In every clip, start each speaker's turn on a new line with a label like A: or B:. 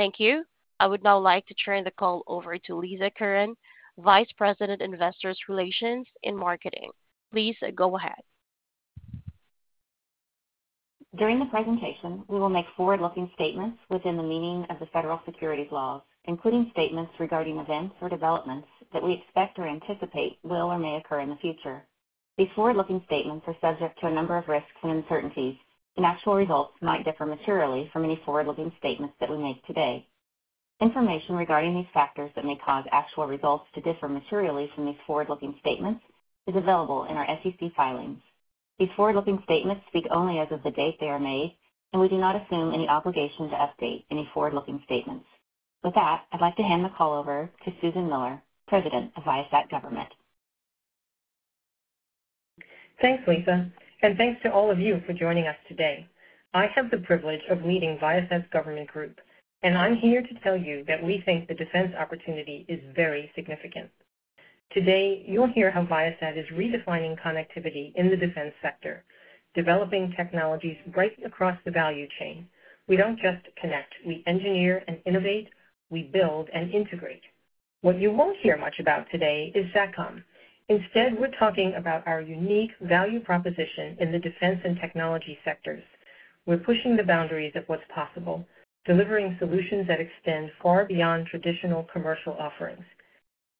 A: Thank you. I would now like to turn the call over to Lisa Curran, Vice President, Investor Relations and Marketing. Please go ahead.
B: During the presentation, we will make forward-looking statements within the meaning of the federal securities laws, including statements regarding events or developments that we expect or anticipate will or may occur in the future. These forward-looking statements are subject to a number of risks and uncertainties, and actual results might differ materially from any forward-looking statements that we make today. Information regarding these factors that may cause actual results to differ materially from these forward-looking statements is available in our SEC filings. These forward-looking statements speak only as of the date they are made, and we do not assume any obligation to update any forward-looking statements. With that, I'd like to hand the call over to Susan Miller, President of Viasat Government.
C: Thanks, Lisa, and thanks to all of you for joining us today. I have the privilege of leading Viasat's government group, and I'm here to tell you that we think the defense opportunity is very significant. Today, you'll hear how Viasat is redefining connectivity in the defense sector, developing technologies right across the value chain. We don't just connect, we engineer and innovate, we build and integrate. What you won't hear much about today is SATCOM. Instead, we're talking about our unique value proposition in the defense and technology sectors. We're pushing the boundaries of what's possible, delivering solutions that extend far beyond traditional commercial offerings,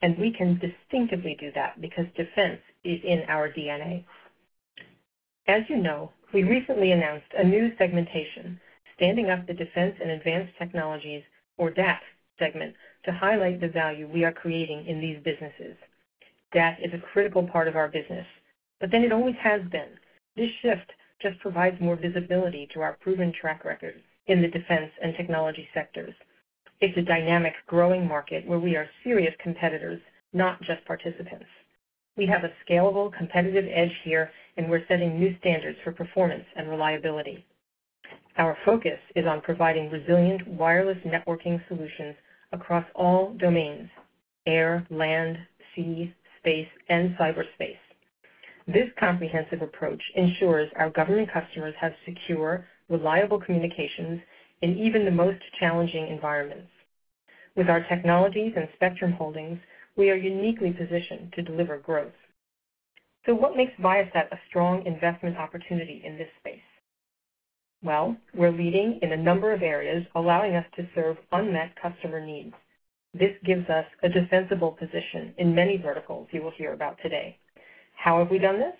C: and we can distinctively do that because defense is in our DNA. As you know, we recently announced a new segmentation, standing up the Defense and Advanced Technologies, or DAT segment, to highlight the value we are creating in these businesses. DAT is a critical part of our business, but then it always has been. This shift just provides more visibility to our proven track record in the defense and technology sectors. It's a dynamic, growing market where we are serious competitors, not just participants. We have a scalable, competitive edge here, and we're setting new standards for performance and reliability. Our focus is on providing resilient, wireless networking solutions across all domains: air, land, sea, space and cyberspace. This comprehensive approach ensures our government customers have secure, reliable communications in even the most challenging environments. With our technologies and spectrum holdings, we are uniquely positioned to deliver growth. So what makes Viasat a strong investment opportunity in this space? Well, we're leading in a number of areas, allowing us to serve unmet customer needs. This gives us a defensible position in many verticals you will hear about today. How have we done this?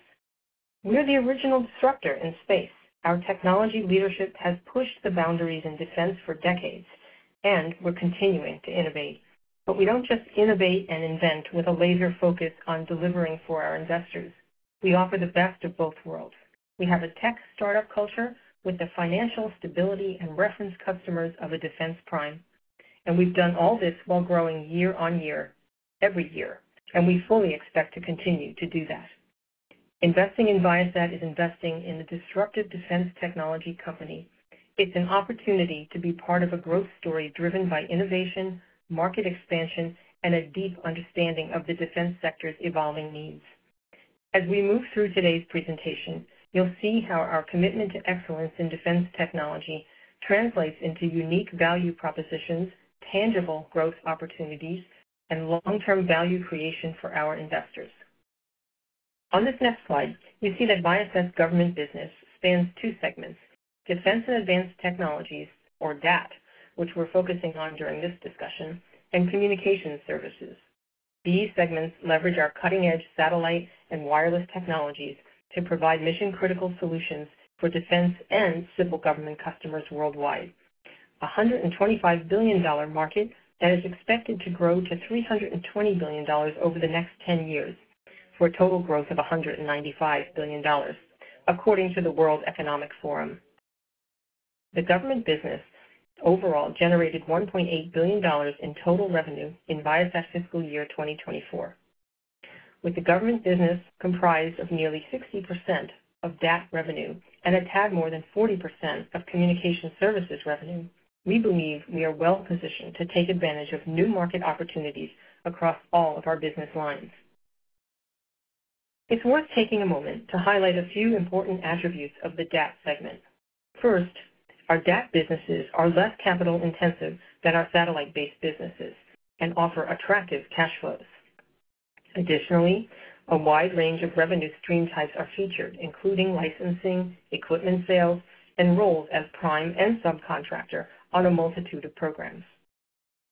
C: We're the original disruptor in space. Our technology leadership has pushed the boundaries in defense for decades, and we're continuing to innovate. But we don't just innovate and invent with a laser focus on delivering for our investors. We offer the best of both worlds. We have a tech startup culture with the financial stability and reference customers of a defense prime, and we've done all this while growing year on year, every year, and we fully expect to continue to do that. Investing in Viasat is investing in a disruptive defense technology company. It's an opportunity to be part of a growth story driven by innovation, market expansion, and a deep understanding of the defense sector's evolving needs. As we move through today's presentation, you'll see how our commitment to excellence in defense technology translates into unique value propositions, tangible growth opportunities and long-term value creation for our investors. On this next slide, you see that Viasat's government business spans two segments, Defense and Advanced Technologies, or DAT, which we're focusing on during this discussion, and communication services. These segments leverage our cutting-edge satellite and wireless technologies to provide mission-critical solutions for defense and civil government customers worldwide. $125 billion market that is expected to grow to $320 billion over the next 10 years, for a total growth of $195 billion, according to the World Economic Forum. The government business overall generated $1.8 billion in total revenue in Viasat fiscal year 2024. With the government business comprised of nearly 60% of that revenue and a tad more than 40% of Communication Services revenue, we believe we are well positioned to take advantage of new market opportunities across all of our business lines. It's worth taking a moment to highlight a few important attributes of the DAT segment. First, our DAT businesses are less capital-intensive than our satellite-based businesses and offer attractive cash flows. Additionally, a wide range of revenue stream types are featured, including licensing, equipment sales, and roles as prime and subcontractor on a multitude of programs.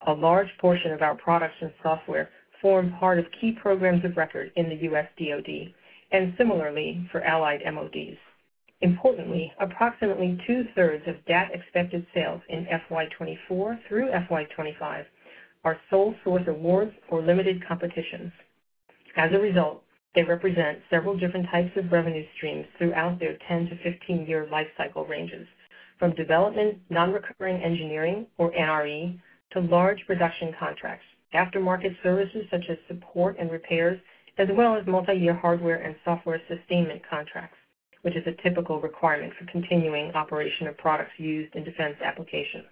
C: A large portion of our products and software form part of key programs of record in the U.S. DoD, and similarly for allied MODs. Importantly, approximately 2/3 of DAT expected sales in FY 2024 through FY 2025 are sole source awards or limited competitions. As a result, they represent several different types of revenue streams throughout their 10-15 year life cycle ranges, from development, non-recurring engineering, or NRE, to large production contracts, aftermarket services such as support and repairs, as well as multi-year hardware and software sustainment contracts, which is a typical requirement for continuing operation of products used in defense applications.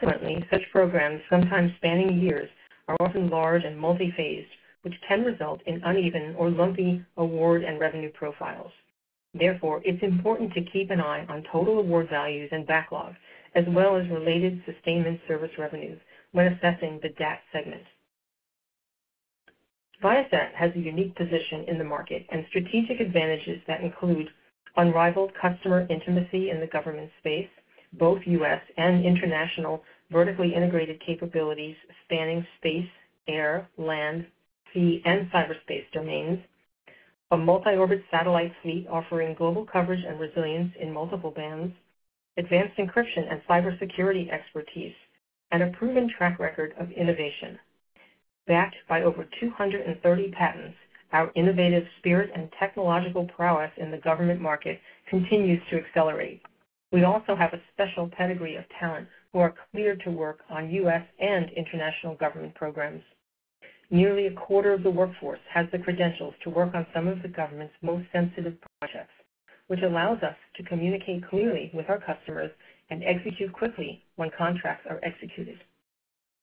C: Consequently, such programs, sometimes spanning years, are often large and multi-phased, which can result in uneven or lumpy award and revenue profiles. Therefore, it's important to keep an eye on total award values and backlogs, as well as related sustainment service revenues when assessing the DAT segment. Viasat has a unique position in the market and strategic advantages that include unrivaled customer intimacy in the government space, both U.S. and international, vertically integrated capabilities spanning space, air, land, sea, and cyberspace domains, a multi-orbit satellite fleet offering global coverage and resilience in multiple bands, advanced encryption and cybersecurity expertise, and a proven track record of innovation. Backed by over 230 patents, our innovative spirit and technological prowess in the government market continues to accelerate. We also have a special pedigree of talent who are cleared to work on U.S. and international government programs. Nearly a quarter of the workforce has the credentials to work on some of the government's most sensitive projects, which allows us to communicate clearly with our customers and execute quickly when contracts are executed.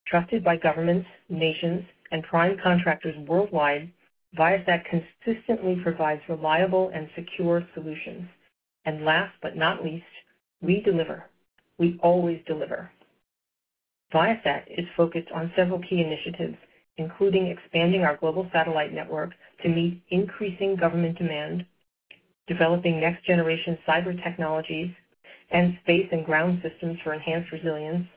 C: Trusted by governments, nations, and prime contractors worldwide, Viasat consistently provides reliable and secure solutions. And last but not least, we deliver. We always deliver. Viasat is focused on several key initiatives, including expanding our global satellite network to meet increasing government demand, developing next-generation cyber technologies and space and ground systems for enhanced resilience,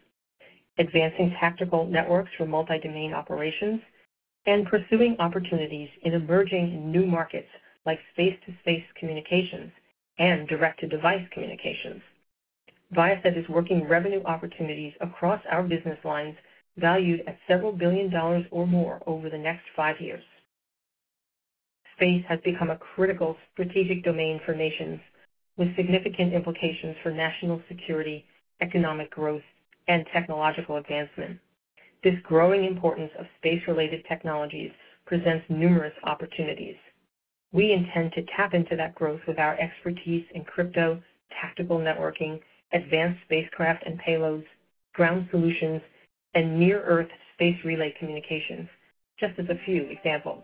C: advancing tactical networks for multi-domain operations, and pursuing opportunities in emerging new markets like space-to-space communications and direct-to-device communications. Viasat is working revenue opportunities across our business lines, valued at several billion dollars or more over the next five years. Space has become a critical strategic domain for nations, with significant implications for national security, economic growth, and technological advancement. This growing importance of space-related technologies presents numerous opportunities. We intend to tap into that growth with our expertise in crypto, Tactical Networking, advanced spacecraft and payloads, ground solutions, and near-Earth space relay communications, just as a few examples.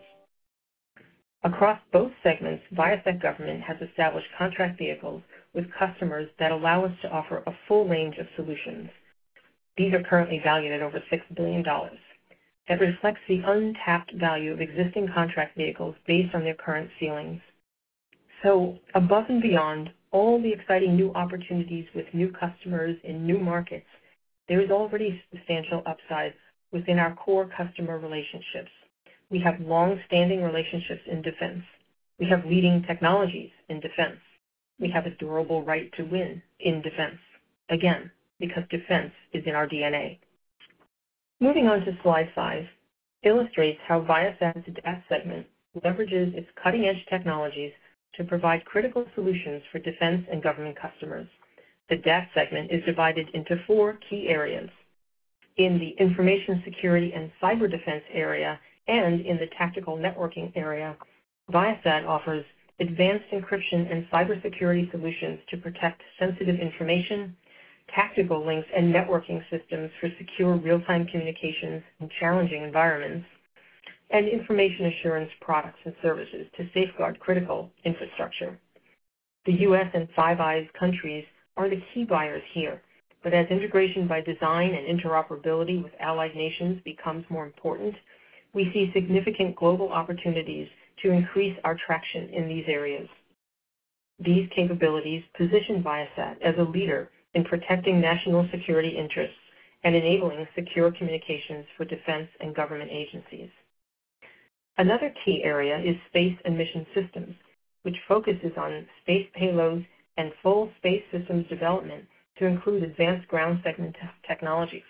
C: Across both segments, Viasat Government has established contract vehicles with customers that allow us to offer a full range of solutions. These are currently valued at over $6 billion. That reflects the untapped value of existing contract vehicles based on their current ceilings. So above and beyond all the exciting new opportunities with new customers in new markets, there is already substantial upside within our core customer relationships. We have long-standing relationships in defense. We have leading technologies in defense. We have a durable right to win in defense, again, because defense is in our DNA. Moving on to slide 5, illustrates how Viasat's DAT segment leverages its cutting-edge technologies to provide critical solutions for defense and government customers. The DAT segment is divided into four key areas. In the Information Security and Cyber Defense area and in the Tactical Networking area, Viasat offers advanced encryption and cybersecurity solutions to protect sensitive information, tactical links, and networking systems for secure real-time communications in challenging environments, and information assurance products and services to safeguard critical infrastructure. The U.S. and Five Eyes countries are the key buyers here, but as integration by design and interoperability with allied nations becomes more important, we see significant global opportunities to increase our traction in these areas. These capabilities position Viasat as a leader in protecting national security interests and enabling secure communications for defense and government agencies. Another key area is Space and Mission Systems, which focuses on space payloads and full space systems development to include advanced ground segment technologies,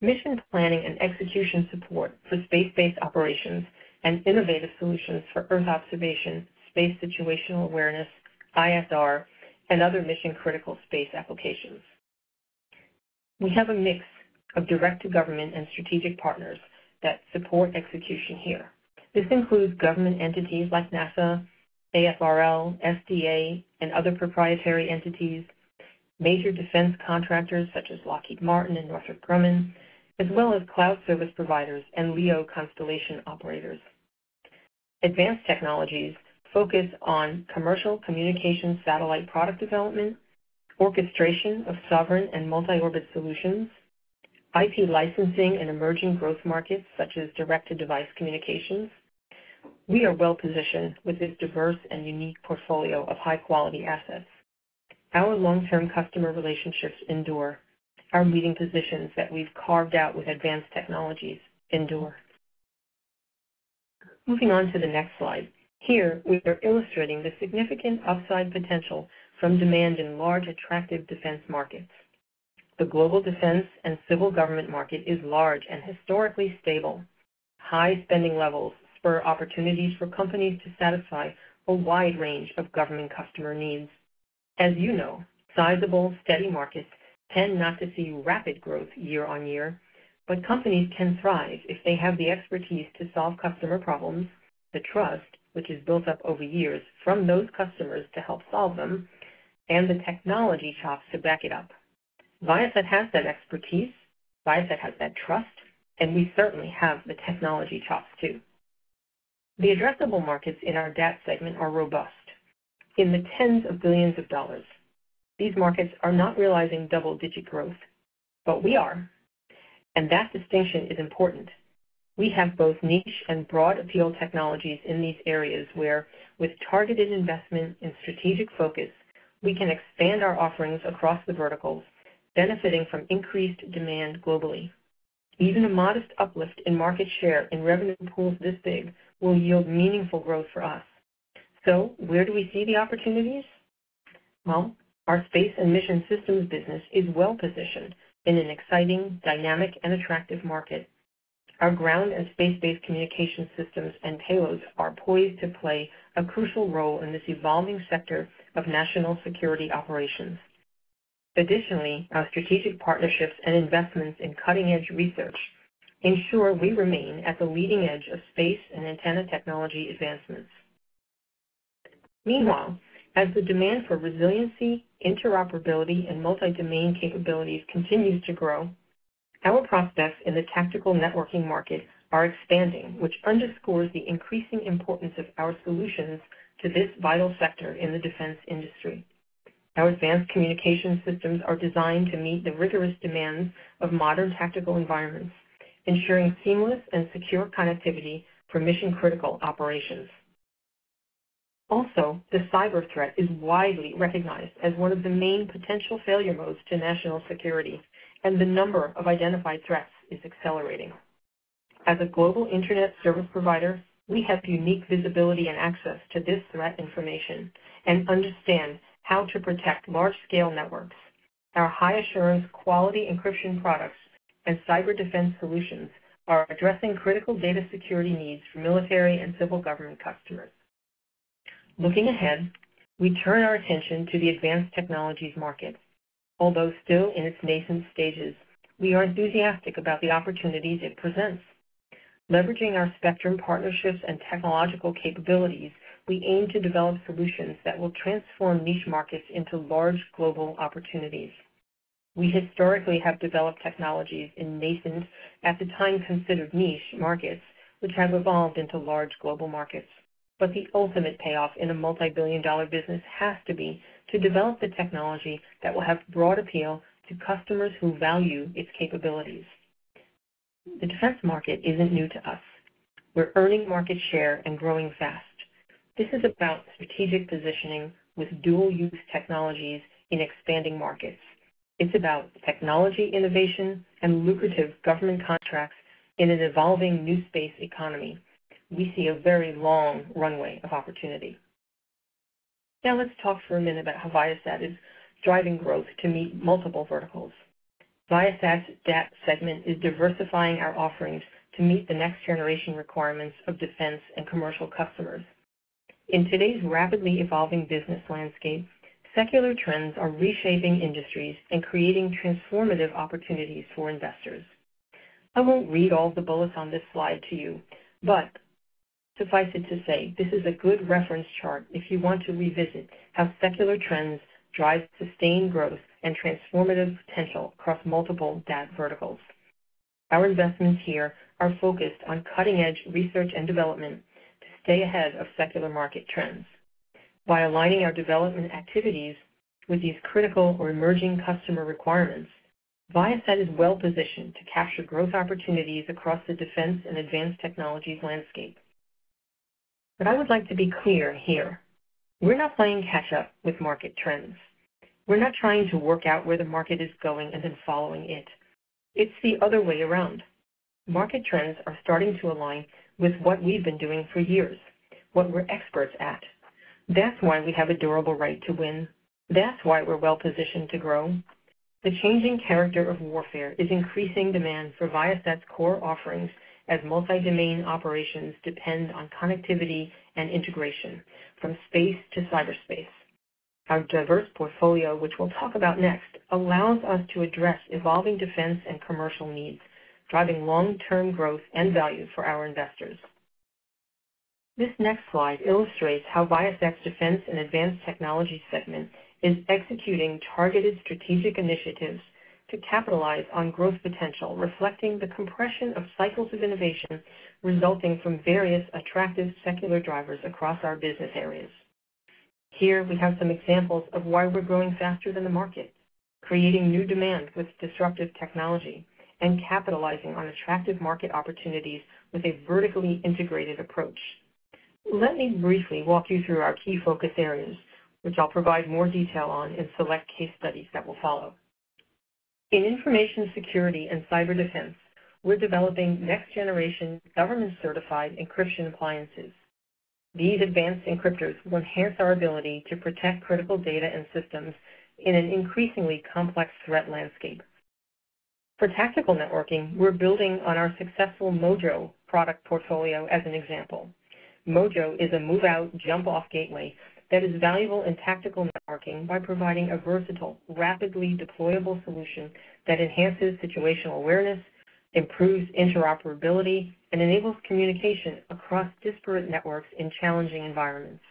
C: mission planning and execution support for space-based operations, and innovative solutions for Earth observation, space situational awareness, ISR, and other mission-critical space applications. We have a mix of direct-to-government and strategic partners that support execution here. This includes government entities like NASA, AFRL, SDA, and other proprietary entities, major defense contractors such as Lockheed Martin and Northrop Grumman, as well as cloud service providers and LEO constellation operators. Advanced technologies focus on commercial communication, satellite product development, orchestration of sovereign and multi-orbit solutions, IP licensing in emerging growth markets, such as direct-to-device communications. We are well-positioned with this diverse and unique portfolio of high-quality assets. Our long-term customer relationships endure. Our leading positions that we've carved out with Advanced Technologies endure. Moving on to the next slide. Here, we are illustrating the significant upside potential from demand in large, attractive defense markets. The global defense and civil government market is large and historically stable. High spending levels spur opportunities for companies to satisfy a wide range of government customer needs. As you know, sizable, steady markets tend not to see rapid growth year on year, but companies can thrive if they have the expertise to solve customer problems, the trust, which is built up over years from those customers to help solve them, and the technology chops to back it up. Viasat has that expertise, Viasat has that trust, and we certainly have the technology chops, too. The addressable markets in our DAT segment are robust, in the tens of billions of dollars. These markets are not realizing double-digit growth, but we are, and that distinction is important. We have both niche and broad appeal technologies in these areas, where with targeted investment and strategic focus, we can expand our offerings across the verticals, benefiting from increased demand globally. Even a modest uplift in market share in revenue pools this big will yield meaningful growth for us. So where do we see the opportunities? Well, our Space and Mission Systems business is well-positioned in an exciting, dynamic, and attractive market. Our ground and space-based communication systems and payloads are poised to play a crucial role in this evolving sector of national security operations. Additionally, our strategic partnerships and investments in cutting-edge research ensure we remain at the leading edge of space and antenna technology advancements. Meanwhile, as the demand for resiliency, interoperability, and multi-domain capabilities continues to grow, our prospects in the Tactical Networking market are expanding, which underscores the increasing importance of our solutions to this vital sector in the defense industry. Our advanced communication systems are designed to meet the rigorous demands of modern tactical environments, ensuring seamless and secure connectivity for mission-critical operations. Also, the cyber threat is widely recognized as one of the main potential failure modes to national security, and the number of identified threats is accelerating. As a global internet service provider, we have unique visibility and access to this threat information and understand how to protect large-scale networks. Our high assurance, quality encryption products and cyber defense solutions are addressing critical data security needs for military and civil government customers. Looking ahead, we turn our attention to the Advanced Technologies market. Although still in its nascent stages, we are enthusiastic about the opportunities it presents. Leveraging our spectrum partnerships and technological capabilities, we aim to develop solutions that will transform niche markets into large global opportunities. We historically have developed technologies in nascent, at the time, considered niche markets, which have evolved into large global markets. But the ultimate payoff in a multi-billion dollar business has to be to develop the technology that will have broad appeal to customers who value its capabilities. The defense market isn't new to us. We're earning market share and growing fast. This is about strategic positioning with dual use technologies in expanding markets. It's about technology innovation and lucrative government contracts in an evolving new space economy. We see a very long runway of opportunity. Now, let's talk for a minute about how Viasat is driving growth to meet multiple verticals. Viasat's DAT segment is diversifying our offerings to meet the next generation requirements of defense and commercial customers. In today's rapidly evolving business landscape, secular trends are reshaping industries and creating transformative opportunities for investors. I won't read all the bullets on this slide to you, but suffice it to say, this is a good reference chart if you want to revisit how secular trends drive sustained growth and transformative potential across multiple DAT verticals. Our investments here are focused on cutting-edge research and development to stay ahead of secular market trends. By aligning our development activities with these critical or emerging customer requirements, Viasat is well positioned to capture growth opportunities across the defense and Advanced Technologies landscape, but I would like to be clear here, we're not playing catch up with market trends. We're not trying to work out where the market is going and then following it. It's the other way around. Market trends are starting to align with what we've been doing for years, what we're experts at. That's why we have a durable right to win. That's why we're well positioned to grow. The changing character of warfare is increasing demand for Viasat's core offerings, as multi-domain operations depend on connectivity and integration from space to cyberspace. Our diverse portfolio, which we'll talk about next, allows us to address evolving defense and commercial needs, driving long-term growth and value for our investors. This next slide illustrates how Viasat's Defense and Advanced Technologies segment is executing targeted strategic initiatives to capitalize on growth potential, reflecting the compression of cycles of innovation resulting from various attractive secular drivers across our business areas. Here we have some examples of why we're growing faster than the market, creating new demand with disruptive technology, and capitalizing on attractive market opportunities with a vertically integrated approach. Let me briefly walk you through our key focus areas, which I'll provide more detail on in select case studies that will follow. In Information Security and Cyber Defense, we're developing next-generation, government-certified encryption appliances. These advanced encryptors will enhance our ability to protect critical data and systems in an increasingly complex threat landscape. For Tactical Networking, we're building on our successful MOJO product portfolio as an example. MOJO is a Move Out, Jump Off gateway that is valuable in Tactical Networking by providing a versatile, rapidly deployable solution that enhances situational awareness, improves interoperability, and enables communication across disparate networks in challenging environments.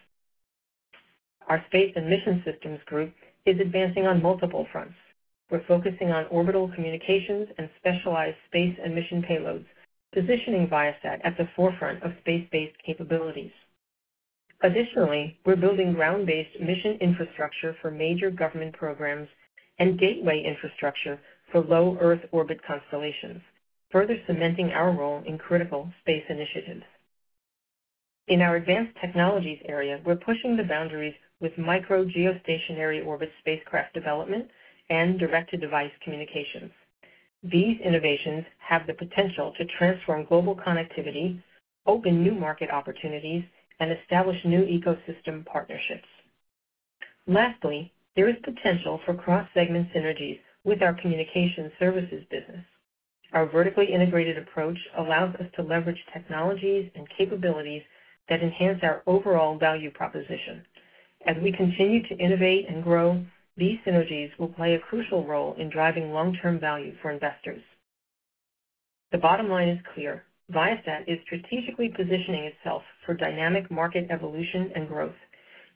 C: Our Space and Mission Systems group is advancing on multiple fronts. We're focusing on orbital communications and specialized space and mission payloads, positioning Viasat at the forefront of space-based capabilities. Additionally, we're building ground-based mission infrastructure for major government programs and gateway infrastructure for Low Earth Orbit constellations, further cementing our role in critical space initiatives. In our Advanced Technologies area, we're pushing the boundaries with micro geostationary orbit spacecraft development and direct-to-device communications. These innovations have the potential to transform global connectivity, open new market opportunities, and establish new ecosystem partnerships. Lastly, there is potential for cross-segment synergies with our Communication Services business. Our vertically integrated approach allows us to leverage technologies and capabilities that enhance our overall value proposition. As we continue to innovate and grow, these synergies will play a crucial role in driving long-term value for investors. The bottom line is clear: Viasat is strategically positioning itself for dynamic market evolution and growth.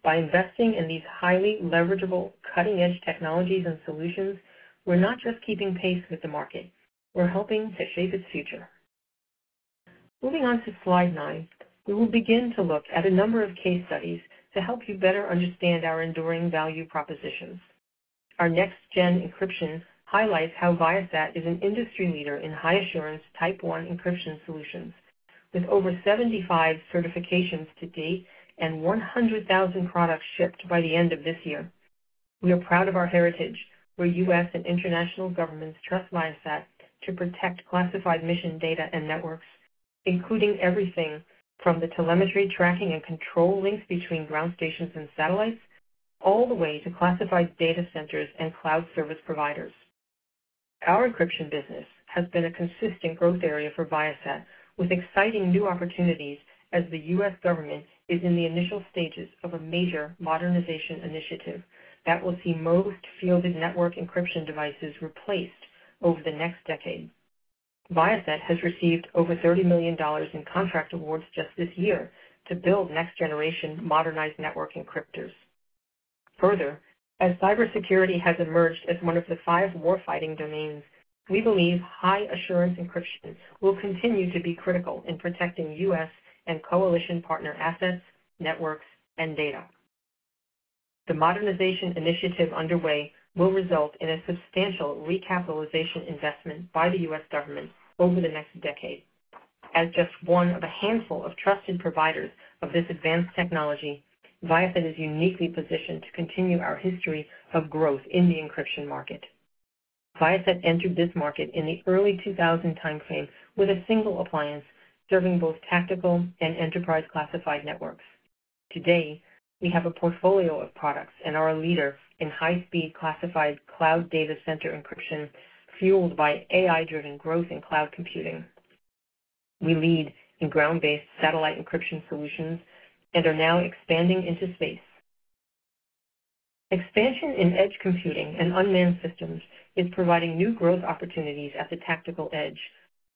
C: By investing in these highly leverageable, cutting-edge technologies and solutions, we're not just keeping pace with the market, we're helping to shape its future. Moving on to slide 9, we will begin to look at a number of case studies to help you better understand our enduring value propositions. Our next-gen encryption highlights how Viasat is an industry leader in high assurance Type 1 encryption solutions, with over 75 certifications to date and 100,000 products shipped by the end of this year. We are proud of our heritage, where U.S. and international governments trust Viasat to protect classified mission data and networks, including everything from the telemetry, tracking, and control links between ground stations and satellites, all the way to classified data centers and cloud service providers. Our encryption business has been a consistent growth area for Viasat, with exciting new opportunities as the U.S. government is in the initial stages of a major modernization initiative that will see most fielded network encryption devices replaced over the next decade. Viasat has received over $30 million in contract awards just this year to build next-generation modernized network encryptors. Further, as cybersecurity has emerged as one of the five warfighting domains, we believe high assurance encryption will continue to be critical in protecting U.S. and coalition partner assets, networks, and data. The modernization initiative underway will result in a substantial recapitalization investment by the U.S. government over the next decade. As just one of a handful of trusted providers of this advanced technology, Viasat is uniquely positioned to continue our history of growth in the encryption market. Viasat entered this market in the early 2000 timeframe with a single appliance serving both tactical and enterprise classified networks. Today, we have a portfolio of products and are a leader in high-speed classified cloud data center encryption, fueled by AI-driven growth in cloud computing. We lead in ground-based satellite encryption solutions and are now expanding into space. Expansion in edge computing and unmanned systems is providing new growth opportunities at the tactical edge,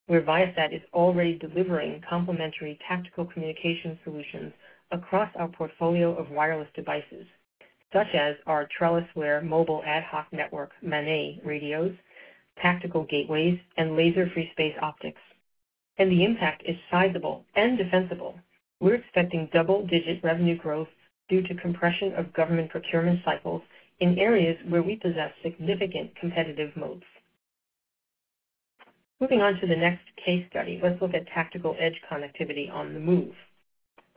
C: where Viasat is already delivering complementary tactical communication solutions across our portfolio of wireless devices, such as our TrellisWare Mobile Ad Hoc Network, MANET radios, tactical gateways, and laser free-space optics. And the impact is sizable and defensible. We're expecting double-digit revenue growth due to compression of government procurement cycles in areas where we possess significant competitive moats. Moving on to the next case study, let's look at tactical edge connectivity on the move.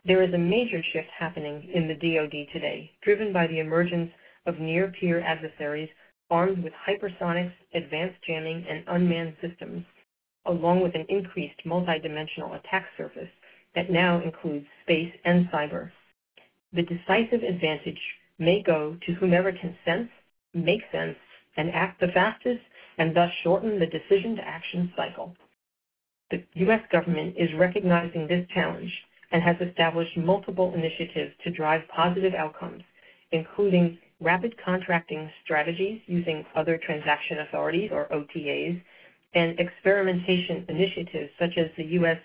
C: There is a major shift happening in the DoD today, driven by the emergence of near-peer adversaries armed with hypersonics, advanced jamming, and unmanned systems, along with an increased multidimensional attack surface that now includes space and cyber. The decisive advantage may go to whomever can sense, make sense, and act the fastest, and thus shorten the decision-to-action cycle. The U.S. government is recognizing this challenge and has established multiple initiatives to drive positive outcomes, including rapid contracting strategies using other transaction authorities or OTAs, and experimentation initiatives such as the U.S.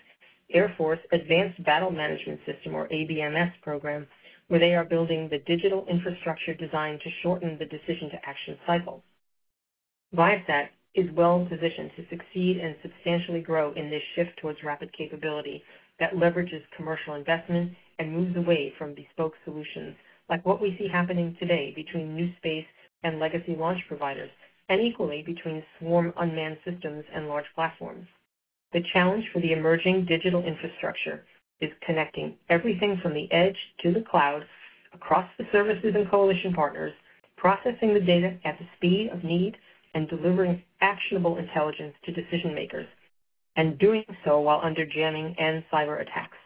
C: Air Force Advanced Battle Management System, or ABMS program, where they are building the digital infrastructure designed to shorten the decision-to-action cycle. Viasat is well positioned to succeed and substantially grow in this shift towards rapid capability that leverages commercial investment and moves away from bespoke solutions like what we see happening today between new space and legacy launch providers, and equally between swarm unmanned systems and large platforms. The challenge for the emerging digital infrastructure is connecting everything from the edge to the cloud across the services and coalition partners, processing the data at the speed of need, and delivering actionable intelligence to decision makers, and doing so while under jamming and cyber attacks.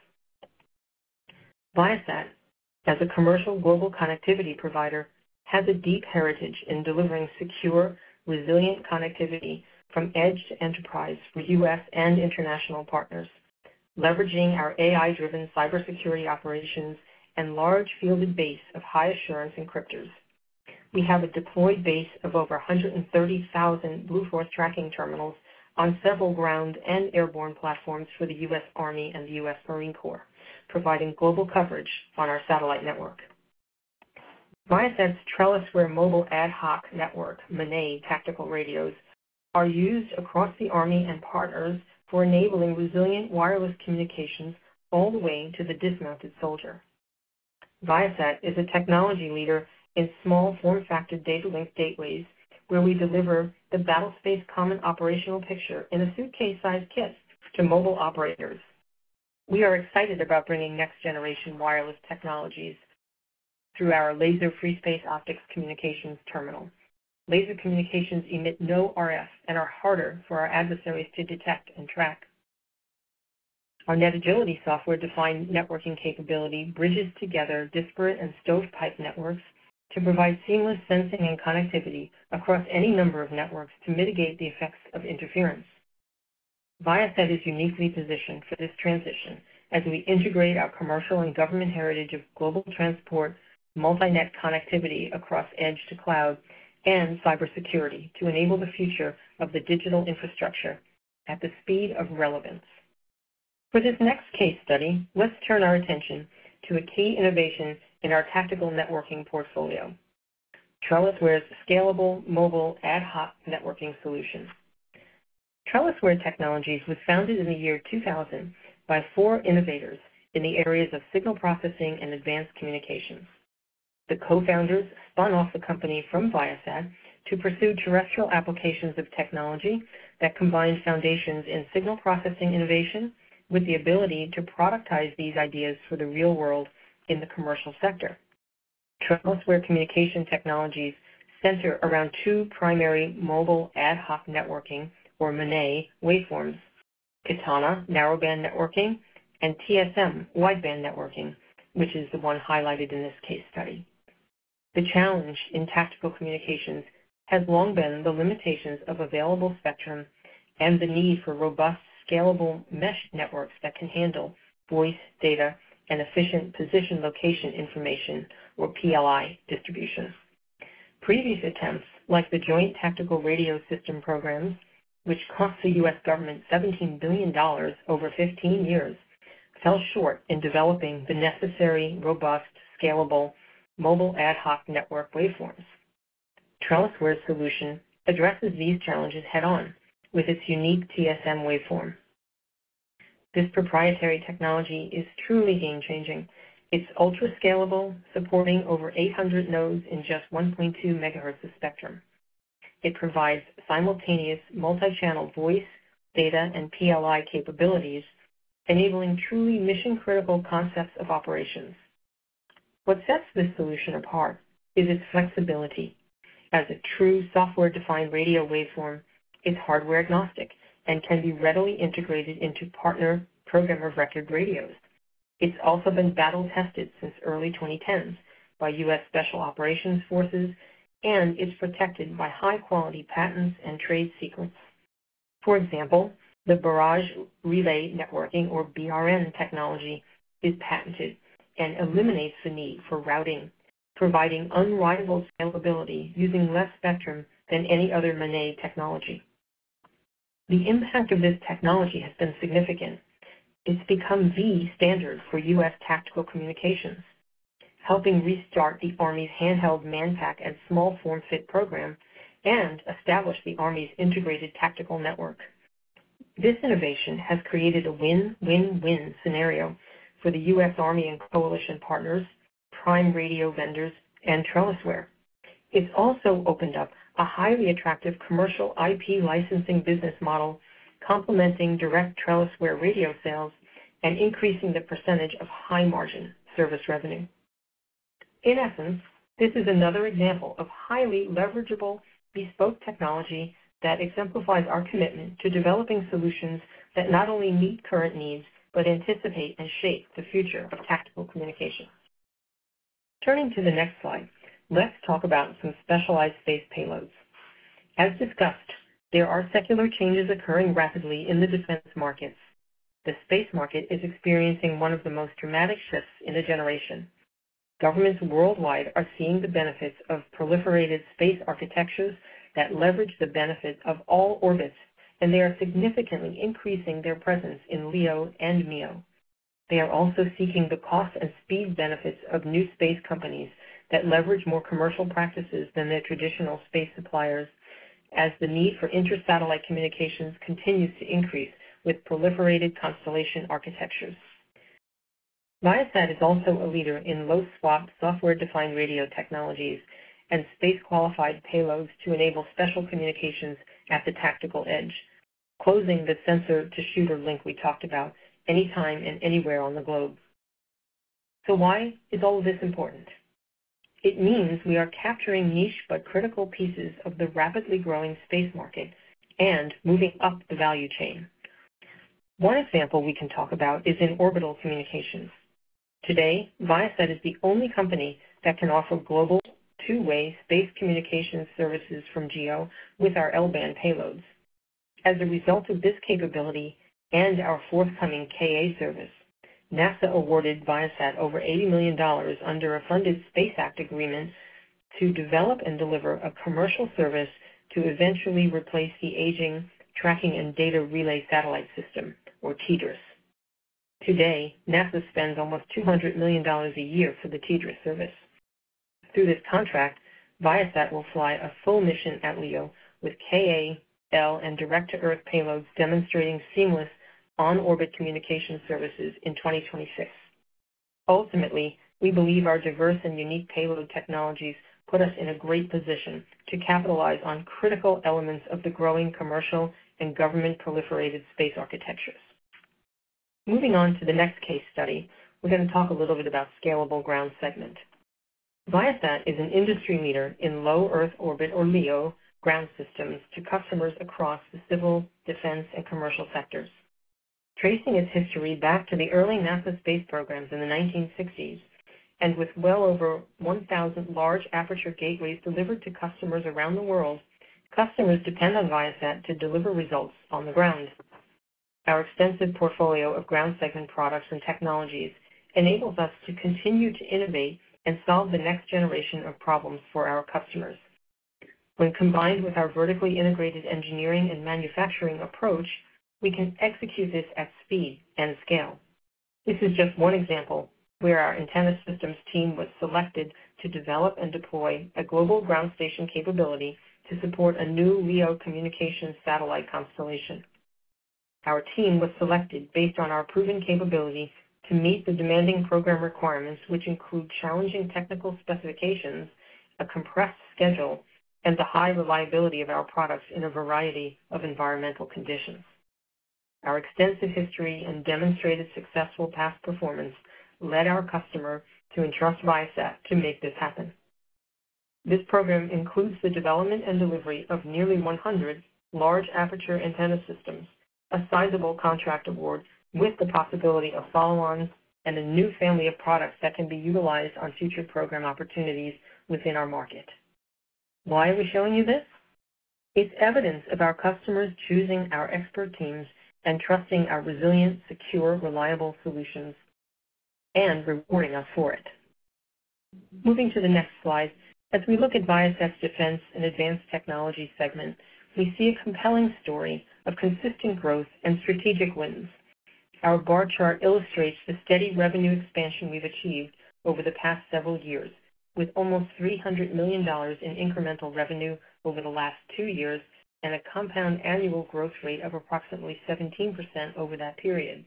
C: Viasat, as a commercial global connectivity provider, has a deep heritage in delivering secure, resilient connectivity from edge to enterprise for U.S. and international partners, leveraging our AI-driven cybersecurity operations and large fielded base of high assurance encryptors. We have a deployed base of over 130,000 Blue Force Tracking terminals on several ground and airborne platforms for the U.S. Army and the U.S. Marine Corps, providing global coverage on our satellite network. Viasat's TrellisWare Mobile Ad Hoc Network, MANET tactical radios, are used across the Army and partners for enabling resilient wireless communications all the way to the dismounted soldier. Viasat is a technology leader in small form factor data link gateways, where we deliver the battlespace common operational picture in a suitcase-sized kit to mobile operators. We are excited about bringing next-generation wireless technologies through our laser free-space optics communications terminal. Laser communications emit no RF and are harder for our adversaries to detect and track. Our NetAgility software-defined networking capability bridges together disparate and stovepipe networks to provide seamless sensing and connectivity across any number of networks to mitigate the effects of interference. Viasat is uniquely positioned for this transition as we integrate our commercial and government heritage of global transport, multi-net connectivity across edge to cloud, and cybersecurity to enable the future of the digital infrastructure at the speed of relevance. For this next case study, let's turn our attention to a key innovation in our Tactical Networking portfolio, TrellisWare's scalable Mobile Ad Hoc Networking solution. TrellisWare Technologies was founded in the year 2000 by four innovators in the areas of signal processing and advanced communications. The co-founders spun off the company from Viasat to pursue terrestrial applications of technology that combined foundations in signal processing innovation with the ability to productize these ideas for the real world in the commercial sector. TrellisWare communication technologies center around two primary Mobile Ad Hoc Networking, or MANET, waveforms: Katana, narrowband networking, and TSM, wideband networking, which is the one highlighted in this case study. The challenge in tactical communications has long been the limitations of available spectrum and the need for robust, scalable mesh networks that can handle voice, data, and efficient position location information, or PLI, distribution. Previous attempts, like the Joint Tactical Radio System programs, which cost the U.S. government $17 billion over 15 years, fell short in developing the necessary, robust, scalable mobile ad hoc network waveforms. TrellisWare's solution addresses these challenges head-on with its unique TSM waveform. This proprietary technology is truly game-changing. It's ultra-scalable, supporting over 800 nodes in just 1.2 megahertz of spectrum. It provides simultaneous multi-channel voice, data, and PLI capabilities, enabling truly mission-critical concepts of operations. What sets this solution apart is its flexibility. As a true software-defined radio waveform, it's hardware-agnostic and can be readily integrated into partner program of record radios. It's also been battle-tested since early 2010s by U.S. Special Operations Forces and is protected by high-quality patents and trade secrets. For example, the Barrage Relay Networking, or BRN, technology is patented and eliminates the need for routing, providing unrivaled scalability, using less spectrum than any other MANET technology. The impact of this technology has been significant. It's become the standard for U.S. tactical communications, helping restart the Army's Handheld, Manpack, and Small Form Fit program and establish the Army's Integrated Tactical Network. This innovation has created a win-win-win scenario for the U.S. Army and coalition partners, prime radio vendors, and TrellisWare. It's also opened up a highly attractive commercial IP licensing business model, complementing direct TrellisWare radio sales and increasing the percentage of high-margin service revenue. In essence, this is another example of highly leverageable, bespoke technology that exemplifies our commitment to developing solutions that not only meet current needs, but anticipate and shape the future of tactical communication. Turning to the next slide, let's talk about some specialized space payloads. As discussed, there are secular changes occurring rapidly in the defense markets. The space market is experiencing one of the most dramatic shifts in a generation. Governments worldwide are seeing the benefits of proliferated space architectures that leverage the benefit of all orbits, and they are significantly increasing their presence in LEO and MEO. They are also seeking the cost and speed benefits of new space companies that leverage more commercial practices than their traditional space suppliers, as the need for intersatellite communications continues to increase with proliferated constellation architectures. Viasat is also a leader in low SWaP, software-defined radio technologies and space-qualified payloads to enable secure communications at the tactical edge, closing the sensor to shooter link we talked about anytime and anywhere on the globe. So why is all this important? It means we are capturing niche, but critical pieces of the rapidly growing space market and moving up the value chain. One example we can talk about is in orbital communications. Today, Viasat is the only company that can offer global two-way space communications services from GEO with our L-band payloads. As a result of this capability and our forthcoming Ka service, NASA awarded Viasat over $80 million under a funded Space Act Agreement to develop and deliver a commercial service to eventually replace the aging Tracking and Data Relay Satellite System, or TDRS. Today, NASA spends almost $200 million a year for the TDRS service. Through this contract, Viasat will fly a full mission at LEO with Ka, L, and direct-to-Earth payloads, demonstrating seamless on-orbit Communication Services in 2026. Ultimately, we believe our diverse and unique payload technologies put us in a great position to capitalize on critical elements of the growing commercial and government proliferated space architectures. Moving on to the next case study, we're going to talk a little bit about scalable ground segment. Viasat is an industry leader in Low Earth Orbit, or LEO, ground systems to customers across the civil, defense, and commercial sectors. Tracing its history back to the early NASA space programs in the 1960, and with well over 1,000 large aperture gateways delivered to customers around the world, customers depend on Viasat to deliver results on the ground. Our extensive portfolio of ground segment products and technologies enables us to continue to innovate and solve the next generation of problems for our customers. When combined with our vertically integrated engineering and manufacturing approach, we can execute this at speed and scale. This is just one example where our Antenna Systems team was selected to develop and deploy a global ground station capability to support a new LEO communication satellite constellation. Our team was selected based on our proven capability to meet the demanding program requirements, which include challenging technical specifications, a compressed schedule, and the high reliability of our products in a variety of environmental conditions. Our extensive history and demonstrated successful past performance led our customer to entrust Viasat to make this happen. This program includes the development and delivery of nearly 100 large aperture Antenna Systems, a sizable contract award, with the possibility of follow-ons and a new family of products that can be utilized on future program opportunities within our market. Why are we showing you this? It's evidence of our customers choosing our expert teams and trusting our resilient, secure, reliable solutions and rewarding us for it. Moving to the next slide. As we look at Viasat's Defense and Advanced Technologies segment, we see a compelling story of consistent growth and strategic wins. Our bar chart illustrates the steady revenue expansion we've achieved over the past several years, with almost $300 million in incremental revenue over the last two years and a compound annual growth rate of approximately 17% over that period.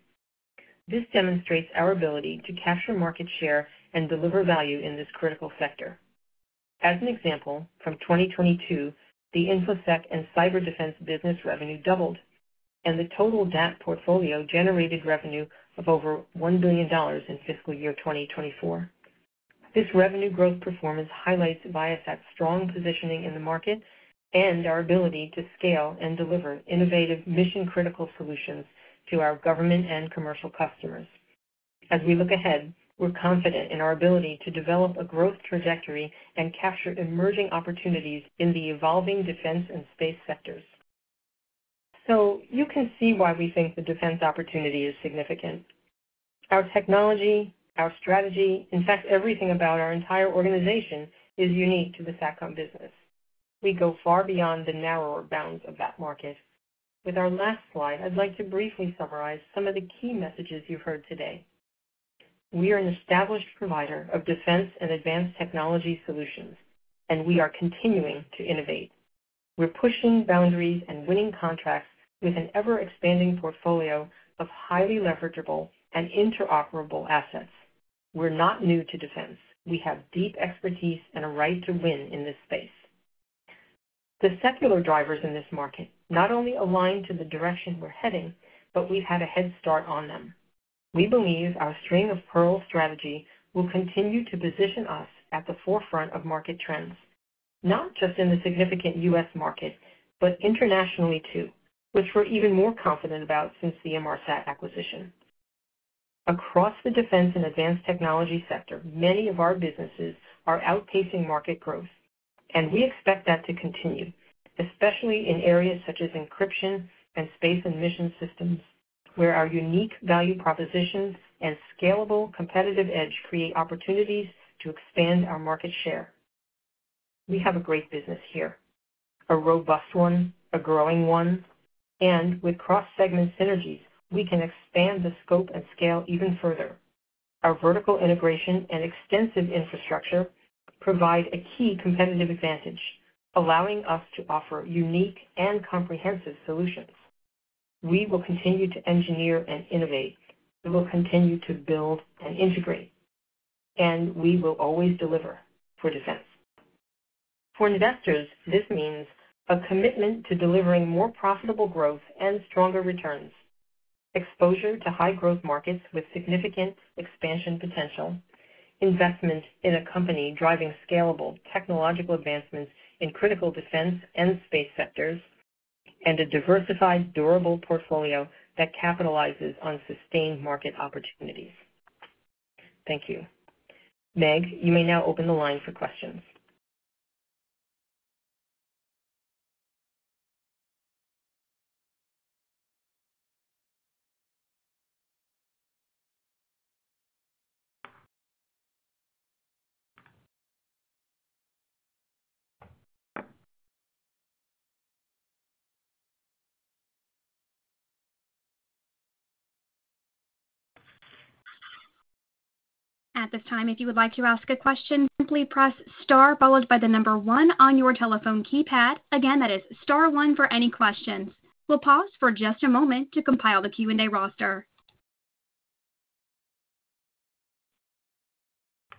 C: This demonstrates our ability to capture market share and deliver value in this critical sector. As an example, from 2022, the InfoSec and Cyber Defense business revenue doubled, and the total DAT portfolio generated revenue of over $1 billion in fiscal year 2024. This revenue growth performance highlights Viasat's strong positioning in the market and our ability to scale and deliver innovative, mission-critical solutions to our government and commercial customers. As we look ahead, we're confident in our ability to develop a growth trajectory and capture emerging opportunities in the evolving defense and space sectors. So you can see why we think the defense opportunity is significant. Our technology, our strategy, in fact, everything about our entire organization is unique to the SATCOM business. We go far beyond the narrower bounds of that market. With our last slide, I'd like to briefly summarize some of the key messages you've heard today. We are an established provider of defense and advanced technology solutions, and we are continuing to innovate. We're pushing boundaries and winning contracts with an ever-expanding portfolio of highly leverageable and interoperable assets. We're not new to defense. We have deep expertise and a right to win in this space. The secular drivers in this market not only align to the direction we're heading, but we've had a head start on them. We believe our string-of-pearls strategy will continue to position us at the forefront of market trends, not just in the significant U.S. market, but internationally too, which we're even more confident about since the Inmarsat acquisition. Across the defense and advanced technology sector, many of our businesses are outpacing market growth, and we expect that to continue, especially in areas such as encryption and Space and Mission Systems, where our unique value propositions and scalable competitive edge create opportunities to expand our market share. We have a great business here, a robust one, a growing one, and with cross-segment synergies, we can expand the scope and scale even further. Our vertical integration and extensive infrastructure provide a key competitive advantage, allowing us to offer unique and comprehensive solutions. We will continue to engineer and innovate. We will continue to build and integrate, and we will always deliver for defense. For investors, this means a commitment to delivering more profitable growth and stronger returns, exposure to high-growth markets with significant expansion potential, investment in a company driving scalable technological advancements in critical defense and space sectors, and a diversified, durable portfolio that capitalizes on sustained market opportunities. Thank you. Meg, you may now open the line for questions.
A: At this time, if you would like to ask a question, simply press star, followed by the number one on your telephone keypad. Again, that is star one for any questions. We'll pause for just a moment to compile the Q&A roster.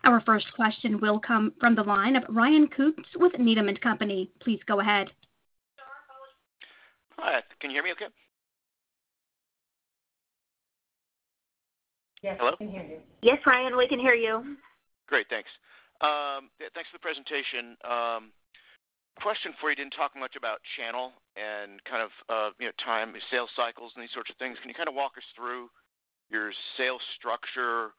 A: Our first question will come from the line of Ryan Koontz with Needham & Company. Please go ahead.
D: Hi, can you hear me okay?
C: Yes, we can hear you.
B: Yes, Ryan, we can hear you.
D: Great. Thanks. Yeah, thanks for the presentation. Question for you. Didn't talk much about channel and kind of, you know, time, sales cycles and these sorts of things. Can you kind of walk us through your sales structure,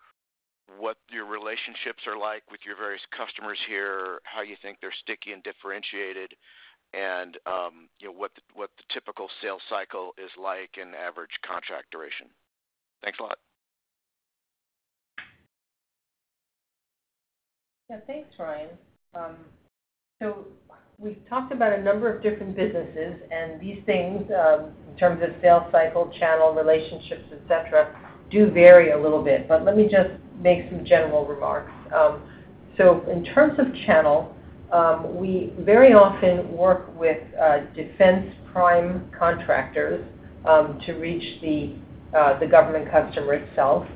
D: what your relationships are like with your various customers here, how you think they're sticky and differentiated, and, you know, what the typical sales cycle is like and average contract duration? Thanks a lot.
C: Yeah, thanks, Ryan. So we've talked about a number of different businesses, and these things, in terms of sales cycle, channel, relationships, et cetera, do vary a little bit, but let me just make some general remarks. So in terms of channel, we very often work with defense prime contractors to reach the government customer itself.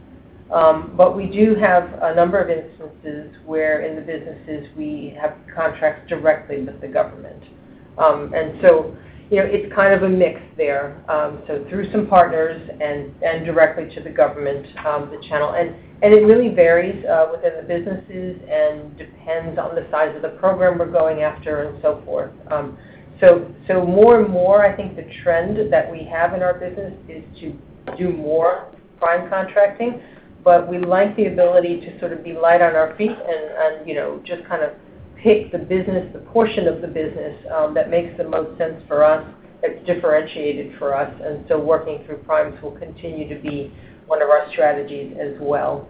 C: But we do have a number of instances where in the businesses we have contracts directly with the government. And so, you know, it's kind of a mix there. So through some partners and directly to the government, the channel. And it really varies within the businesses and depends on the size of the program we're going after and so forth. So more and more, I think the trend that we have in our business is to do more prime contracting, but we like the ability to sort of be light on our feet and, you know, just kind of pick the business, the portion of the business, that makes the most sense for us, that's differentiated for us, and so working through primes will continue to be one of our strategies as well.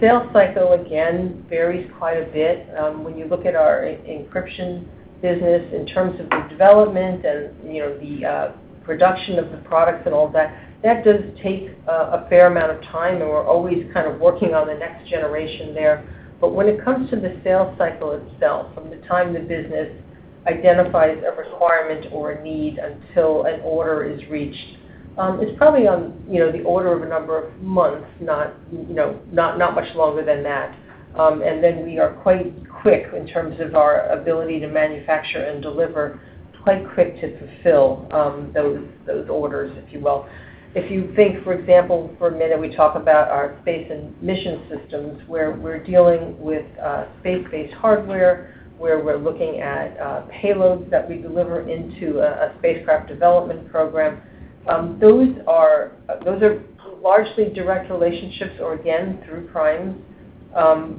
C: Sales cycle, again, varies quite a bit. When you look at our encryption business in terms of the development and, you know, the production of the products and all that, that does take a fair amount of time, and we're always kind of working on the next generation there. But when it comes to the sales cycle itself, from the time the business identifies a requirement or a need until an order is reached, it's probably on, you know, the order of a number of months, not, you know, much longer than that. And then we are quite quick in terms of our ability to manufacture and deliver, quite quick to fulfill those orders, if you will. If you think, for example, for a minute, we talk about our Space and Mission Systems, where we're dealing with space-based hardware, where we're looking at payloads that we deliver into a spacecraft development program. Those are largely direct relationships, or again, through primes,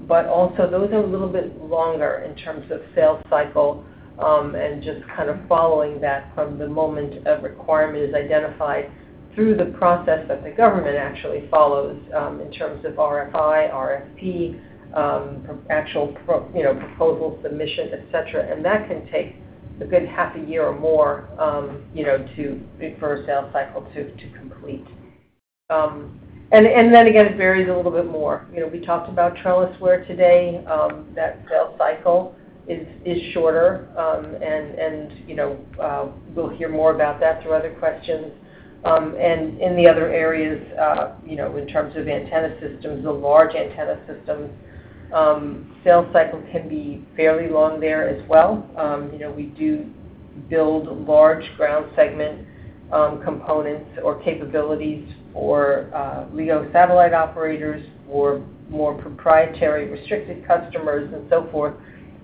C: but also those are a little bit longer in terms of sales cycle, and just kind of following that from the moment a requirement is identified through the process that the government actually follows, in terms of RFI, RFP, actual proposal submission, et cetera. That can take a good half a year or more, you know, for a sales cycle to complete, and then again, it varies a little bit more. You know, we talked about TrellisWare today, that sales cycle is shorter, and, you know, we'll hear more about that through other questions. In the other areas, you know, in terms of Antenna Systems, the large Antenna Systems, sales cycle can be fairly long there as well. You know, we do build large ground segment components or capabilities for LEO satellite operators or more proprietary, restricted customers and so forth.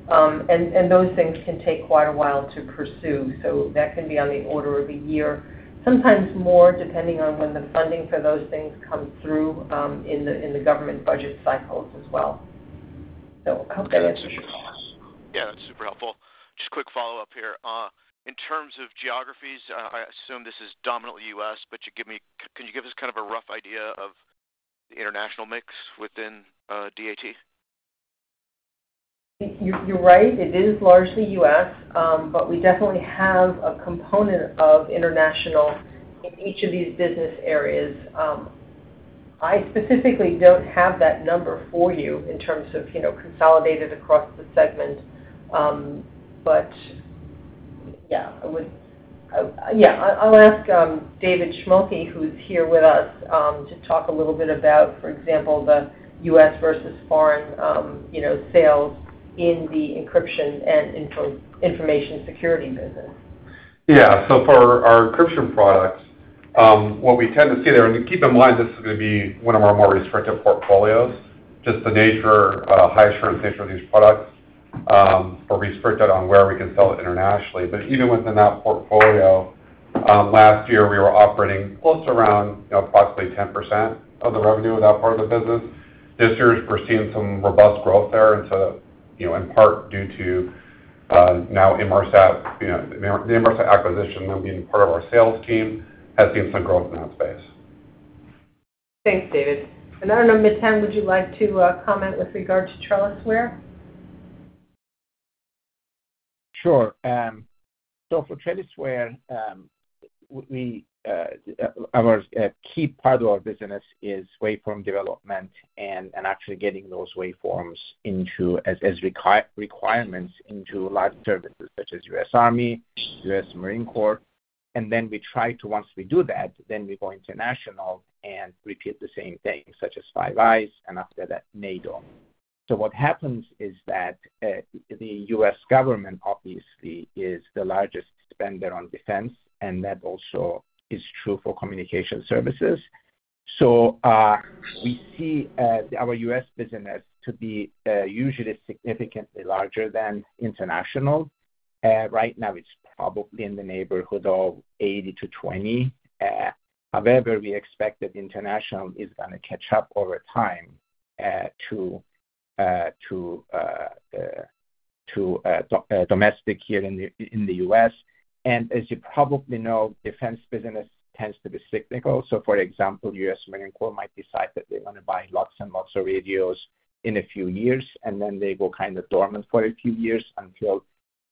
C: And those things can take quite a while to pursue, so that can be on the order of a year, sometimes more, depending on when the funding for those things come through, in the government budget cycles as well. So I hope that answers your question.
D: Yeah, that's super helpful. Just a quick follow-up here. In terms of geographies, I assume this is dominantly U.S., but can you give us kind of a rough idea of the international mix within DAT?
C: You're right, it is largely U.S., but we definitely have a component of international in each of these business areas. I specifically don't have that number for you in terms of, you know, consolidated across the segment. But yeah, I would. Yeah, I'll ask David Schmolke, who's here with us, to talk a little bit about, for example, the U.S. versus foreign, you know, sales in the encryption and information security business.
E: Yeah. So for our encryption products, what we tend to see there, and keep in mind, this is gonna be one of our more restricted portfolios, just the nature, high assurance nature of these products, are restricted on where we can sell it internationally. But even within that portfolio. Last year, we were operating close around, you know, approximately 10% of the revenue of that part of the business. This year, we're seeing some robust growth there. And so, you know, in part, due to, now Inmarsat, you know, the Inmarsat acquisition, now being part of our sales team, has seen some growth in that space.
C: Thanks, David. And I don't know, Metin, would you like to comment with regard to TrellisWare?
F: Sure. So for TrellisWare, a key part of our business is waveform development and actually getting those waveforms into requirements into large services such as U.S. Army, U.S. Marine Corps, and then we try to, once we do that, go international and repeat the same thing, such as Five Eyes, and after that, NATO, so what happens is that the U.S. government obviously is the largest spender on defense, and that also is true for Communication Services. We see our U.S. business to be usually significantly larger than international. Right now, it's probably in the neighborhood of 80-20. However, we expect that international is gonna catch up over time to domestic here in the U.S. As you probably know, defense business tends to be cyclical. For example, U.S. Marine Corps might decide that they want to buy lots and lots of radios in a few years, and then they go kind of dormant for a few years until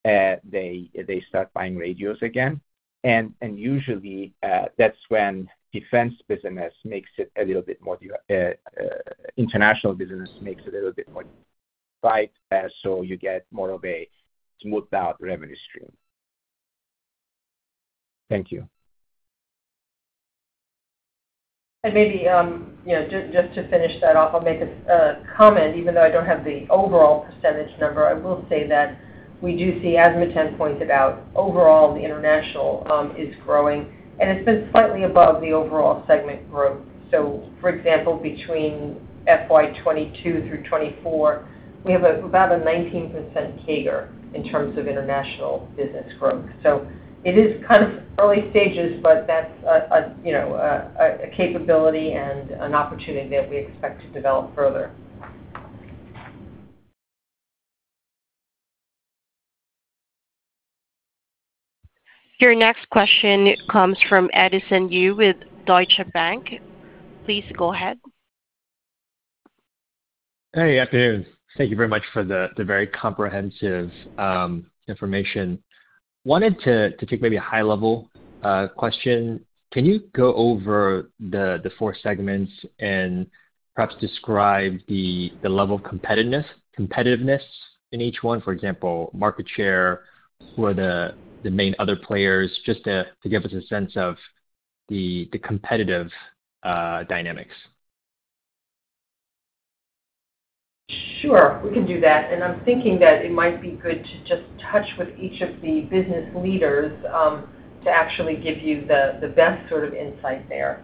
F: they start buying radios again. Usually, that's when international business makes a little bit more sense, so you get more of a smoothed out revenue stream. Thank you.
C: Maybe, you know, just to finish that off, I'll make a comment. Even though I don't have the overall percentage number, I will say that we do see, as Metin points out, overall, the international is growing, and it's been slightly above the overall segment growth. For example, between FY 2022 through 2024, we have about a 19% CAGR in terms of international business growth. It is kind of early stages, but that's a, you know, a capability and an opportunity that we expect to develop further.
A: Your next question comes from Edison Yu with Deutsche Bank. Please go ahead.
G: Hey, good afternoon. Thank you very much for the very comprehensive information. Wanted to take maybe a high-level question. Can you go over the four segments and perhaps describe the level of competitiveness in each one? For example, market share, who are the main other players, just to give us a sense of the competitive dynamics.
C: Sure, we can do that, and I'm thinking that it might be good to just touch with each of the business leaders, to actually give you the best sort of insight there.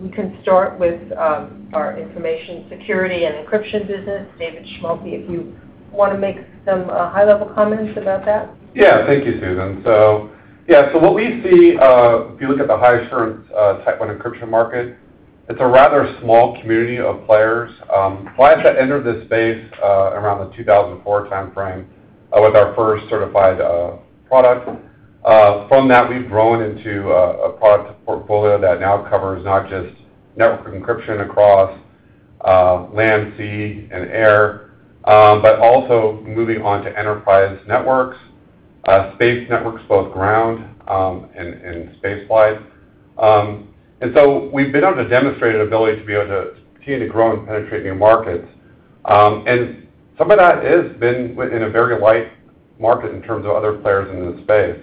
C: We can start with our information security and encryption business. David Schmolke, if you want to make some high-level comments about that.
E: Yeah. Thank you, Susan. So yeah, what we see, if you look at the high assurance Type 1 encryption market, it's a rather small community of players. Viasat entered this space around the 2004 timeframe with our first certified product. From that, we've grown into a product portfolio that now covers not just network encryption across land, sea, and air, but also moving on to enterprise networks, space networks, both ground and space-wise. And so we've been able to demonstrate an ability to be able to continue to grow and penetrate new markets. And some of that has been within a very light market in terms of other players in this space.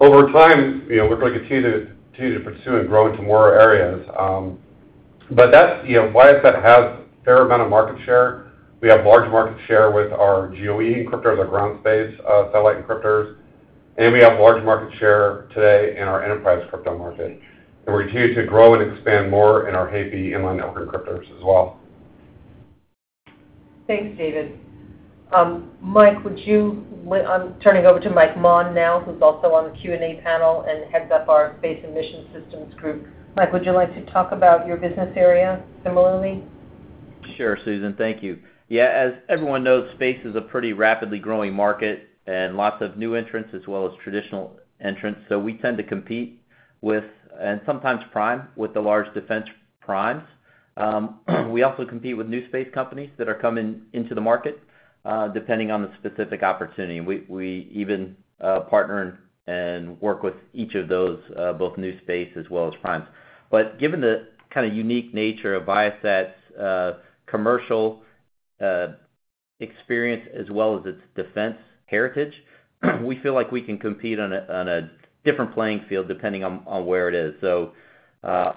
E: Over time, you know, we're going to continue to pursue and grow into more areas. But that's, you know, Viasat has a fair amount of market share. We have large market share with our GEO encryptor, our ground, space satellite encryptors, and we have large market share today in our enterprise crypto market. And we continue to grow and expand more in our HAIPE inline network encryptors as well.
C: Thanks, David. I'm turning over to Mike Maughan now, who's also on the Q&A panel and heads up our Space and Mission Systems group. Mike, would you like to talk about your business area similarly?
H: Sure, Susan. Thank you. Yeah, as everyone knows, space is a pretty rapidly growing market and lots of new entrants as well as traditional entrants. So we tend to compete with, and sometimes prime, with the large defense primes. We also compete with new space companies that are coming into the market, depending on the specific opportunity. We even partner and work with each of those, both new space as well as primes. But given the kind of unique nature of Viasat's commercial experience, as well as its defense heritage, we feel like we can compete on a different playing field, depending on where it is. So,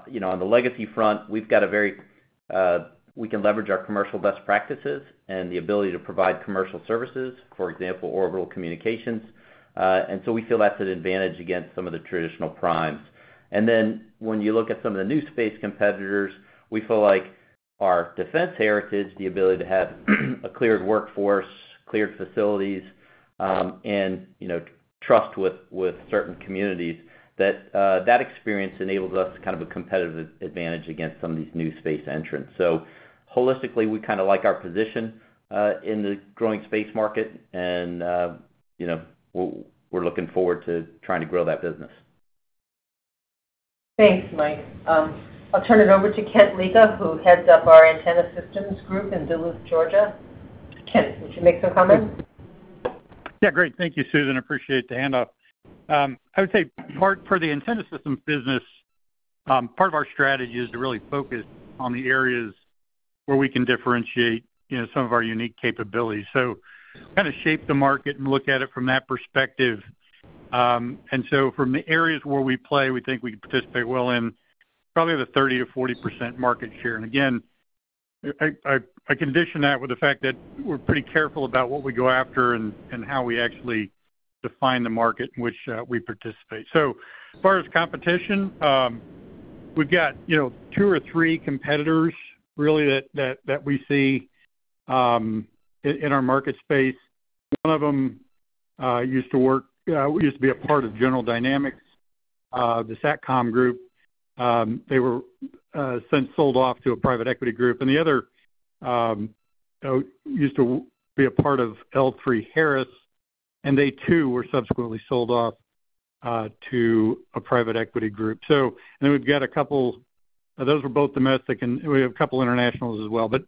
H: you know, on the legacy front, we can leverage our commercial best practices and the ability to provide commercial services, for example, orbital communications. And so we feel that's an advantage against some of the traditional primes. And then when you look at some of the new space competitors, we feel like our defense heritage, the ability to have a cleared workforce, cleared facilities, and, you know, trust with certain communities, that experience enables us to kind of a competitive advantage against some of these new space entrants. So holistically, we kind of like our position in the growing space market, and, you know, we're looking forward to trying to grow that business.
C: Thanks, Mike. I'll turn it over to Kent Leka, who heads up our Antenna Systems group in Duluth, Georgia. Kent, would you make some comments?
I: Yeah, great. Thank you, Susan. Appreciate the handoff. I would say for the Antenna Systems business, part of our strategy is to really focus on the areas where we can differentiate, you know, some of our unique capabilities. So kind of shape the market and look at it from that perspective. And so from the areas where we play, we think we can participate well in probably the 30%-40% market share. And again, I condition that with the fact that we're pretty careful about what we go after and how we actually define the market in which we participate. So as far as competition, we've got, you know, two or three competitors really that we see in our market space. One of them used to be a part of General Dynamics, the SATCOM group. They were since sold off to a private equity group. And the other used to be a part of L3Harris, and they too were subsequently sold off to a private equity group. And then we've got a couple. Those were both domestic, and we have a couple internationals as well, but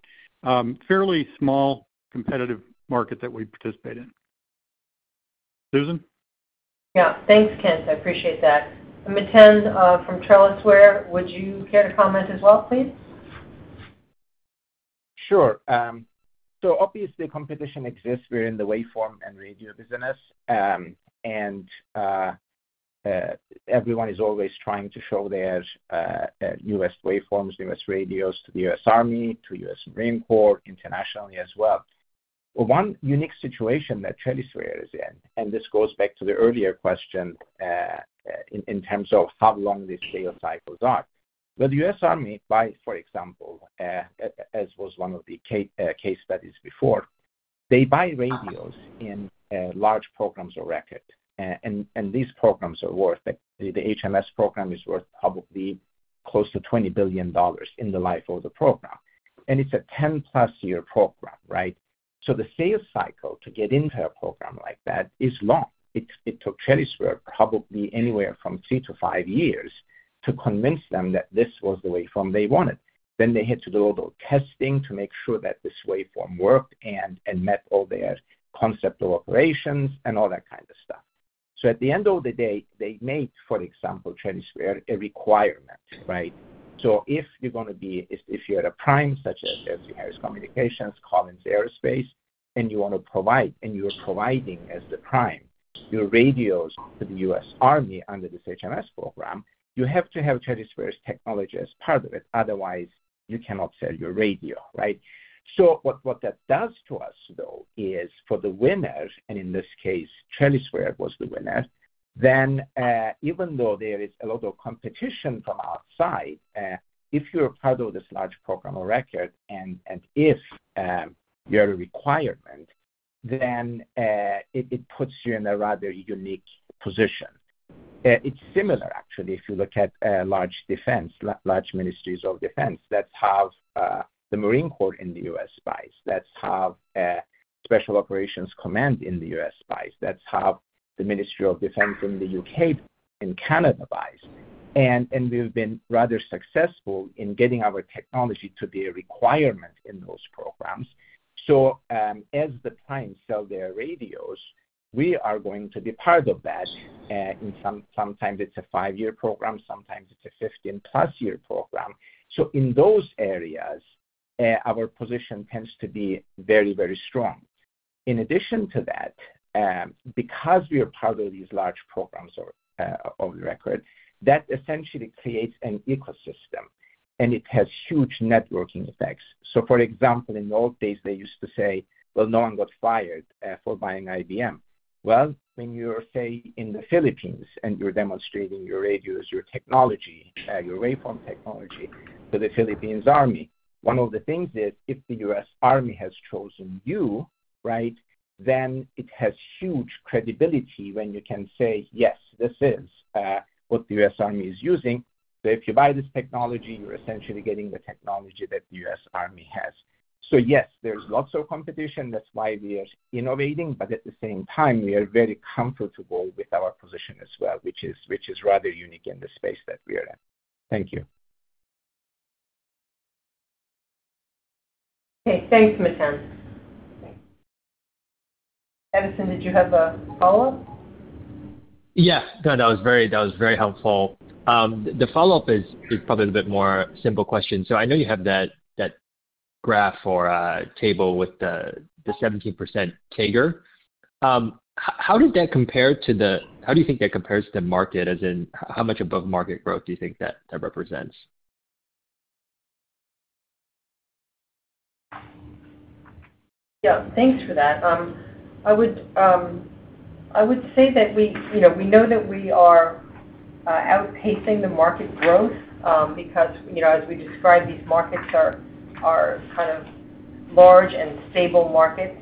I: fairly small, competitive market that we participate in. Susan?
C: Yeah. Thanks, Kent. I appreciate that. And Metin, from TrellisWare, would you care to comment as well, please?
F: Sure. So obviously, competition exists. We're in the waveform and radio business, and everyone is always trying to show their U.S. waveforms, U.S. radios to the U.S. Army, to U.S. Marine Corps, internationally as well. But one unique situation that TrellisWare is in, and this goes back to the earlier question, in terms of how long the sales cycles are. But the U.S. Army buys, for example, as was one of the case studies before, they buy radios in large programs of record. And these programs are worth it. The HMS program is worth probably close to $20 billion in the life of the program, and it's a +10 year program, right? So the sales cycle to get into a program like that is long. It took TrellisWare probably anywhere from three to five years to convince them that this was the waveform they wanted. Then they had to do a little testing to make sure that this waveform worked and met all their concept of operations and all that kind of stuff. So at the end of the day, they made, for example, TrellisWare a requirement, right? So if you're gonna be, if you're a prime, such as L3Harris Communications, Collins Aerospace, and you want to provide, and you are providing as the prime, your radios to the U.S. Army under this HMS program, you have to have TrellisWare's technology as part of it. Otherwise, you cannot sell your radio, right? What that does to us though is for the winners, and in this case, TrellisWare was the winner. Then even though there is a lot of competition from outside, if you're part of this large program of record and if you're a requirement, then it puts you in a rather unique position. It's similar actually if you look at large defense, large ministries of defense. That's how the Marine Corps in the U.S. buys. That's how Special Operations Command in the U.S. buys. That's how the Ministry of Defense in the U.K. and Canada buys. And we've been rather successful in getting our technology to be a requirement in those programs. So as the primes sell their radios, we are going to be part of that. Sometimes it's a five-year program, sometimes it's a +15 year program. So in those areas, our position tends to be very, very strong. In addition to that, because we are part of these large programs of record, that essentially creates an ecosystem, and it has huge networking effects. So, for example, in the old days, they used to say, "Well, no one got fired for buying IBM." Well, when you're, say, in the Philippines and you're demonstrating your radios, your technology, your waveform technology to the Philippine Army, one of the things is, if the U.S. Army has chosen you, right, then it has huge credibility when you can say, "Yes, this is what the U.S. Army is using. So if you buy this technology, you're essentially getting the technology that the U.S. Army has." So yes, there's lots of competition. That's why we are innovating, but at the same time, we are very comfortable with our position as well, which is rather unique in the space that we are in. Thank you.
C: Okay. Thanks, Metin. Edison, did you have a follow-up?
G: Yes. No, that was very helpful. The follow-up is probably a bit more simple question. So I know you have that graph or table with the 17% CAGR. How did that compare to the, how do you think that compares to the market, as in how much above market growth do you think that represents?
C: Yeah, thanks for that. I would say that we, you know, we know that we are outpacing the market growth, because, you know, as we describe, these markets are kind of large and stable markets,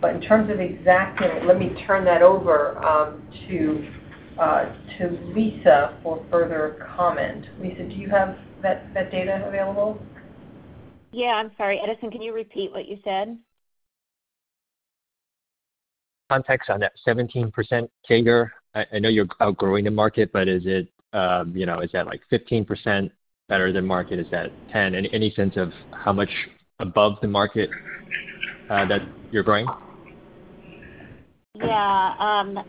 C: but in terms of exactness, let me turn that over to Lisa for further comment. Lisa, do you have that data available?
B: Yeah. I'm sorry, Edison, can you repeat what you said?
G: Context on that 17% CAGR. I know you're outgrowing the market, but is it, you know, is that like 15% better than market? Is that 10%? Any sense of how much above the market that you're growing?
B: Yeah.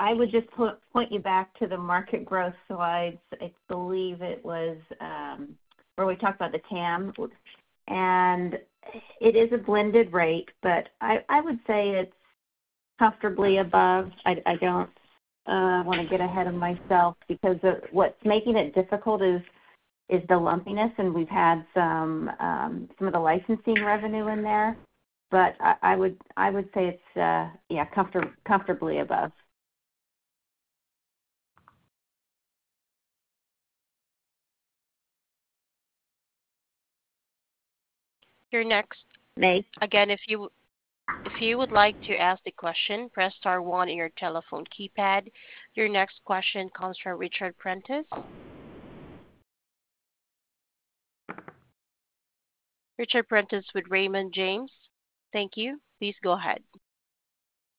B: I would just point you back to the market growth slides. I believe it was where we talked about the TAM. It is a blended rate, but I would say it's comfortably above. I don't wanna get ahead of myself because what's making it difficult is the lumpiness, and we've had some of the licensing revenue in there. I would say it's yeah, comfortably above.
A: Your next. Again, if you, if you would like to ask the question, press star one on your telephone keypad. Your next question comes from Richard Prentiss with Raymond James. Thank you. Please go ahead.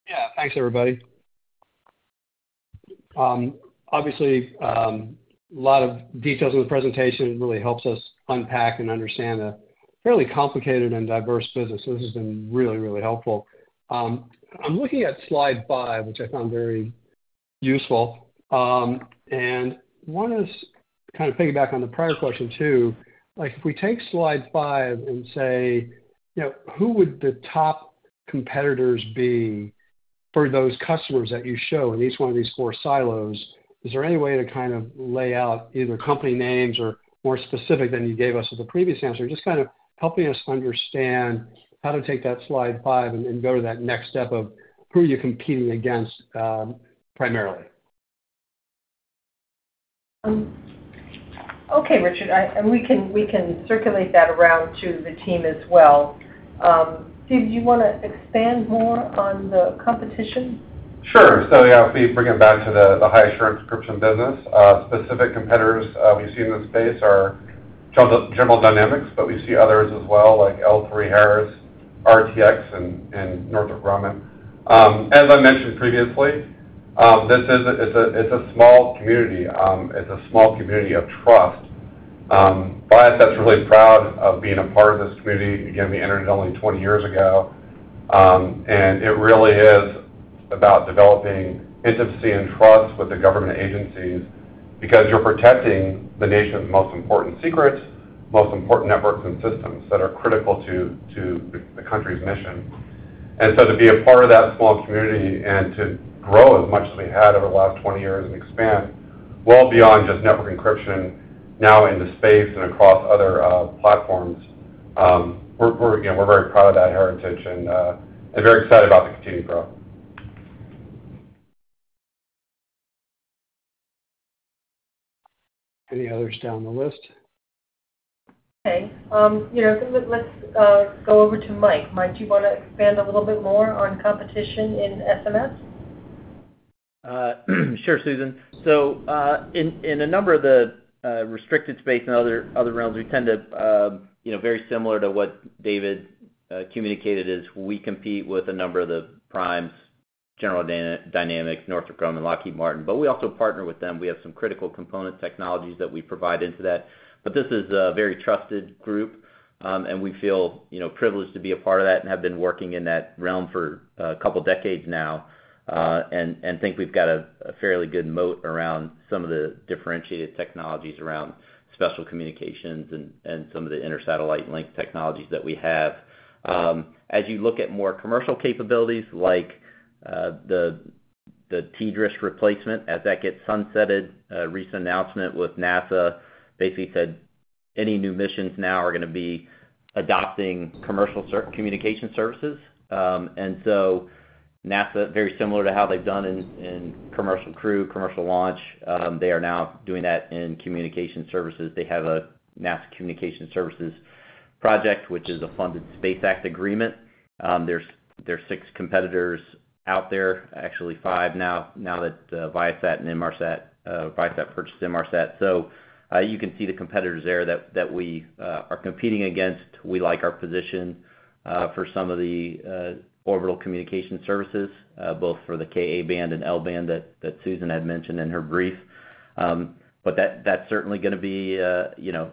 J: Yeah. Thanks, everybody. Obviously, a lot of details in the presentation really helps us unpack and understand a fairly complicated and diverse business. So this has been really, really helpful. I'm looking at slide 5, which I found very useful. I want us kind of piggyback on the prior question, too. Like, if we take slide 5 and say, you know, who would the top competitors be for those customers that you show in each one of these four silos? Is there any way to kind of lay out either company names or more specific than you gave us as a previous answer? Just kind of helping us understand how to take that slide 5 and go to that next step of who you're competing against, primarily.
C: Okay, Richard, and we can, we can circulate that around to the team as well. David, do you wanna expand more on the competition?
E: Sure. So, yeah, if we bring it back to the high assurance encryption business, specific competitors we see in this space are General Dynamics, but we see others as well, like L3Harris, RTX, and Northrop Grumman. As I mentioned previously, this is a small community of trust. Viasat's really proud of being a part of this community. Again, we entered it only twenty years ago. And it really is about developing intimacy and trust with the government agencies, because you're protecting the nation's most important secrets, most important networks and systems that are critical to the country's mission. And so to be a part of that small community and to grow as much as we had over the last twenty years and expand well beyond just network encryption, now into space and across other platforms, we're again very proud of that heritage and very excited about the continued growth.
K: Any others down the list?
C: Okay. You know, let's go over to Mike. Mike, do you wanna expand a little bit more on competition in SMS?
H: Sure, Susan. So, in a number of the restricted space and other realms, we tend to, you know, very similar to what David communicated, is we compete with a number of the primes: General Dynamics, Northrop Grumman, and Lockheed Martin. But we also partner with them. We have some critical component technologies that we provide into that. But this is a very trusted group, and we feel, you know, privileged to be a part of that and have been working in that realm for a couple of decades now, and think we've got a fairly good moat around some of the differentiated technologies around special communications and some of the intersatellite link technologies that we have. As you look at more commercial capabilities, like the TDRSS replacement, as that gets sunsetted, a recent announcement with NASA basically said any new missions now are gonna be adopting commercial communication services, and so NASA, very similar to how they've done in commercial crew, commercial launch, they are now doing that in communication services. They have a NASA Communications Services Project, which is a funded Space Act Agreement. There are six competitors out there. Actually, five now, now that Viasat purchased Inmarsat. You can see the competitors there that we are competing against. We like our position for some of the orbital communication services, both for the Ka-band and L-band that Susan had mentioned in her brief. But that, that's certainly gonna be, you know,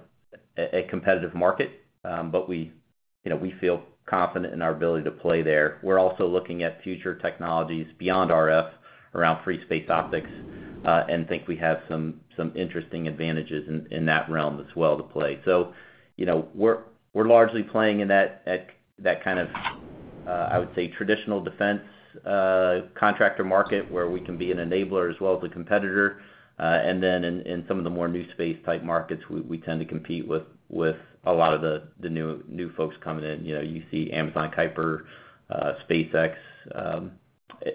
H: a competitive market, but we, you know, we feel confident in our ability to play there. We're also looking at future technologies beyond RF, around free space optics, and think we have some interesting advantages in that realm as well to play. So, you know, we're largely playing in that at, that kind of I would say traditional defense contractor market, where we can be an enabler as well as a competitor. And then in some of the more new space type markets, we tend to compete with a lot of the new folks coming in. You know, you see Amazon Kuiper, SpaceX,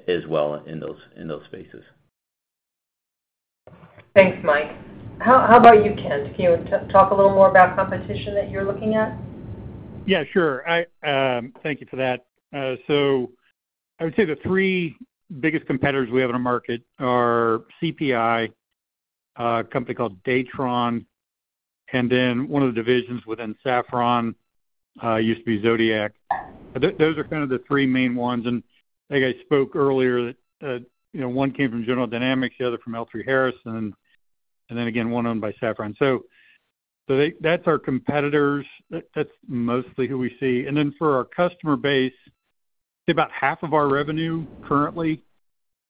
H: as well in those spaces.
C: Thanks, Mike. How about you, Kent? Can you talk a little more about competition that you're looking at?
I: Yeah, sure. I thank you for that. So I would say the three biggest competitors we have in the market are CPI, a company called Datron, and then one of the divisions within Safran used to be Zodiac. Those are kind of the three main ones, and I think I spoke earlier that you know one came from General Dynamics, the other from L3Harris, and then again one owned by Safran. So they. That's our competitors. That's mostly who we see. Then for our customer base, say about half of our revenue currently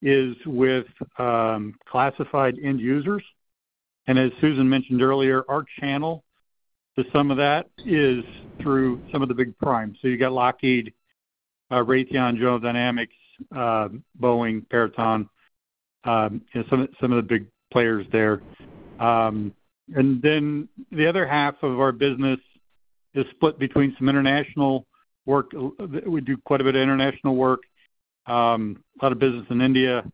I: is with classified end users. And as Susan mentioned earlier, our channel to some of that is through some of the big primes. So you got Lockheed, Raytheon, General Dynamics, Boeing, Peraton, and some of the big players there. And then the other half of our business is split between some international work. We do quite a bit of international work, a lot of business in India.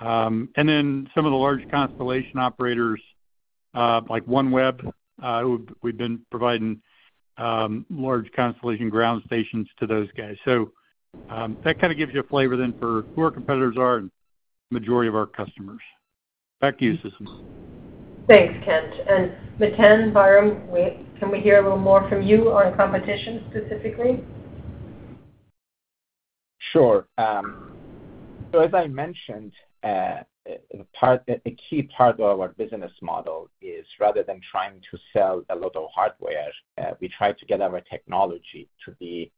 I: And then some of the large constellation operators, like OneWeb, who we've been providing large constellation ground stations to those guys. So, that kind of gives you a flavor then for who our competitors are and majority of our customers. Back to you, Susan.
C: Thanks, Kent. And Metin Bayram, can we hear a little more from you on competition specifically?
F: Sure. As I mentioned, a key part of our business model is rather than trying to sell a lot of hardware, we try to get our technology to be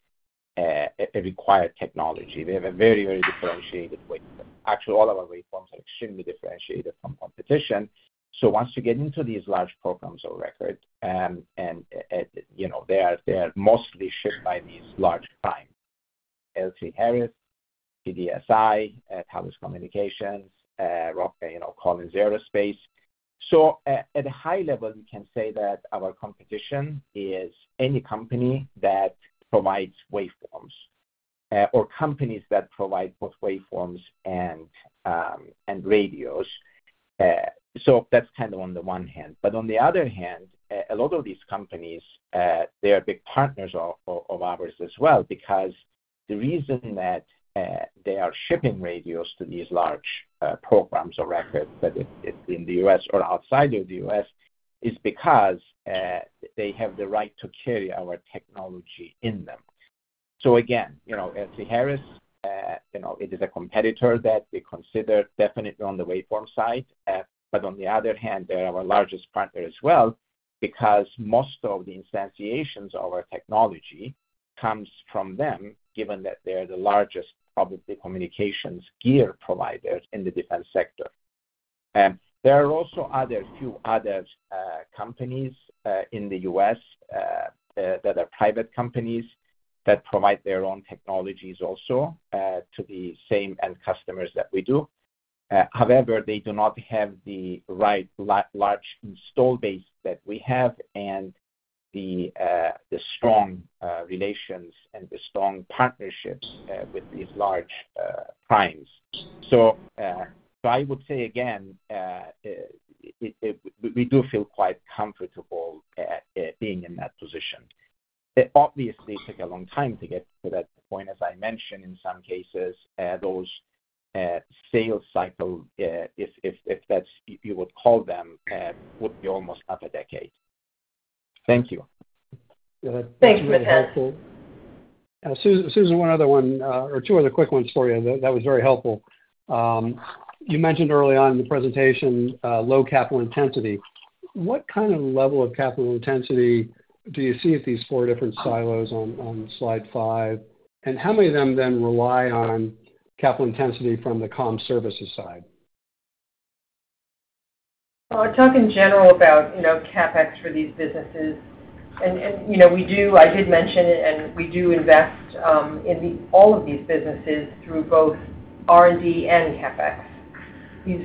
F: a required technology. We have a very, very differentiated waveform. Actually, all of our waveforms are extremely differentiated from competition. So once you get into these large programs of record, and, you know, they are mostly shipped by these large primes, L3Harris, TDSI, Thales Communications, Rockwell, you know, Collins Aerospace. So at a high level, we can say that our competition is any company that provides waveforms, or companies that provide both waveforms and radios. So that's kind of on the one hand. But on the other hand, a lot of these companies, they are big partners of ours as well, because the reason that they are shipping radios to these large programs of record, whether it's in the U.S. or outside of the U.S., is because they have the right to carry our technology in them. So again, you know, L3Harris, you know, it is a competitor that we consider definitely on the waveform side. But on the other hand, they're our largest partner as well, because most of the instantiations of our technology comes from them, given that they're the largest, probably, communications gear provider in the defense sector. There are also a few other companies in the U.S. that are private companies that provide their own technologies also to the same end customers that we do. However, they do not have the large install base that we have and the strong relations and the strong partnerships with these large primes. So, I would say again, we do feel quite comfortable at being in that position. It obviously took a long time to get to that point. As I mentioned, in some cases, those sales cycle if that's what you would call them would be almost half a decade. Thank you.
C: Thanks, Metin.
J: Susan, one other or two other quick ones for you. That was very helpful. You mentioned early on in the presentation, low capital intensity. What kind of level of capital intensity do you see at these four different silos on slide five? And how many of them then rely on capital intensity from the comm services side?
C: I'll talk in general about, you know, CapEx for these businesses. And you know, we do. I did mention it, and we do invest in all of these businesses through both R&D and CapEx.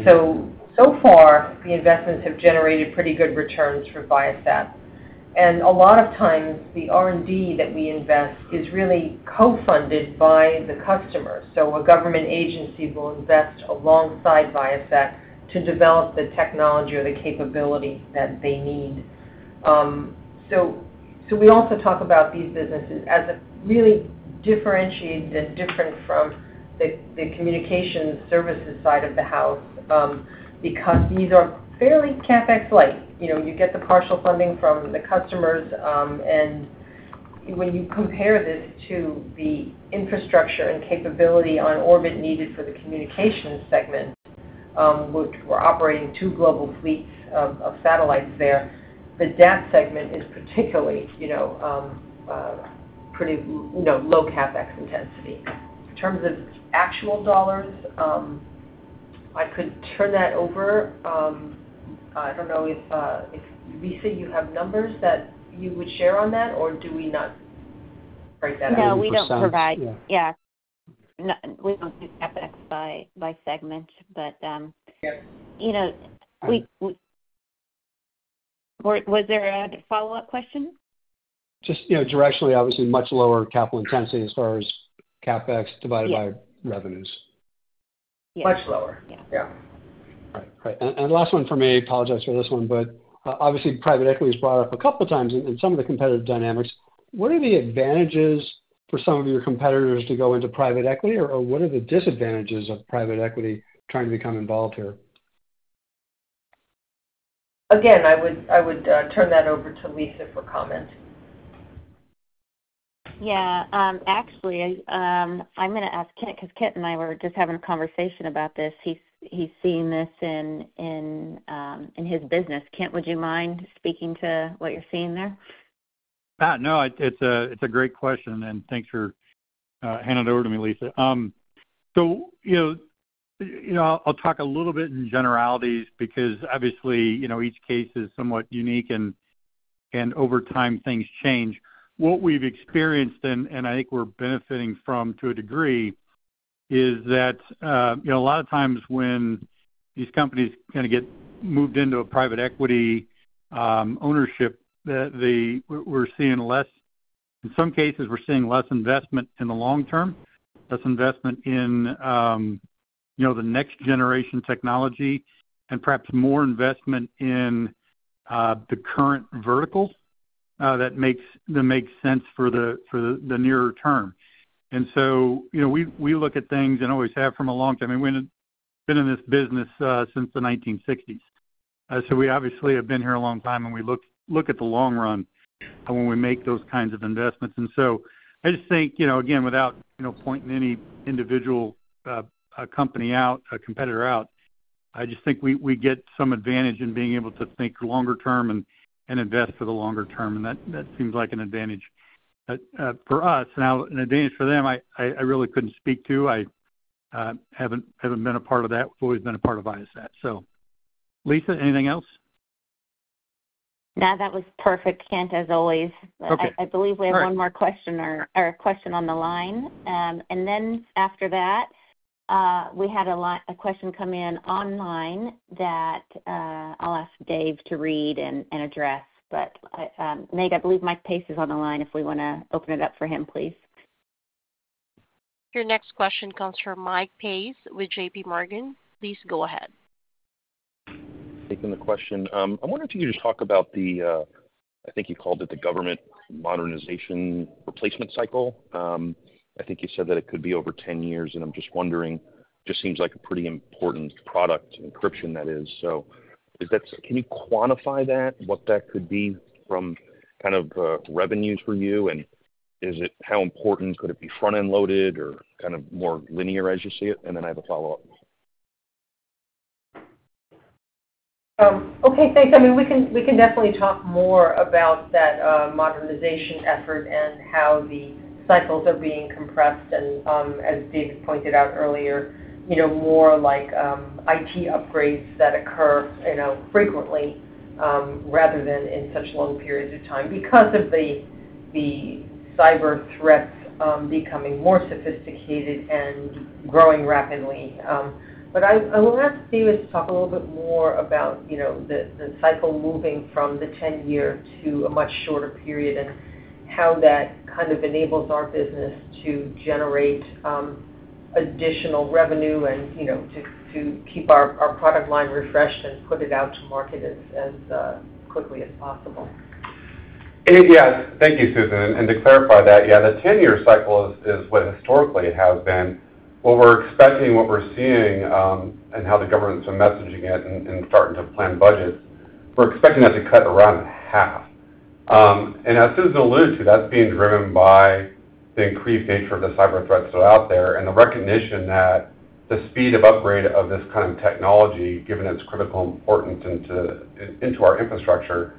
C: So far, the investments have generated pretty good returns for Viasat. And a lot of times, the R&D that we invest is really co-funded by the customer. So a government agency will invest alongside Viasat to develop the technology or the capability that they need. So we also talk about these businesses as really differentiated and different from the Communication Services side of the house, because these are fairly CapEx light. You know, you get the partial funding from the customers, and when you compare this to the infrastructure and capability on orbit needed for the communication segment, which we're operating two global fleets of satellites there, the DAT segment is particularly, you know, pretty, you know, low CapEx intensity. In terms of actual dollars, I could turn that over. I don't know if Lisa, you have numbers that you would share on that, or do we not break that out?
B: No, we don't provide. Yeah. No, we don't do CapEx by segment, but you know, was there a follow-up question?
J: Just, you know, directionally, obviously, much lower capital intensity as far as CapEx divided by revenues.
I: Much lower. Yeah.
C: Yeah.
J: Right, and last one for me. Apologize for this one, but obviously, private equity was brought up a couple of times in some of the competitive dynamics. What are the advantages for some of your competitors to go into private equity? Or what are the disadvantages of private equity trying to become involved here?
C: Again, I would turn that over to Lisa for comment.
B: Yeah, actually, I'm gonna ask Kent, 'cause Kent and I were just having a conversation about this. He's seeing this in his business. Kent, would you mind speaking to what you're seeing there?
I: No, it's a great question, and thanks for handing it over to me, Lisa. So you know, you know, I'll talk a little bit in generalities because obviously, you know, each case is somewhat unique, and over time, things change. What we've experienced, and I think we're benefiting from, to a degree, is that, you know, a lot of times when these companies kind of get moved into a private equity ownership, that we're seeing less. In some cases, we're seeing less investment in the long term, less investment in, you know, the next generation technology, and perhaps more investment in the current verticals that makes sense for the nearer term. And so, you know, we look at things and always have from a long time. I mean, we've been in this business since the nineteen sixties. We obviously have been here a long time, and we look at the long run when we make those kinds of investments. I just think, you know, again, without, you know, pointing any individual company out, a competitor out, I just think we get some advantage in being able to think longer term and invest for the longer term, and that seems like an advantage for us. Now, an advantage for them, I really couldn't speak to. I haven't been a part of that. We've always been a part of Viasat. Lisa, anything else?
B: No, that was perfect, Kent, as always.
I: Okay.
B: I believe we have one more question or a question on the line. And then after that, we had a question come in online that I'll ask Dave to read and address. But, Meg, I believe Mike Pace is on the line if we wanna open it up for him, please.
A: Your next question comes from Mike Pace with J.P. Morgan. Please go ahead.
L: Taking the question. I'm wondering if you could just talk about the, I think you called it the government modernization replacement cycle. I think you said that it could be over ten years, and I'm just wondering, it just seems like a pretty important product, encryption that is. So, is that? Can you quantify that, what that could be from kind of, revenues for you? And is it? How important could it be, front-end loaded or kind of more linear as you see it? And then I have a follow-up.
C: Okay, thanks. I mean, we can definitely talk more about that modernization effort and how the cycles are being compressed. As Dave pointed out earlier, you know, more like IT upgrades that occur, you know, frequently rather than in such long periods of time because of the cyber threats becoming more sophisticated and growing rapidly, I will ask Dave to talk a little bit more about, you know, the cycle moving from the 10-year to a much shorter period, and how that kind of enables our business to generate additional revenue and, you know, to keep our product line refreshed and put it out to market as quickly as possible.
E: Yes. Thank you, Susan. And to clarify that, yeah, the 10-year cycle is what historically it has been. What we're expecting, what we're seeing, and how the government's been messaging it and starting to plan budgets, we're expecting that to cut around in half. And as Susan alluded to, that's being driven by the increased nature of the cyber threats that are out there and the recognition that the speed of upgrade of this kind of technology, given its critical importance into our infrastructure,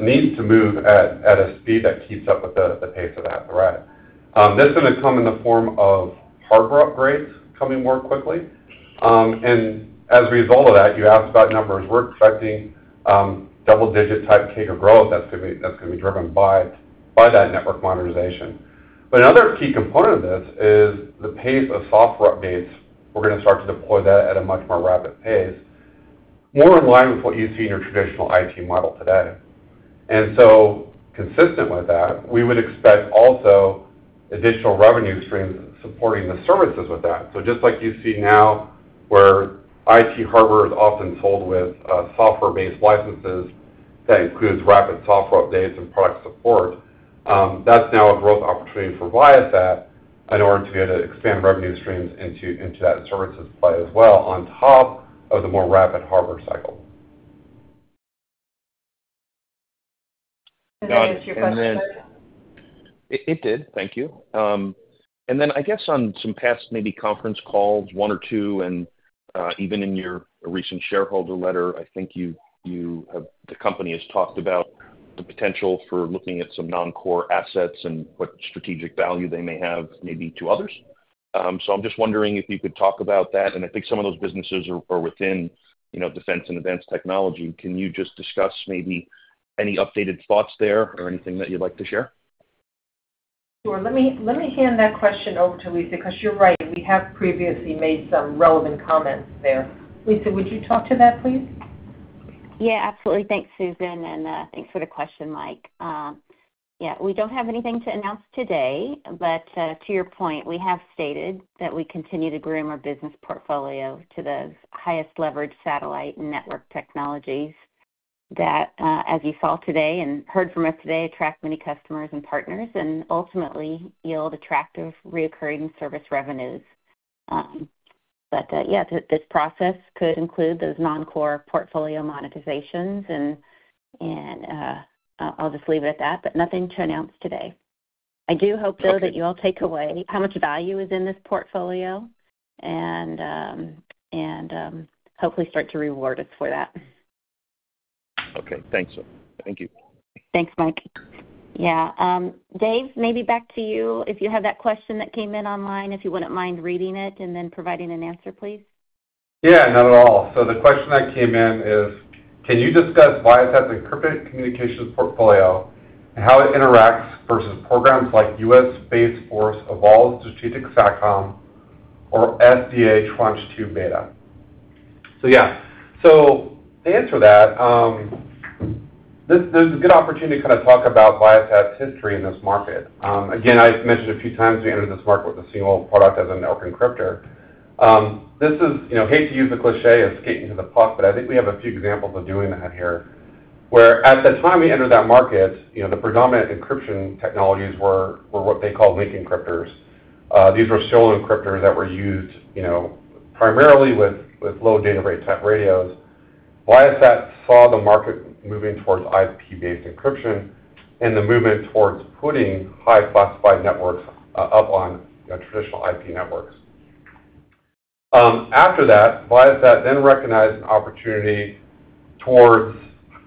E: needs to move at a speed that keeps up with the pace of that threat. This is gonna come in the form of hardware upgrades coming more quickly. And as a result of that, you asked about numbers. We're expecting double-digit type take of growth that's gonna be driven by that network modernization. But another key component of this is the pace of software updates. We're gonna start to deploy that at a much more rapid pace, more in line with what you see in your traditional IT model today. And so consistent with that, we would expect also additional revenue streams supporting the services with that. So just like you see now, where IT hardware is often sold with software-based licenses, that includes rapid software updates and product support, that's now a growth opportunity for Viasat in order to be able to expand revenue streams into that services play as well, on top of the more rapid hardware cycle.
C: Did you get answer to your question?
L: It did. Thank you. And then I guess on some past maybe conference calls, one or two, and even in your recent shareholder letter, I think the company has talked about the potential for looking at some non-core assets and what strategic value they may have, maybe to others. So I'm just wondering if you could talk about that. And I think some of those businesses are within, you know, defense and advanced technology. Can you just discuss maybe any updated thoughts there or anything that you'd like to share?
C: Sure. Let me hand that question over to Lisa, because you're right, we have previously made some relevant comments there. Lisa, would you talk to that, please?
B: Yeah, absolutely. Thanks, Susan, and thanks for the question, Mike. Yeah, we don't have anything to announce today, but to your point, we have stated that we continue to groom our business portfolio to the highest leverage satellite network technologies that, as you saw today and heard from us today, attract many customers and partners, and ultimately, yield attractive recurring service revenues. But yeah, this process could include those non-core portfolio monetizations. And I'll just leave it at that, but nothing to announce today. I do hope, though, that you all take away how much value is in this portfolio and hopefully start to reward us for that.
L: Okay. Thanks. Thank you.
B: Thanks, Mike. Yeah, Dave, maybe back to you if you have that question that came in online, if you wouldn't mind reading it and then providing an answer, please.
E: Yeah, not at all. So the question that came in is: Can you discuss Viasat's encrypted communications portfolio and how it interacts versus programs like U.S. Space Force Evolved Strategic SATCOM or SDA Tranche 2 Beta? So yeah, so to answer that, this is a good opportunity to kind of talk about Viasat's history in this market. Again, I've mentioned a few times, we entered this market with a single product as a network encryptor. This is, you know, I hate to use the cliché of skating to the puck, but I think we have a few examples of doing that here. Where at the time we entered that market, you know, the predominant encryption technologies were what they call link encryptors. These were so-called encryptors that were used, you know, primarily with low data rate type radios. Viasat saw the market moving towards IP-based encryption and the movement towards putting highly classified networks up on traditional IP networks. After that, Viasat then recognized an opportunity towards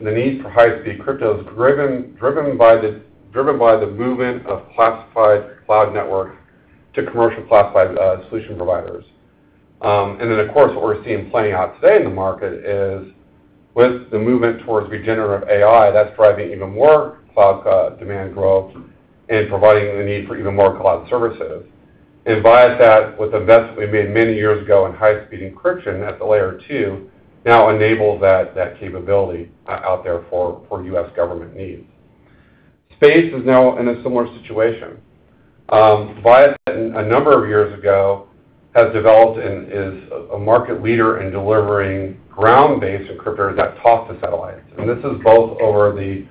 E: the need for high-speed cryptos, driven by the movement of classified cloud networks to commercial classified solution providers. And then, of course, what we're seeing playing out today in the market is with the movement towards generative AI, that's driving even more cloud demand growth and providing the need for even more cloud services. Viasat, with investments we made many years ago in high-speed encryption at the layer two, now enables that capability out there for U.S. government needs. Space is now in a similar situation. Viasat, a number of years ago, has developed and is a market leader in delivering ground-based encryptors that talk to satellites. This is both over the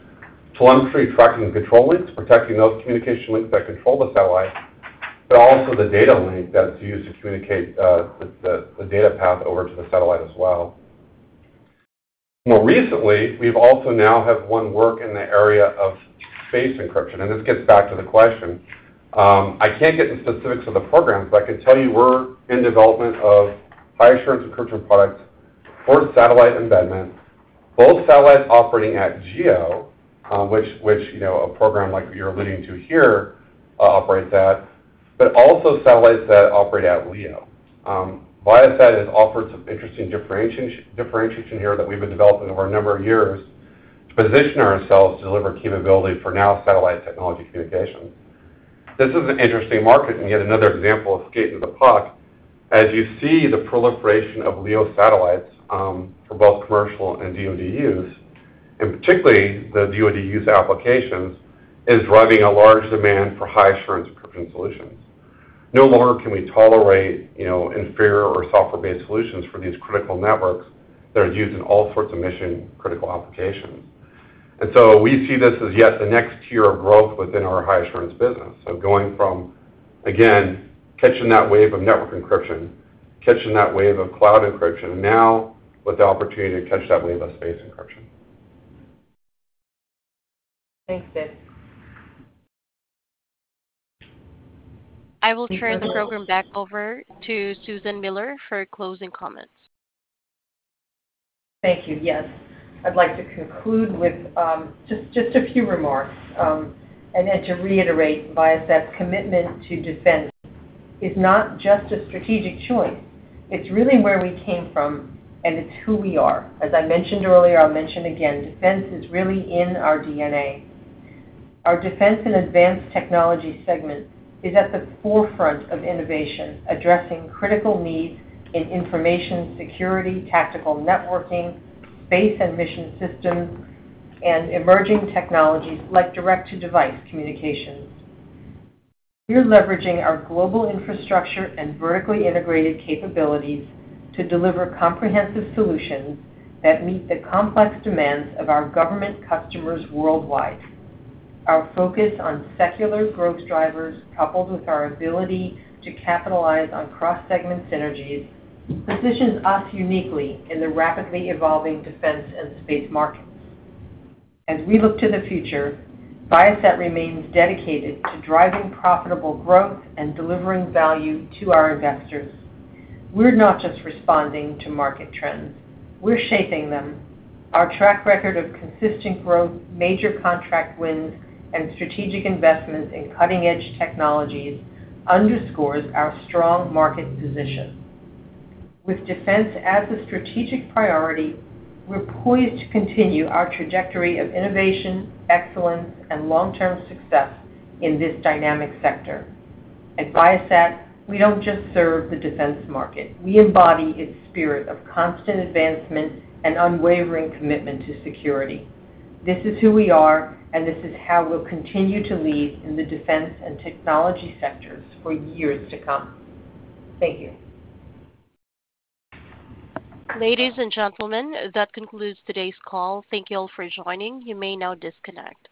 E: telemetry tracking and control links, protecting those communication links that control the satellite, but also the data link that's used to communicate the data path over to the satellite as well. More recently, we've also now have won work in the area of space encryption, and this gets back to the question. I can't get into specifics of the programs, but I can tell you we're in development of high assurance encryption products for satellite embedment, both satellites operating at GEO, which you know a program like you're alluding to here operates at, but also satellites that operate at LEO. Viasat has offered some interesting differentiation here that we've been developing over a number of years to position ourselves to deliver capability for now satellite technology communications. This is an interesting market and yet another example of skating to the puck. As you see, the proliferation of LEO satellites for both commercial and DoD use, and particularly the DoD use applications, is driving a large demand for high assurance encryption solutions. No longer can we tolerate, you know, inferior or software-based solutions for these critical networks that are used in all sorts of mission-critical applications. And so we see this as yet the next tier of growth within our high assurance business. So going from, again, catching that wave of network encryption, catching that wave of cloud encryption, now with the opportunity to catch that wave of space encryption.
C: Thanks, Dave.
A: I will turn the program back over to Susan Miller for closing comments.
C: Thank you. Yes. I'd like to conclude with just a few remarks, and then to reiterate, Viasat's commitment to defense is not just a strategic choice, it's really where we came from, and it's who we are. As I mentioned earlier, I'll mention again, defense is really in our DNA. Our defense and advanced technology segment is at the forefront of innovation, addressing critical needs in Information Security, Tactical Networking, Space and Mission Systems, and emerging technologies like direct-to-device communications. We're leveraging our global infrastructure and vertically integrated capabilities to deliver comprehensive solutions that meet the complex demands of our government customers worldwide. Our focus on secular growth drivers, coupled with our ability to capitalize on cross-segment synergies, positions us uniquely in the rapidly evolving defense and space markets. As we look to the future, Viasat remains dedicated to driving profitable growth and delivering value to our investors. We're not just responding to market trends, we're shaping them. Our track record of consistent growth, major contract wins, and strategic investments in cutting-edge technologies underscores our strong market position. With defense as a strategic priority, we're poised to continue our trajectory of innovation, excellence, and long-term success in this dynamic sector. At Viasat, we don't just serve the defense market, we embody its spirit of constant advancement and unwavering commitment to security. This is who we are, and this is how we'll continue to lead in the defense and technology sectors for years to come. Thank you.
A: Ladies and gentlemen, that concludes today's call. Thank you all for joining. You may now disconnect.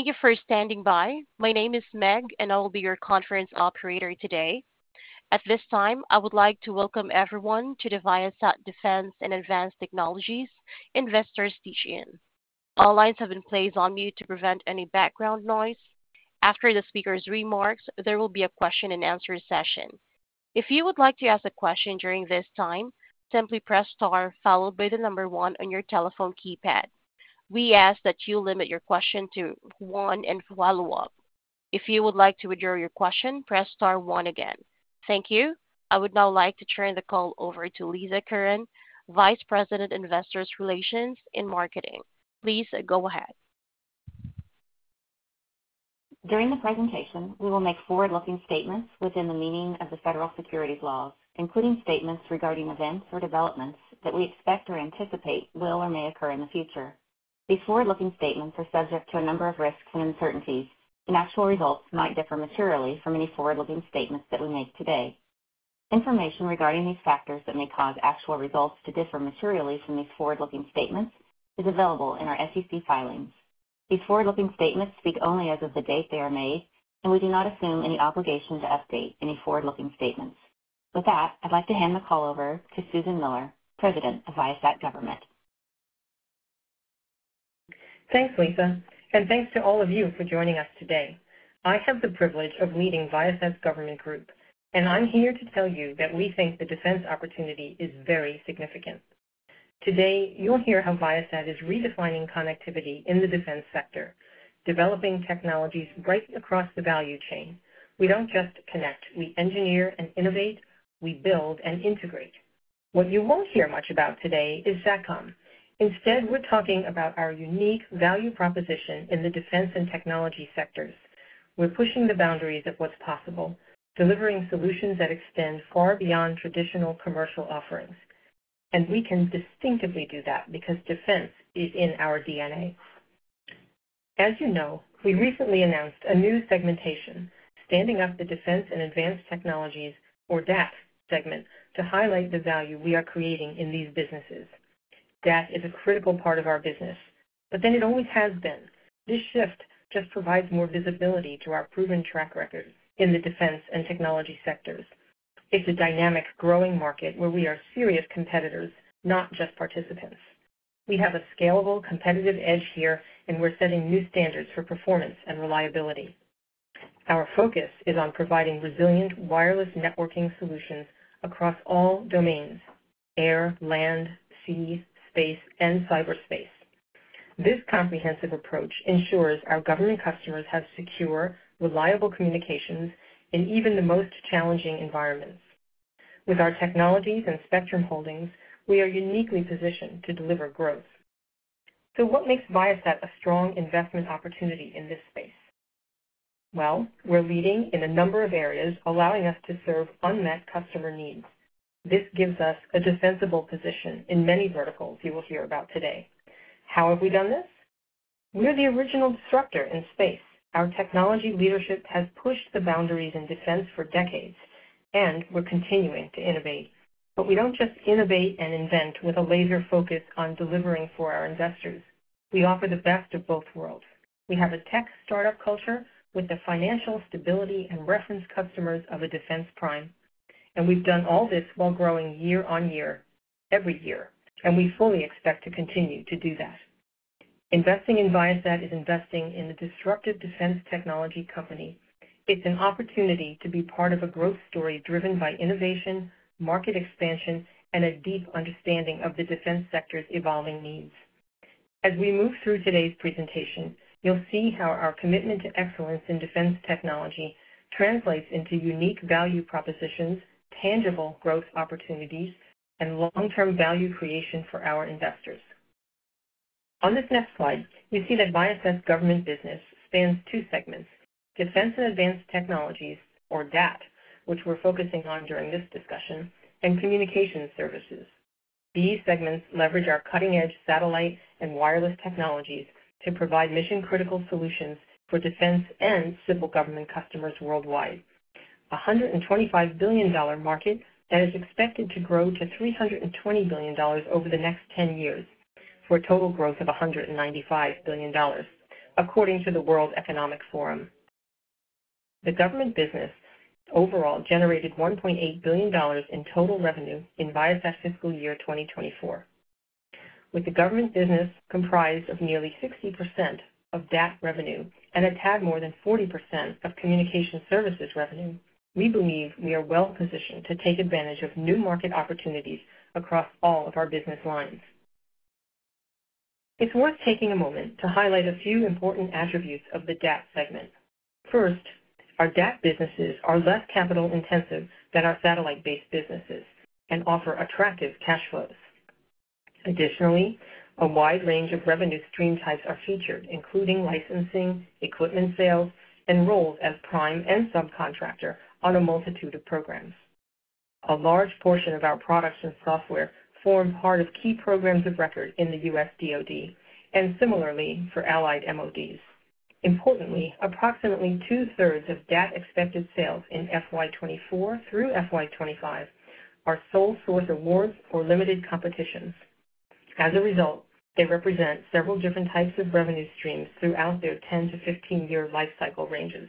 A: Thank you for standing by. My name is Meg, and I will be your conference operator today. At this time, I would like to welcome everyone to the Viasat Defense and Advanced Technologies Investors Teach-in. All lines have been placed on mute to prevent any background noise. After the speakers' remarks, there will be a question and answer session. If you would like to ask a question during this time, simply press star followed by the number one on your telephone keypad. We ask that you limit your question to one and follow-up. If you would like to withdraw your question, press star one again. Thank you. I would now like to turn the call over to Lisa Curran, Vice President, Investor Relations and Marketing. Please go ahead.
B: During the presentation, we will make forward-looking statements within the meaning of the federal securities laws, including statements regarding events or developments that we expect or anticipate will or may occur in the future. These forward-looking statements are subject to a number of risks and uncertainties, and actual results might differ materially from any forward-looking statements that we make today. Information regarding these factors that may cause actual results to differ materially from these forward-looking statements is available in our SEC filings. These forward-looking statements speak only as of the date they are made, and we do not assume any obligation to update any forward-looking statements. With that, I'd like to hand the call over to Susan Miller, President of Viasat Government.
C: Thanks, Lisa, and thanks to all of you for joining us today. I have the privilege of leading Viasat's government group, and I'm here to tell you that we think the defense opportunity is very significant. Today, you'll hear how Viasat is redefining connectivity in the defense sector, developing technologies right across the value chain. We don't just connect, we engineer and innovate, we build and integrate. What you won't hear much about today is SATCOM. Instead, we're talking about our unique value proposition in the defense and technology sectors. We're pushing the boundaries of what's possible, delivering solutions that extend far beyond traditional commercial offerings, and we can distinctively do that because defense is in our DNA. As you know, we recently announced a new segmentation, standing up the Defense and Advanced Technologies, or DAT segment, to highlight the value we are creating in these businesses. DAT is a critical part of our business, but then it always has been. This shift just provides more visibility to our proven track record in the defense and technology sectors. It's a dynamic, growing market where we are serious competitors, not just participants. We have a scalable, competitive edge here, and we're setting new standards for performance and reliability. Our focus is on providing resilient, wireless networking solutions across all domains: air, land, sea, space, and cyberspace. This comprehensive approach ensures our government customers have secure, reliable communications in even the most challenging environments. With our technologies and spectrum holdings, we are uniquely positioned to deliver growth. So what makes Viasat a strong investment opportunity in this space? Well, we're leading in a number of areas, allowing us to serve unmet customer needs. This gives us a defensible position in many verticals you will hear about today. How have we done this? We're the original disruptor in space. Our technology leadership has pushed the boundaries in defense for decades, and we're continuing to innovate. But we don't just innovate and invent with a laser focus on delivering for our investors. We offer the best of both worlds. We have a tech startup culture with the financial stability and reference customers of a defense prime, and we've done all this while growing year on year, every year, and we fully expect to continue to do that. Investing in Viasat is investing in the disruptive defense technology company. It's an opportunity to be part of a growth story driven by innovation, market expansion, and a deep understanding of the defense sector's evolving needs. As we move through today's presentation, you'll see how our commitment to excellence in defense technology translates into unique value propositions, tangible growth opportunities, and long-term value creation for our investors. On this next slide, you see that Viasat's government business spans two segments, Defense and Advanced Technologies, or DAT, which we're focusing on during this discussion, and communication services. These segments leverage our cutting-edge satellite and wireless technologies to provide mission-critical solutions for defense and civil government customers worldwide. A $125 billion market that is expected to grow to $320 billion over the next 10 years, for a total growth of $195 billion, according to the World Economic Forum. The government business overall generated $1.8 billion in total revenue in Viasat fiscal year 2024. With the government business comprised of nearly 60% of that revenue and a tad more than 40% of Communication Services revenue, we believe we are well-positioned to take advantage of new market opportunities across all of our business lines. It's worth taking a moment to highlight a few important attributes of the DAT segment. First, our DAT businesses are less capital-intensive than our satellite-based businesses and offer attractive cash flows. Additionally, a wide range of revenue stream types are featured, including licensing, equipment sales, and roles as prime and subcontractor on a multitude of programs. A large portion of our products and software form part of key programs of record in the U.S. DoD, and similarly for allied MODs. Importantly, approximately 2/3 of DAT expected sales in FY 2024 through FY 2025 are sole source awards or limited competitions. As a result, they represent several different types of revenue streams throughout their 10- to 15-year life cycle ranges,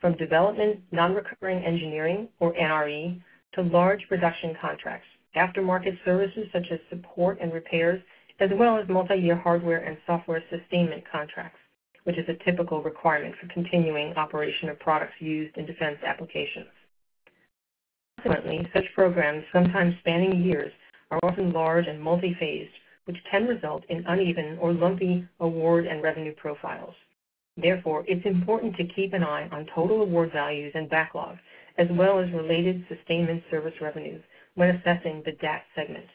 C: from development, Non-Recurring Engineering or NRE, to large production contracts, aftermarket services such as support and repairs, as well as multi-year hardware and software sustainment contracts, which is a typical requirement for continuing operation of products used in defense applications. Consequently, such programs, sometimes spanning years, are often large and multi-phased, which can result in uneven or lumpy award and revenue profiles. Therefore, it's important to keep an eye on total award values and backlogs, as well as related sustainment service revenues when assessing the DAT segment.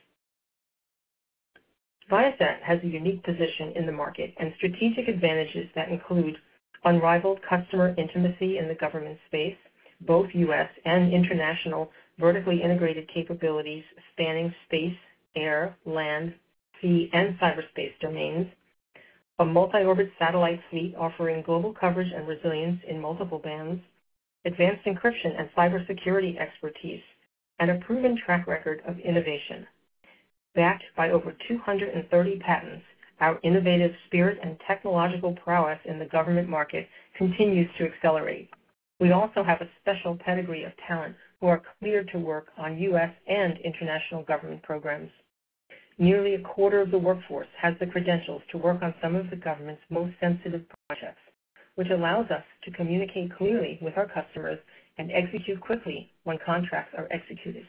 C: Viasat has a unique position in the market and strategic advantages that include unrivaled customer intimacy in the government space, both U.S. and international, vertically integrated capabilities spanning space, air, land, sea, and cyberspace domains, a multi-orbit satellite fleet offering global coverage and resilience in multiple bands, advanced encryption and cybersecurity expertise, and a proven track record of innovation. Backed by over 230 patents, our innovative spirit and technological prowess in the government market continues to accelerate. We also have a special pedigree of talent who are cleared to work on U.S. and international government programs. Nearly a quarter of the workforce has the credentials to work on some of the government's most sensitive projects which allows us to communicate clearly with our customers and execute quickly when contracts are executed.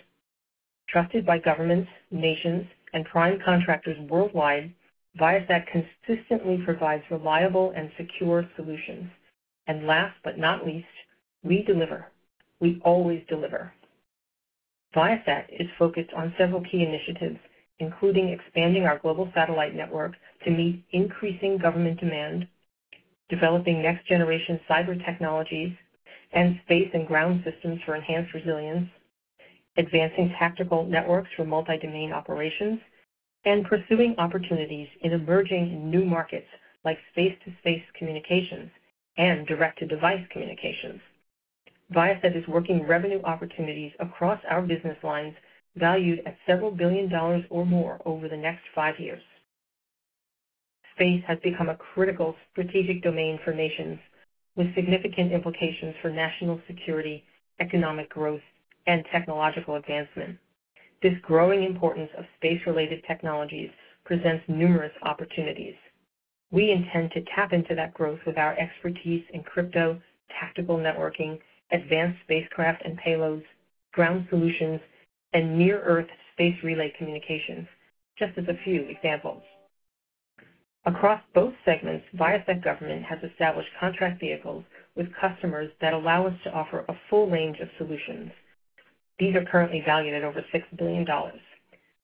C: Trusted by governments, nations, and prime contractors worldwide, Viasat consistently provides reliable and secure solutions. Last but not least, we deliver. We always deliver. Viasat is focused on several key initiatives, including expanding our global satellite network to meet increasing government demand, developing next-generation cyber technologies and space and ground systems for enhanced resilience, advancing tactical networks for multi-domain operations, and pursuing opportunities in emerging new markets like space-to-space communications and direct-to-device communications. Viasat is working revenue opportunities across our business lines, valued at several billion dollars or more over the next five years. Space has become a critical strategic domain for nations, with significant implications for national security, economic growth, and technological advancement. This growing importance of space-related technologies presents numerous opportunities. We intend to tap into that growth with our expertise in crypto, Tactical Networking, advanced spacecraft and payloads, ground solutions, and near-Earth space relay communications, just as a few examples. Across both segments, Viasat Government has established contract vehicles with customers that allow us to offer a full range of solutions. These are currently valued at over $6 billion.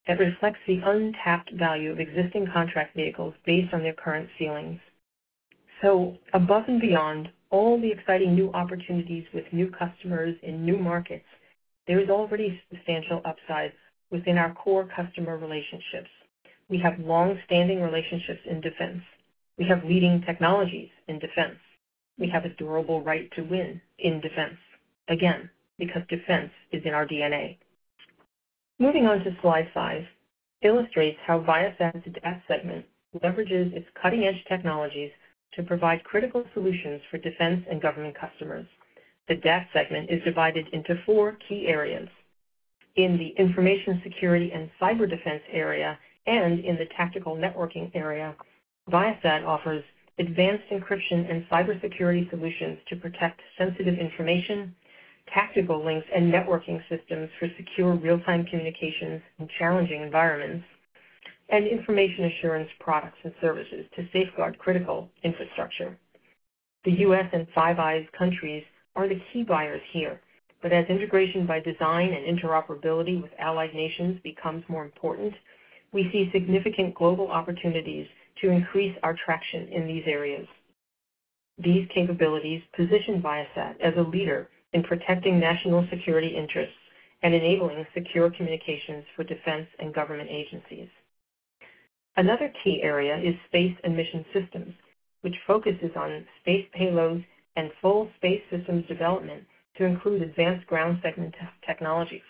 C: That reflects the untapped value of existing contract vehicles based on their current ceilings. So above and beyond all the exciting new opportunities with new customers in new markets, there is already substantial upside within our core customer relationships. We have long-standing relationships in defense. We have leading technologies in defense. We have a durable right to win in defense, again, because defense is in our DNA. Moving on to slide five illustrates how Viasat's DAT segment leverages its cutting-edge technologies to provide critical solutions for defense and government customers. The DAT segment is divided into four key areas. In the Information Security and Cyber Defense area and in the Tactical Networking area, Viasat offers advanced encryption and cybersecurity solutions to protect sensitive information, tactical links and networking systems for secure real-time communications in challenging environments, and information assurance products and services to safeguard critical infrastructure. The U.S. and Five Eyes countries are the key buyers here, but as integration by design and interoperability with allied nations becomes more important, we see significant global opportunities to increase our traction in these areas. These capabilities position Viasat as a leader in protecting national security interests and enabling secure communications for defense and government agencies. Another key area is Space and Mission Systems, which focuses on space payloads and full space systems development to include advanced ground segment technologies,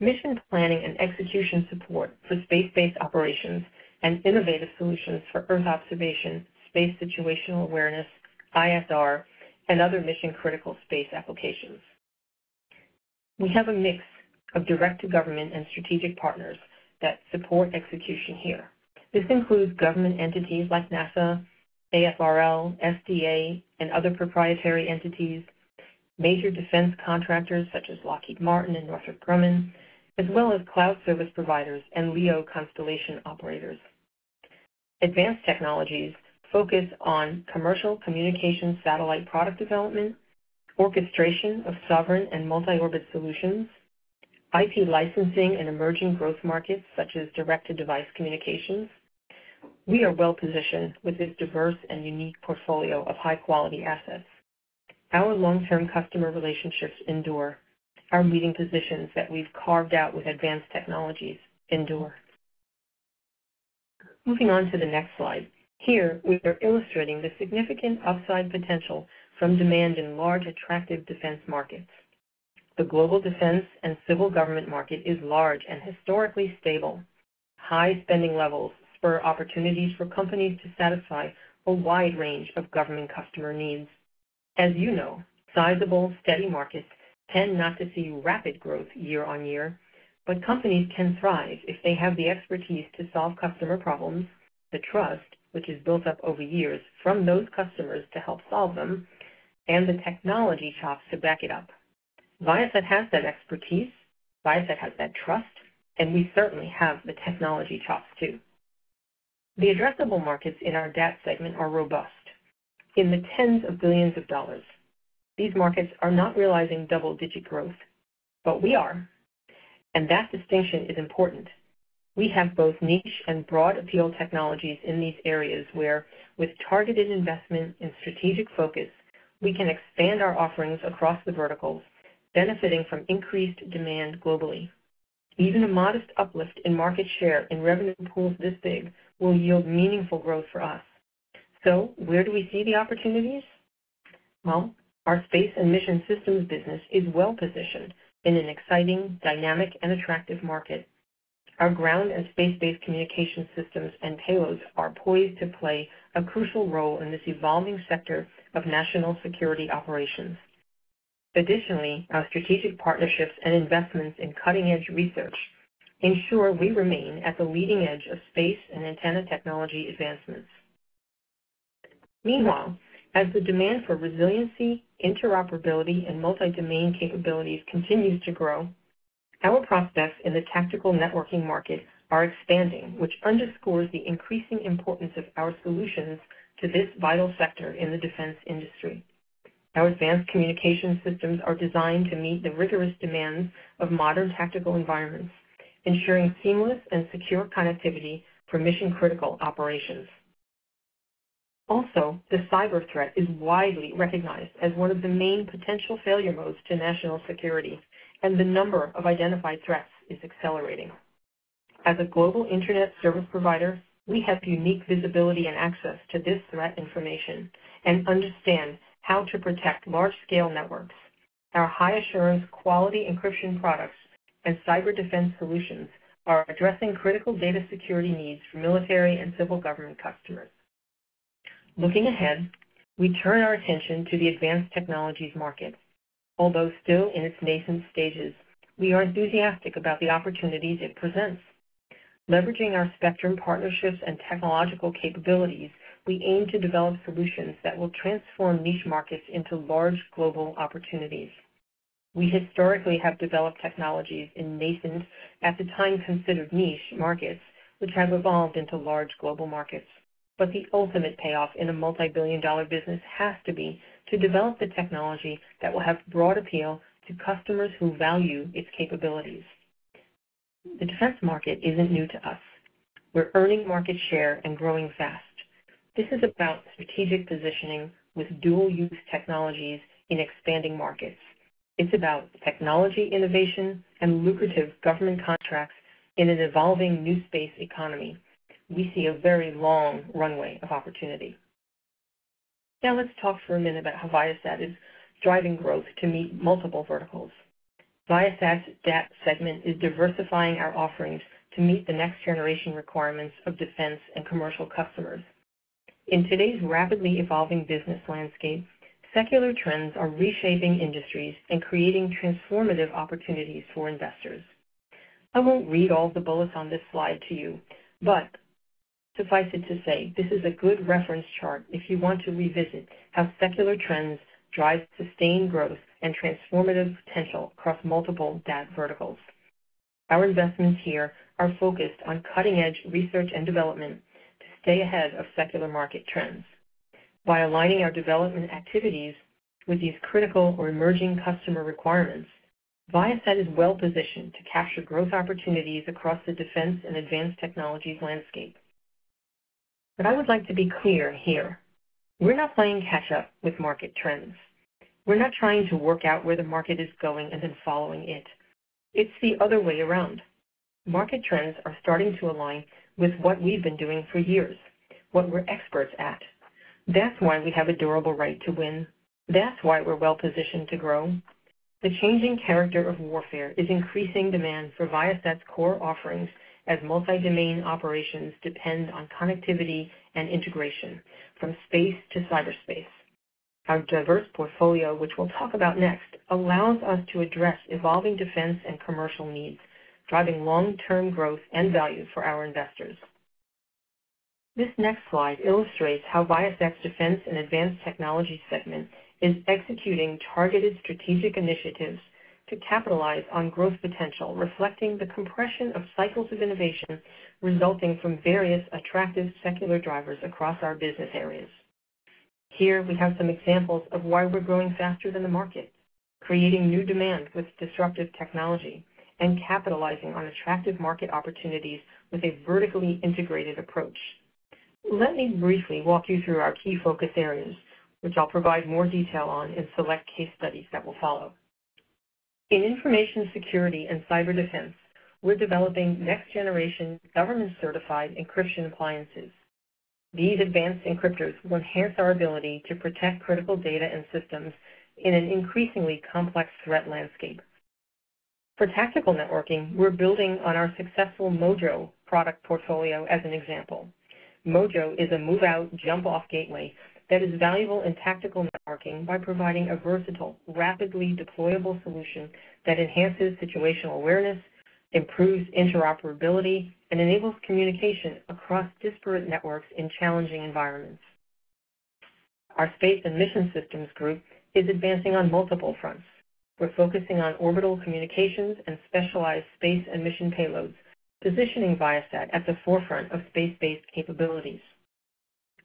C: mission planning and execution support for space-based operations, and innovative solutions for Earth observation, space situational awareness, ISR, and other mission-critical space applications. We have a mix of direct-to-government and strategic partners that support execution here. This includes government entities like NASA, AFRL, SDA, and other proprietary entities, major defense contractors such as Lockheed Martin and Northrop Grumman, as well as cloud service providers and LEO constellation operators. Advanced technologies focus on commercial communications, satellite product development, orchestration of sovereign and multi-orbit solutions, IT licensing and emerging growth markets, such as direct-to-device communications. We are well-positioned with this diverse and unique portfolio of high-quality assets. Our long-term customer relationships endure. Our leading positions that we've carved out with Advanced Technologies endure. Moving on to the next slide. Here, we are illustrating the significant upside potential from demand in large, attractive defense markets. The global defense and civil government market is large and historically stable. High spending levels spur opportunities for companies to satisfy a wide range of government customer needs. As you know, sizable, steady markets tend not to see rapid growth year on year, but companies can thrive if they have the expertise to solve customer problems, the trust, which is built up over years from those customers to help solve them, and the technology chops to back it up. Viasat has that expertise, Viasat has that trust, and we certainly have the technology chops, too. The addressable markets in our DAT segment are robust, in the tens of billions of dollars. These markets are not realizing double-digit growth, but we are, and that distinction is important. We have both niche and broad appeal technologies in these areas where, with targeted investment and strategic focus, we can expand our offerings across the verticals, benefiting from increased demand globally. Even a modest uplift in market share in revenue pools this big will yield meaningful growth for us. So where do we see the opportunities? Well, our Space and Mission Systems business is well-positioned in an exciting, dynamic, and attractive market. Our ground and space-based communication systems and payloads are poised to play a crucial role in this evolving sector of national security operations. Additionally, our strategic partnerships and investments in cutting-edge research ensure we remain at the leading edge of space and antenna technology advancements. Meanwhile, as the demand for resiliency, interoperability, and multi-domain capabilities continues to grow, our prospects in the Tactical Networking market are expanding, which underscores the increasing importance of our solutions to this vital sector in the defense industry. Our advanced communication systems are designed to meet the rigorous demands of modern tactical environments, ensuring seamless and secure connectivity for mission-critical operations. Also, the cyber threat is widely recognized as one of the main potential failure modes to national security, and the number of identified threats is accelerating. As a global internet service provider, we have unique visibility and access to this threat information and understand how to protect large-scale networks. Our high assurance, quality encryption products and cyber defense solutions are addressing critical data security needs for military and civil government customers. Looking ahead, we turn our attention to the Advanced Technologies market. Although still in its nascent stages, we are enthusiastic about the opportunities it presents. Leveraging our spectrum partnerships and technological capabilities, we aim to develop solutions that will transform niche markets into large global opportunities. We historically have developed technologies in nascent, at the time, considered niche markets, which have evolved into large global markets, but the ultimate payoff in a multi-billion dollar business has to be to develop the technology that will have broad appeal to customers who value its capabilities. The defense market isn't new to us. We're earning market share and growing fast. This is about strategic positioning with dual use technologies in expanding markets. It's about technology innovation and lucrative government contracts in an evolving new space economy. We see a very long runway of opportunity. Now, let's talk for a minute about how Viasat is driving growth to meet multiple verticals. Viasat's DAT segment is diversifying our offerings to meet the next generation requirements of defense and commercial customers. In today's rapidly evolving business landscape, secular trends are reshaping industries and creating transformative opportunities for investors. I won't read all the bullets on this slide to you, but suffice it to say, this is a good reference chart if you want to revisit how secular trends drive sustained growth and transformative potential across multiple DAT verticals. Our investments here are focused on cutting-edge research and development to stay ahead of secular market trends. By aligning our development activities with these critical or emerging customer requirements, Viasat is well-positioned to capture growth opportunities across the defense and Advanced Technologies landscape, but I would like to be clear here, we're not playing catch up with market trends. We're not trying to work out where the market is going and then following it. It's the other way around. Market trends are starting to align with what we've been doing for years, what we're experts at. That's why we have a durable right to win. That's why we're well-positioned to grow. The changing character of warfare is increasing demand for Viasat's core offerings, as multi-domain operations depend on connectivity and integration from space to cyberspace. Our diverse portfolio, which we'll talk about next, allows us to address evolving defense and commercial needs, driving long-term growth and value for our investors. This next slide illustrates how Viasat's Defense and Advanced Technologies segment is executing targeted strategic initiatives to capitalize on growth potential, reflecting the compression of cycles of innovation resulting from various attractive secular drivers across our business areas. Here, we have some examples of why we're growing faster than the market, creating new demand with disruptive technology, and capitalizing on attractive market opportunities with a vertically integrated approach. Let me briefly walk you through our key focus areas, which I'll provide more detail on in select case studies that will follow. In Information Security and Cyber Defense, we're developing next generation, government-certified encryption appliances. These advanced encryptors will enhance our ability to protect critical data and systems in an increasingly complex threat landscape. For Tactical Networking, we're building on our successful MOJO product portfolio as an example. MOJO is a Move Out, Jump Off gateway that is valuable in Tactical Networking by providing a versatile, rapidly deployable solution that enhances situational awareness, improves interoperability, and enables communication across disparate networks in challenging environments. Our Space and Mission Systems group is advancing on multiple fronts. We're focusing on orbital communications and specialized space and mission payloads, positioning Viasat at the forefront of space-based capabilities.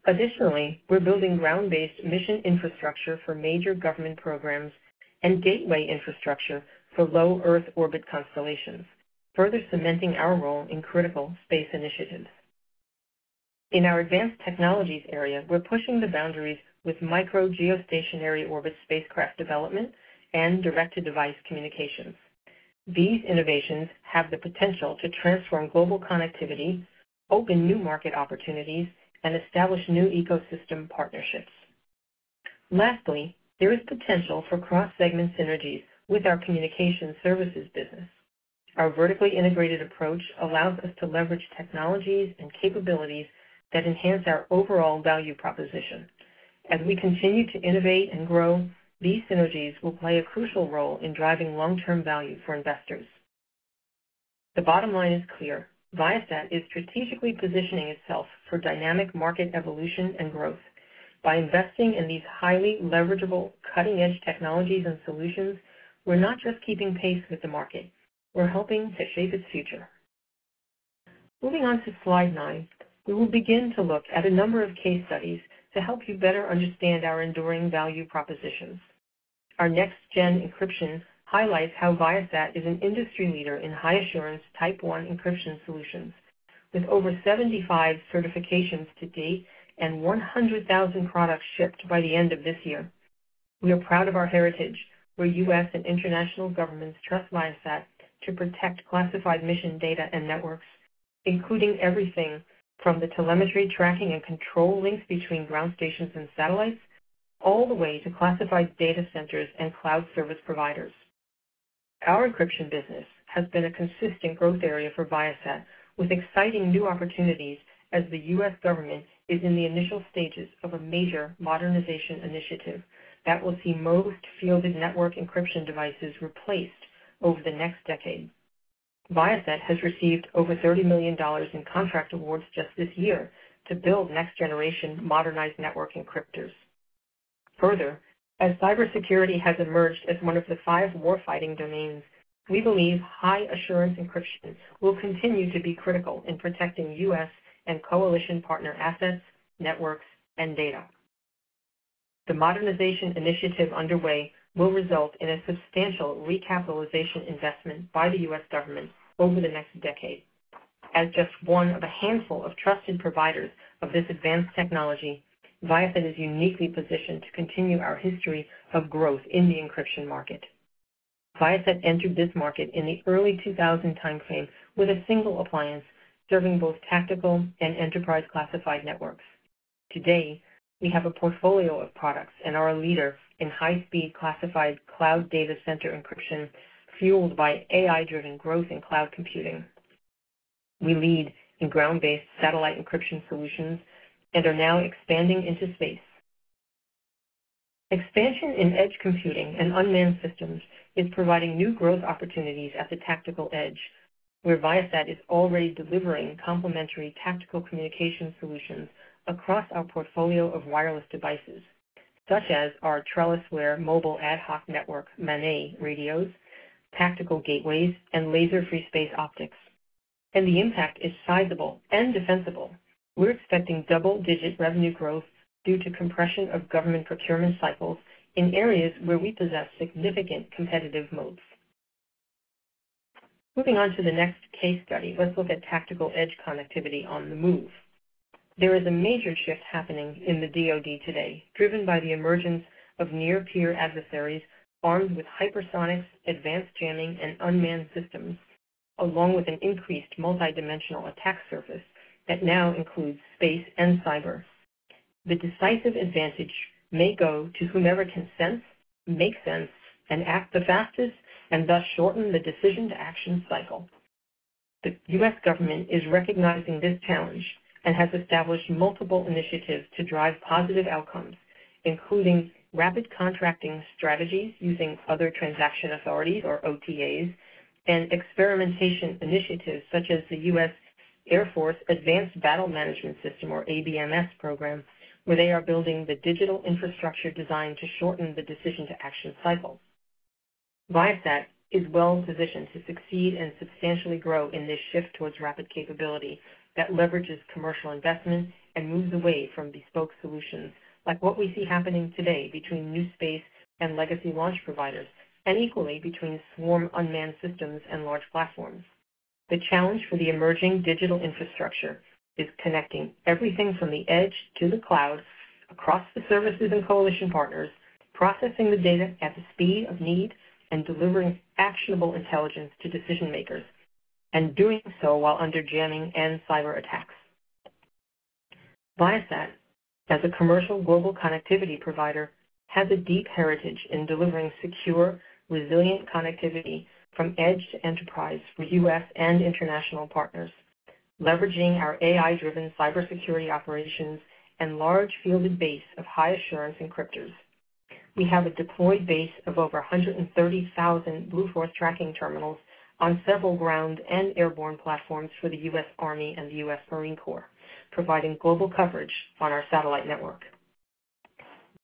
C: Additionally, we're building ground-based mission infrastructure for major government programs and gateway infrastructure for Low Earth Orbit constellations, further cementing our role in critical space initiatives. In our Advanced Technologies area, we're pushing the boundaries with micro geostationary orbit spacecraft development and direct-to-device communications. These innovations have the potential to transform global connectivity, open new market opportunities, and establish new ecosystem partnerships. Lastly, there is potential for cross-segment synergies with our Communication Services business. Our vertically integrated approach allows us to leverage technologies and capabilities that enhance our overall value proposition. As we continue to innovate and grow, these synergies will play a crucial role in driving long-term value for investors. The bottom line is clear: Viasat is strategically positioning itself for dynamic market evolution and growth. By investing in these highly leverageable, cutting-edge technologies and solutions, we're not just keeping pace with the market, we're helping to shape its future. Moving on to slide 9, we will begin to look at a number of case studies to help you better understand our enduring value propositions. Our next-gen encryption highlights how Viasat is an industry leader in high assurance Type 1 encryption solutions, with over 75 certifications to date and 100,000 products shipped by the end of this year. We are proud of our heritage, where U.S. and international governments trust Viasat to protect classified mission data and networks, including everything from the telemetry, tracking, and control links between ground stations and satellites, all the way to classified data centers and cloud service providers. Our encryption business has been a consistent growth area for Viasat, with exciting new opportunities as the U.S. government is in the initial stages of a major modernization initiative that will see most fielded network encryption devices replaced over the next decade. Viasat has received over $30 million in contract awards just this year to build next-generation modernized network encrypters. Further, as cybersecurity has emerged as one of the five warfighting domains, we believe high assurance encryption will continue to be critical in protecting U.S. and coalition partner assets, networks, and data. The modernization initiative underway will result in a substantial recapitalization investment by the U.S. government over the next decade. As just one of a handful of trusted providers of this advanced technology, Viasat is uniquely positioned to continue our history of growth in the encryption market. Viasat entered this market in the early 2000 timeframe with a single appliance serving both tactical and enterprise classified networks. Today, we have a portfolio of products and are a leader in high-speed classified cloud data center encryption, fueled by AI-driven growth in cloud computing. We lead in ground-based satellite encryption solutions and are now expanding into space. Expansion in edge computing and unmanned systems is providing new growth opportunities at the tactical edge, where Viasat is already delivering complementary tactical communication solutions across our portfolio of wireless devices, such as our TrellisWare Mobile Ad Hoc Network, MANET radios, tactical gateways, and laser free-space optics, and the impact is sizable and defensible. We're expecting double-digit revenue growth due to compression of government procurement cycles in areas where we possess significant competitive moats. Moving on to the next case study, let's look at tactical edge connectivity on the move. There is a major shift happening in the DoD today, driven by the emergence of near peer adversaries armed with hypersonics, advanced jamming, and unmanned systems, along with an increased multidimensional attack surface that now includes space and cyber. The decisive advantage may go to whomever can sense, make sense, and act the fastest, and thus shorten the decision-to-action cycle. The U.S. government is recognizing this challenge and has established multiple initiatives to drive positive outcomes, including rapid contracting strategies using other transaction authorities or OTAs, and experimentation initiatives such as the U.S. Air Force Advanced Battle Management System, or ABMS program, where they are building the digital infrastructure designed to shorten the decision-to-action cycle. Viasat is well-positioned to succeed and substantially grow in this shift towards rapid capability that leverages commercial investment and moves away from bespoke solutions, like what we see happening today between new space and legacy launch providers, and equally between swarm unmanned systems and large platforms. The challenge for the emerging digital infrastructure is connecting everything from the edge to the cloud across the services and coalition partners, processing the data at the speed of need, and delivering actionable intelligence to decision makers, and doing so while under jamming and cyberattacks. Viasat, as a commercial global connectivity provider, has a deep heritage in delivering secure, resilient connectivity from edge to enterprise for U.S. and international partners, leveraging our AI-driven cybersecurity operations and large fielded base of high assurance encrypters. We have a deployed base of over a 130,000 Blue Force Tracking terminals on several ground and airborne platforms for the U.S. Army and the U.S. Marine Corps, providing global coverage on our satellite network.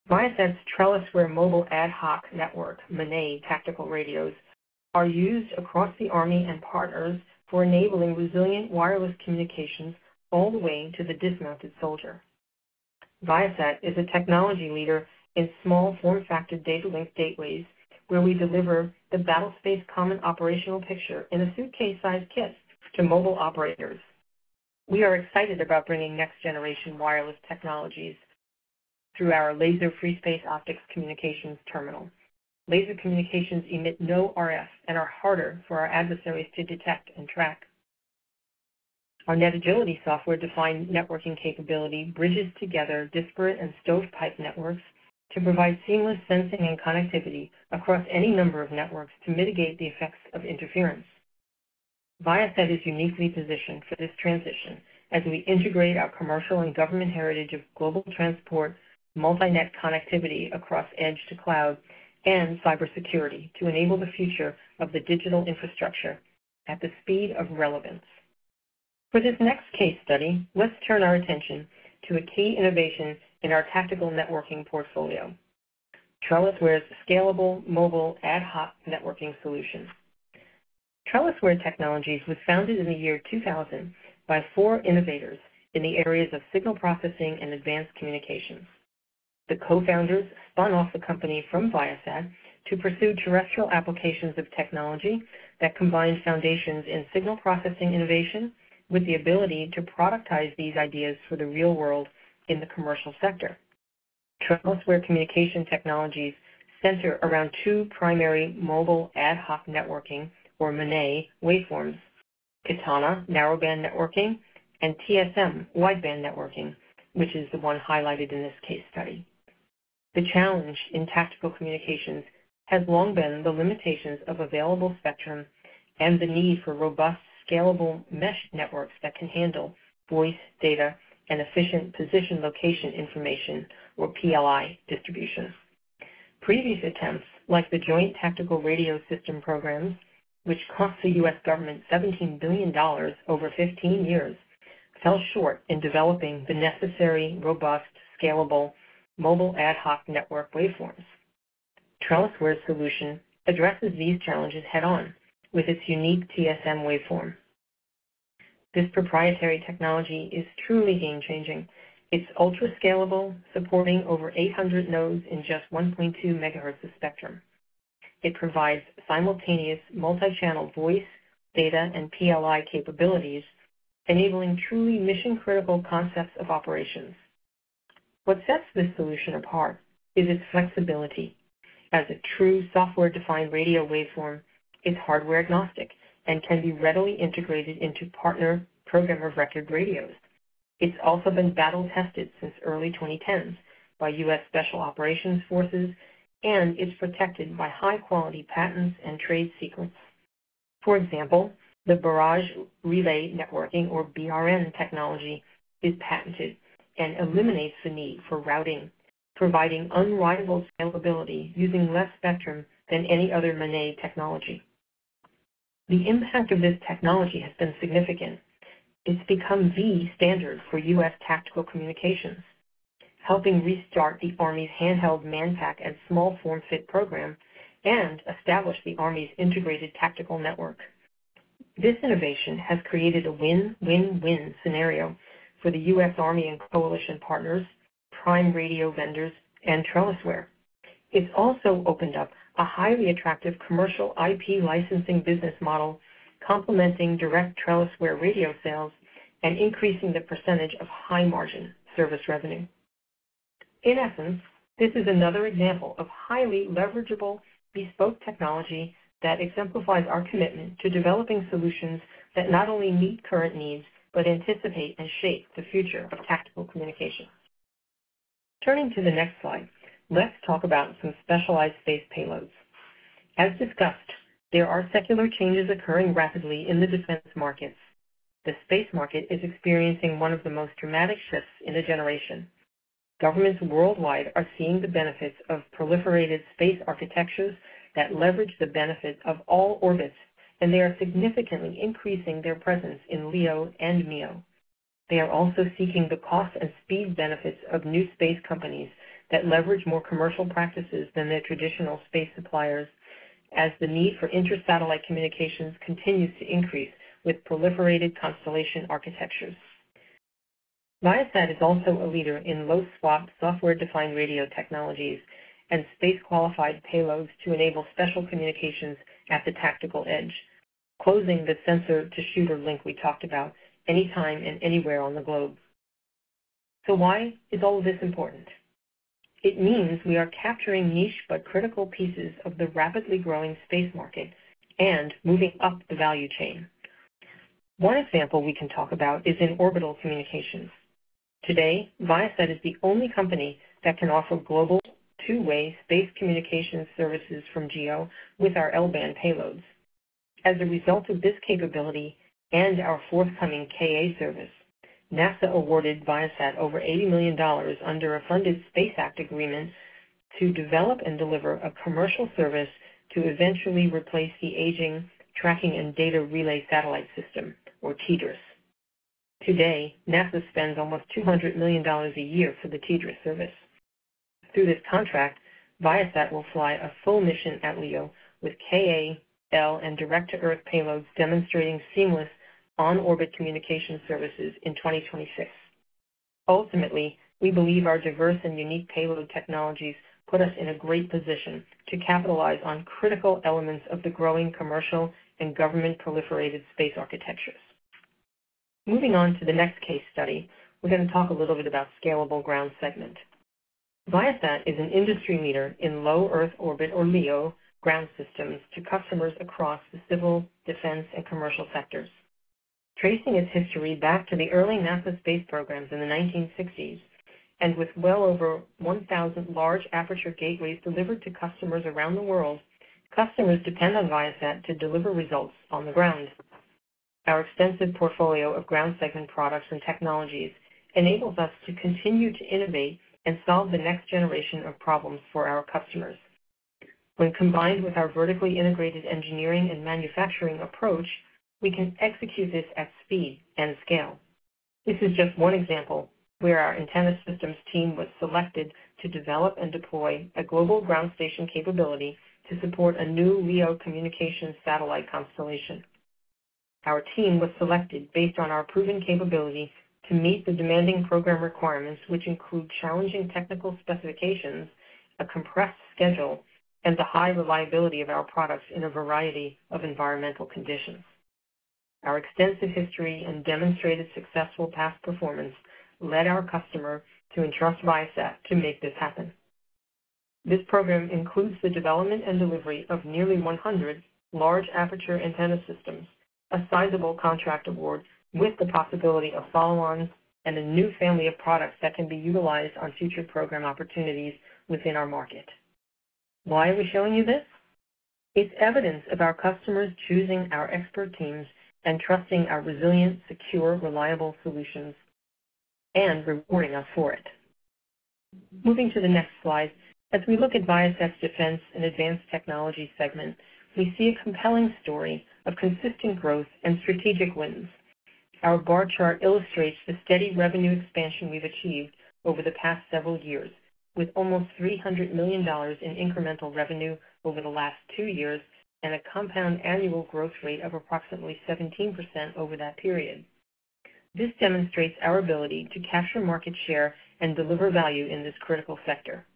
C: Viasat's TrellisWare Mobile Ad Hoc Network, MANET tactical radios, are used across the Army and partners for enabling resilient wireless communications all the way to the dismounted soldier. Viasat is a technology leader in small form factor data link gateways, where we deliver the battlespace common operational picture in a suitcase-sized kit to mobile operators. We are excited about bringing next-generation wireless technologies through our laser free space optics communications terminal. Laser communications emit no RF and are harder for our adversaries to detect and track. Our NetAgility software-defined networking capability bridges together disparate and stovepipe networks to provide seamless sensing and connectivity across any number of networks to mitigate the effects of interference. Viasat is uniquely positioned for this transition as we integrate our commercial and government heritage of global transport, multi-net connectivity across edge to cloud, and cybersecurity to enable the future of the digital infrastructure at the speed of relevance. For this next case study, let's turn our attention to a key innovation in our Tactical Networking portfolio, TrellisWare's scalable Mobile Ad Hoc Networking solution. TrellisWare Technologies was founded in the year 2000 by four innovators in the areas of signal processing and advanced communications. The co-founders spun off the company from Viasat to pursue terrestrial applications of technology that combines foundations in signal processing innovation with the ability to productize these ideas for the real world in the commercial sector. TrellisWare communication technologies center around two primary Mobile Ad Hoc Networking, or MANET, waveforms: Katana, narrowband networking, and TSM, wideband networking, which is the one highlighted in this case study. The challenge in tactical communications has long been the limitations of available spectrum and the need for robust, scalable mesh networks that can handle voice, data, and efficient position location information, or PLI, distribution. Previous attempts, like the Joint Tactical Radio System programs, which cost the U.S. government $17 billion over 15 years, fell short in developing the necessary, robust, scalable mobile ad hoc network waveforms. TrellisWare's solution addresses these challenges head-on with its unique TSM waveform. This proprietary technology is truly game-changing. It's ultra-scalable, supporting over 800 nodes in just 1.2 megahertz of spectrum. It provides simultaneous multi-channel voice, data, and PLI capabilities, enabling truly mission-critical concepts of operations. What sets this solution apart is its flexibility. As a true software-defined radio waveform, it's hardware-agnostic and can be readily integrated into partner program of record radios. It's also been battle-tested since early 2010s by U.S. Special Operations forces and is protected by high-quality patents and trade secrets. For example, the Barrage Relay Networking, or BRN, technology is patented and eliminates the need for routing, providing unrivaled scalability using less spectrum than any other MANET technology. The impact of this technology has been significant. It's become the standard for U.S. tactical communications, helping restart the Army's Handheld, Manpack, and Small Form Fit program and establish the Army's Integrated Tactical Network. This innovation has created a win-win-win scenario for the U.S. Army and coalition partners, prime radio vendors, and TrellisWare. It's also opened up a highly attractive commercial IP licensing business model, complementing direct TrellisWare radio sales and increasing the percentage of high-margin service revenue. In essence, this is another example of highly leverageable, bespoke technology that exemplifies our commitment to developing solutions that not only meet current needs, but anticipate and shape the future of tactical communication. Turning to the next slide, let's talk about some specialized space payloads. As discussed, there are secular changes occurring rapidly in the defense markets. The space market is experiencing one of the most dramatic shifts in a generation. Governments worldwide are seeing the benefits of proliferated space architectures that leverage the benefit of all orbits, and they are significantly increasing their presence in LEO and MEO. They are also seeking the cost and speed benefits of new space companies that leverage more commercial practices than their traditional space suppliers, as the need for inter-satellite communications continues to increase with proliferated constellation architectures. Viasat is also a leader in low SWaP, software-defined radio technologies and space-qualified payloads to enable secure communications at the tactical edge, closing the sensor-to-shooter link we talked about anytime and anywhere on the globe. So why is all of this important? It means we are capturing niche, but critical pieces of the rapidly growing space market and moving up the value chain. One example we can talk about is in orbital communications. Today, Viasat is the only company that can offer global two-way space communications services from GEO with our L-band payloads. As a result of this capability and our forthcoming Ka service, NASA awarded Viasat over $80 million under a funded Space Act Agreement to develop and deliver a commercial service to eventually replace the aging Tracking and Data Relay Satellite System, or TDRSS. Today, NASA spends almost $200 million a year for the TDRSS service. Through this contract, Viasat will fly a full mission at LEO with Ka, L, and direct-to-Earth payloads, demonstrating seamless on-orbit Communication Services in 2026. Ultimately, we believe our diverse and unique payload technologies put us in a great position to capitalize on critical elements of the growing commercial and government proliferated space architectures. Moving on to the next case study, we're going to talk a little bit about scalable ground segment. Viasat is an industry leader in Low Earth Orbit, or LEO, ground systems to customers across the civil, defense, and commercial sectors. Tracing its history back to the early NASA space programs in the 1960, and with well over 1,000 large aperture gateways delivered to customers around the world, customers depend on Viasat to deliver results on the ground. Our extensive portfolio of ground segment products and technologies enables us to continue to innovate and solve the next generation of problems for our customers. When combined with our vertically integrated engineering and manufacturing approach, we can execute this at speed and scale. This is just one example where our Antenna Systems team was selected to develop and deploy a global ground station capability to support a new LEO communication satellite constellation. Our team was selected based on our proven capability to meet the demanding program requirements, which include challenging technical specifications, a compressed schedule, and the high reliability of our products in a variety of environmental conditions. Our extensive history and demonstrated successful past performance led our customer to entrust Viasat to make this happen. This program includes the development and delivery of nearly 100 large aperture Antenna Systems, a sizable contract award with the possibility of follow-ons and a new family of products that can be utilized on future program opportunities within our market. Why are we showing you this? It's evidence of our customers choosing our expert teams and trusting our resilient, secure, reliable solutions and rewarding us for it. Moving to the next slide, as we look at Viasat's Defense and Advanced Technologies segment, we see a compelling story of consistent growth and strategic wins. Our bar chart illustrates the steady revenue expansion we've achieved over the past several years, with almost $300 million in incremental revenue over the last two years and a compound annual growth rate of approximately 17% over that period. This demonstrates our ability to capture market share and deliver value in this critical sector.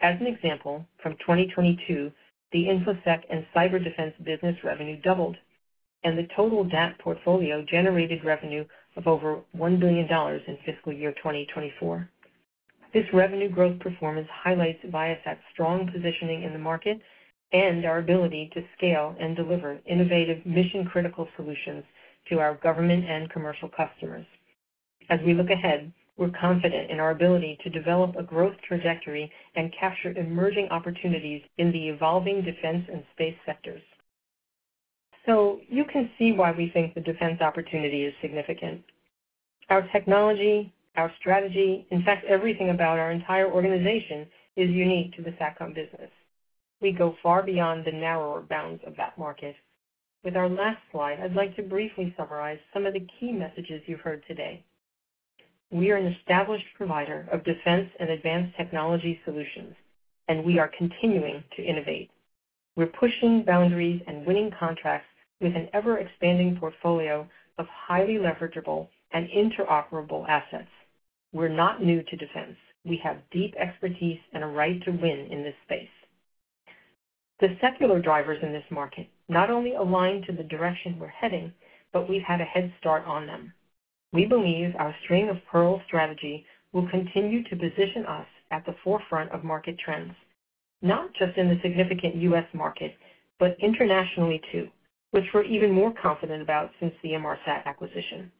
C: As an example, from 2022, the InfoSec and cyber defense business revenue doubled, and the total DAT portfolio generated revenue of over $1 billion in fiscal year 2024. This revenue growth performance highlights Viasat's strong positioning in the market and our ability to scale and deliver innovative mission-critical solutions to our government and commercial customers. As we look ahead, we're confident in our ability to develop a growth trajectory and capture emerging opportunities in the evolving defense and space sectors. So you can see why we think the defense opportunity is significant. Our technology, our strategy, in fact, everything about our entire organization is unique to the SATCOM business. We go far beyond the narrower bounds of that market. With our last slide, I'd like to briefly summarize some of the key messages you've heard today. We are an established provider of defense and advanced technology solutions, and we are continuing to innovate. We're pushing boundaries and winning contracts with an ever-expanding portfolio of highly leverageable and interoperable assets. We're not new to defense. We have deep expertise and a right to win in this space. The secular drivers in this market not only align to the direction we're heading, but we've had a head start on them. We believe our string of pearls strategy will continue to position us at the forefront of market trends, not just in the significant U.S. market, but internationally too, which we're even more confident about since the Inmarsat acquisition.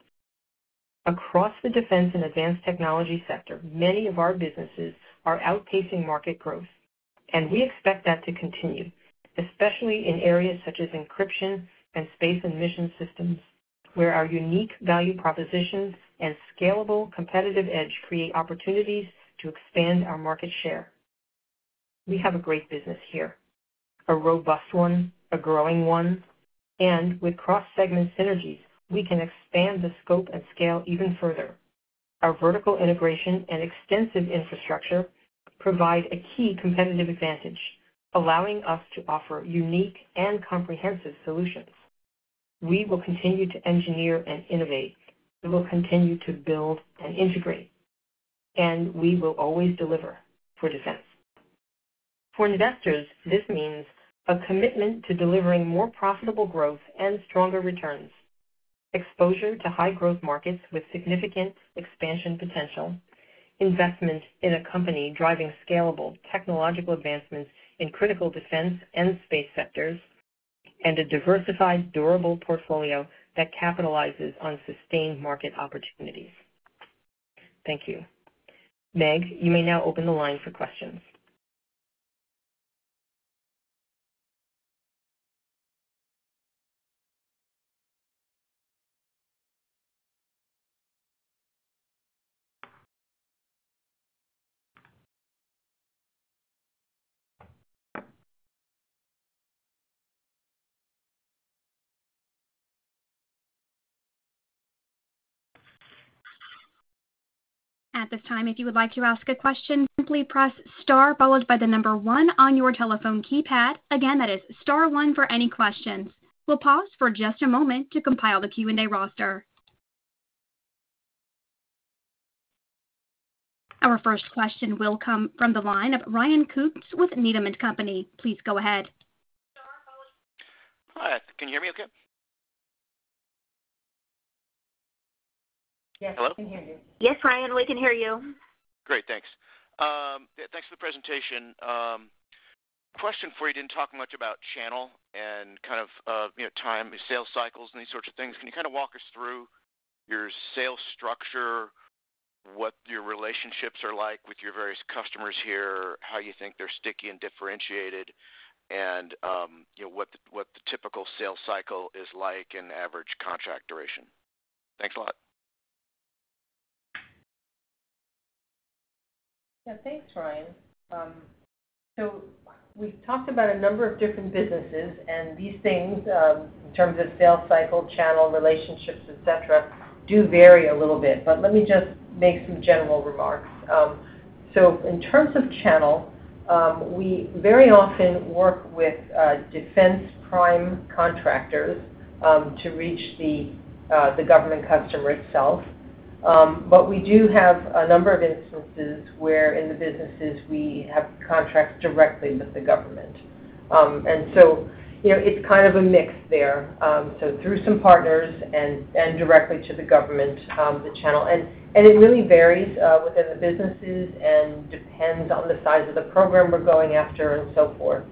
C: Across the defense and advanced technology sector, many of our businesses are outpacing market growth, and we expect that to continue, especially in areas such as encryption and Space and Mission Systems, where our unique value propositions and scalable competitive edge create opportunities to expand our market share. We have a great business here, a robust one, a growing one, and with cross-segment synergies, we can expand the scope and scale even further. Our vertical integration and extensive infrastructure provide a key competitive advantage, allowing us to offer unique and comprehensive solutions. We will continue to engineer and innovate. We will continue to build and integrate, and we will always deliver for defense. For investors, this means a commitment to delivering more profitable growth and stronger returns, exposure to high-growth markets with significant expansion potential, investment in a company driving scalable technological advancements in critical defense and space sectors, and a diversified, durable portfolio that capitalizes on sustained market opportunities. Thank you. Meg, you may now open the line for questions.
A: At this time, if you would like to ask a question, simply press star, followed by the number one on your telephone keypad. Again, that is star one for any questions. We'll pause for just a moment to compile the Q&A roster. Our first question will come from the line of Ryan Koontz with Needham & Company. Please go ahead.
D: Hi, can you hear me okay?
C: Yes, we can hear you.
B: Yes, Ryan, we can hear you.
D: Great, thanks. Yeah, thanks for the presentation. Question for you. You didn't talk much about channel and kind of, you know, time, sales cycles, and these sorts of things. Can you kind of walk us through your sales structure, what your relationships are like with your various customers here, how you think they're sticky and differentiated, and, you know, what the, what the typical sales cycle is like, and average contract duration? Thanks a lot.
C: Yeah. Thanks, Ryan, so we've talked about a number of different businesses, and these things, in terms of sales cycle, channel, relationships, et cetera, do vary a little bit, but let me just make some general remarks, so in terms of channel, we very often work with defense prime contractors to reach the government customer itself, but we do have a number of instances where in the businesses we have contracts directly with the government, and so, you know, it's kind of a mix there, so through some partners and directly to the government, the channel, and it really varies within the businesses and depends on the size of the program we're going after and so forth.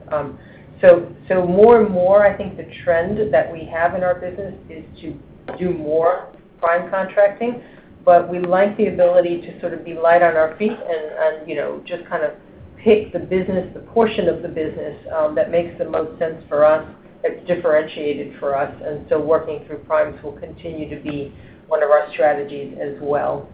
C: So more and more, I think the trend that we have in our business is to do more prime contracting, but we like the ability to sort of be light on our feet and you know just kind of pick the business, the portion of the business that makes the most sense for us, that's differentiated for us, and so working through primes will continue to be one of our strategies as well.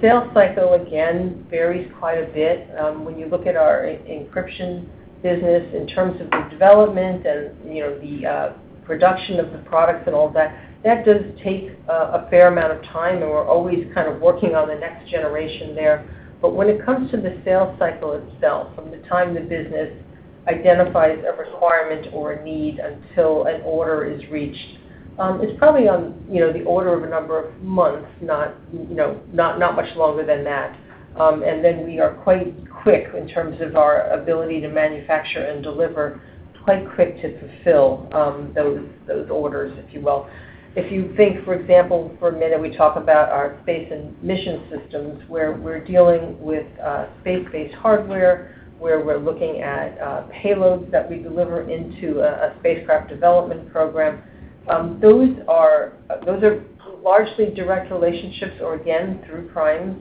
C: Sales cycle, again, varies quite a bit. When you look at our encryption business, in terms of the development and you know the production of the products and all that, that does take a fair amount of time, and we're always kind of working on the next generation there. But when it comes to the sales cycle itself, from the time the business identifies a requirement or a need until an order is reached, it's probably on, you know, the order of a number of months, not, you know, much longer than that. And then we are quite quick in terms of our ability to manufacture and deliver, quite quick to fulfill those orders, if you will. If you think, for example, for a minute, we talk about our Space and Mission Systems, where we're dealing with space-based hardware, where we're looking at payloads that we deliver into a spacecraft development program, those are largely direct relationships, or again, through primes.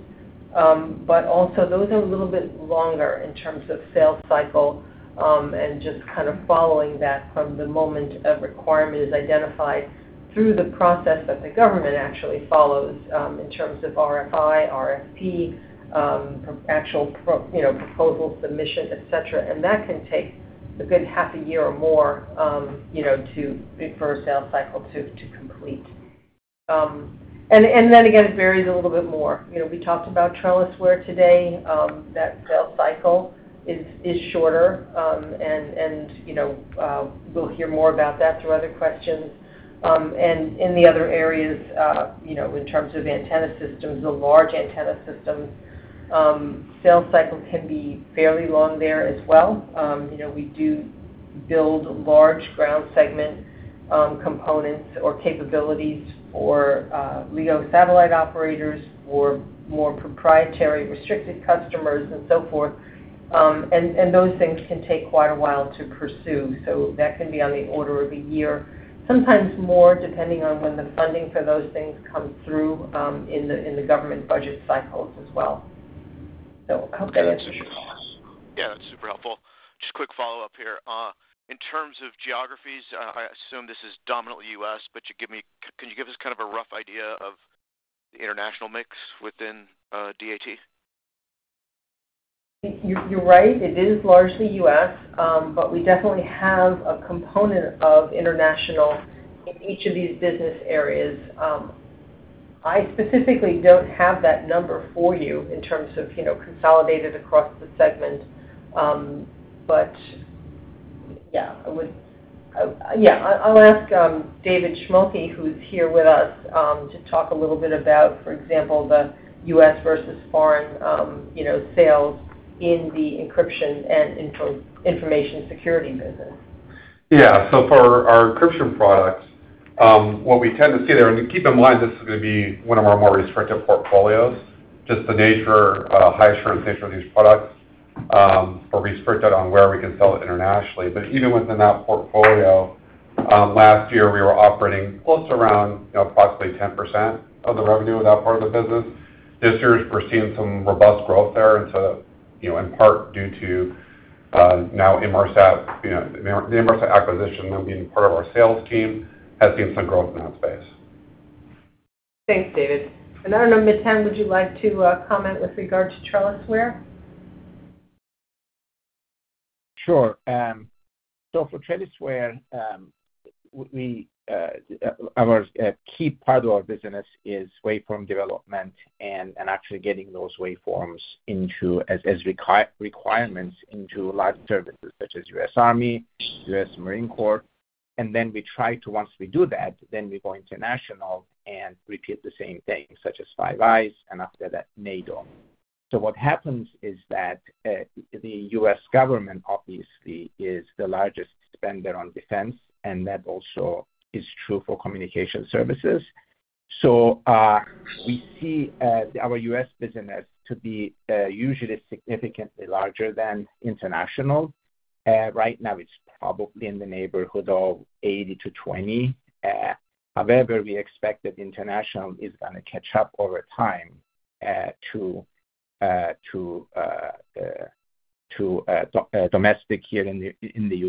C: But also those are a little bit longer in terms of sales cycle, and just kind of following that from the moment a requirement is identified through the process that the government actually follows, in terms of RFI, RFP, you know, proposal submission, et cetera, and that can take a good half a year or more, you know, for a sales cycle to complete, and then again, it varies a little bit more. You know, we talked about TrellisWare today, that sales cycle is shorter, and, you know, we'll hear more about that through other questions, and in the other areas, you know, in terms of Antenna Systems, the large Antenna Systems, sales cycle can be fairly long there as well. You know, we do build large ground segment components or capabilities for LEO satellite operators or more proprietary, restricted customers and so forth. And those things can take quite a while to pursue, so that can be on the order of a year, sometimes more, depending on when the funding for those things comes through in the government budget cycles as well. So I hope that answers your question.
D: Yeah, that's super helpful. Just a quick follow-up here. In terms of geographies, I assume this is dominantly U.S., but can you give us kind of a rough idea of the international mix within DAT?
C: You, you're right. It is largely U.S., but we definitely have a component of international in each of these business areas. I specifically don't have that number for you in terms of, you know, consolidated across the segment. But yeah, I'll ask David Schmolke, who's here with us, to talk a little bit about, for example, the U.S. versus foreign, you know, sales in the encryption and information security business.
E: Yeah. So for our encryption products, what we tend to see there, and keep in mind, this is gonna be one of our more restricted portfolios, just the nature, high assurance nature of these products, are restricted on where we can sell it internationally. But even within that portfolio, last year, we were operating close around, you know, approximately 10% of the revenue of that part of the business. This year, we're seeing some robust growth there. And so, you know, in part due to, now Inmarsat, you know, the Inmarsat acquisition, them being part of our sales team, has seen some growth in that space.
C: Thanks, David. And I don't know, Metin, would you like to comment with regard to TrellisWare?
F: Sure. So for TrellisWare, a key part of our business is waveform development and actually getting those waveforms into, as requirements into large services such as U.S. Army, U.S. Marine Corps. And then we try to, once we do that, then we go international and repeat the same thing, such as Five Eyes, and after that, NATO. So what happens is that, the U.S. government obviously is the largest spender on defense, and that also is true for Communication Services. So, we see our U.S. business to be usually significantly larger than international. Right now, it's probably in the neighborhood of 80 to 20. However, we expect that international is gonna catch up over time to domestic here in the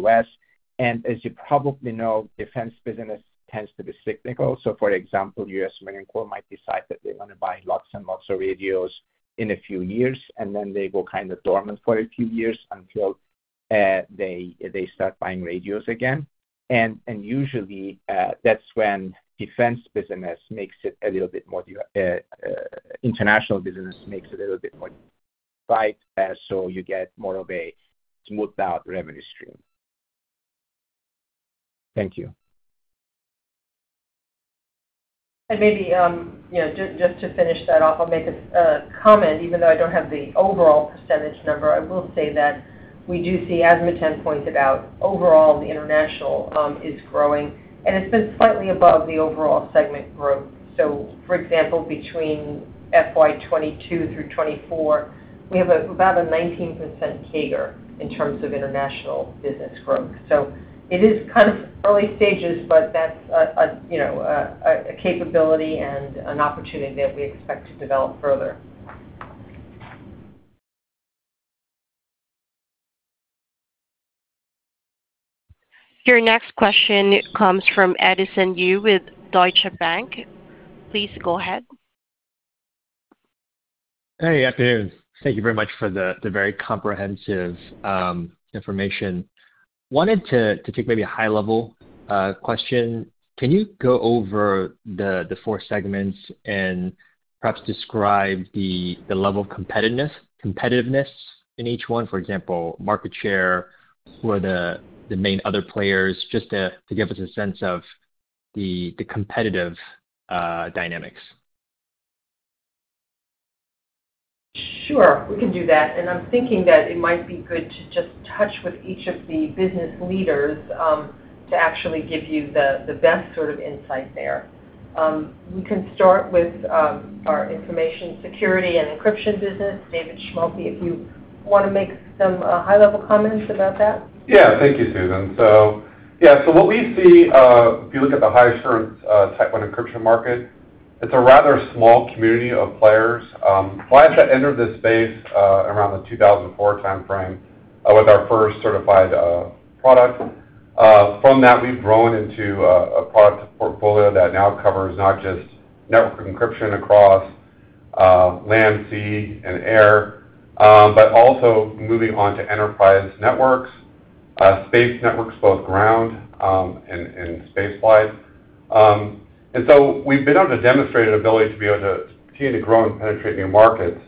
F: U.S. As you probably know, defense business tends to be cyclical. So for example, U.S. Marine Corps might decide that they want to buy lots and lots of radios in a few years, and then they go kind of dormant for a few years until they start buying radios again. And usually, that's when international business makes it a little bit more viable, so you get more of a smoothed out revenue stream. Thank you.
C: Maybe, you know, just to finish that off, I'll make a comment. Even though I don't have the overall percentage number, I will say that we do see, as Metin pointed out, overall, the international is growing, and it's been slightly above the overall segment growth. So for example, between FY 2022 through 2024, we have about a 19% CAGR in terms of international business growth. So it is kind of early stages, but that's a you know, a capability and an opportunity that we expect to develop further.
A: Your next question comes from Edison Yu with Deutsche Bank. Please go ahead.
G: Hey, afternoon. Thank you very much for the very comprehensive information. Wanted to take maybe a high-level question. Can you go over the four segments and perhaps describe the level of competitiveness in each one? For example, market share, who are the main other players, just to give us a sense of the competitive dynamics.
C: Sure, we can do that. And I'm thinking that it might be good to just touch with each of the business leaders, to actually give you the best sort of insight there. We can start with our information security and encryption business. David Schmolke, if you want to make some high-level comments about that?
E: Yeah. Thank you, Susan. So, yeah, so what we see, if you look at the high assurance, Type 1 encryption market, it's a rather small community of players. Viasat entered this space, around the 2004 timeframe, with our first certified product. From that, we've grown into a product portfolio that now covers not just network encryption across land, sea, and air, but also moving on to enterprise networks, space networks, both ground and space flight. And so we've been able to demonstrate an ability to be able to continue to grow and penetrate new markets.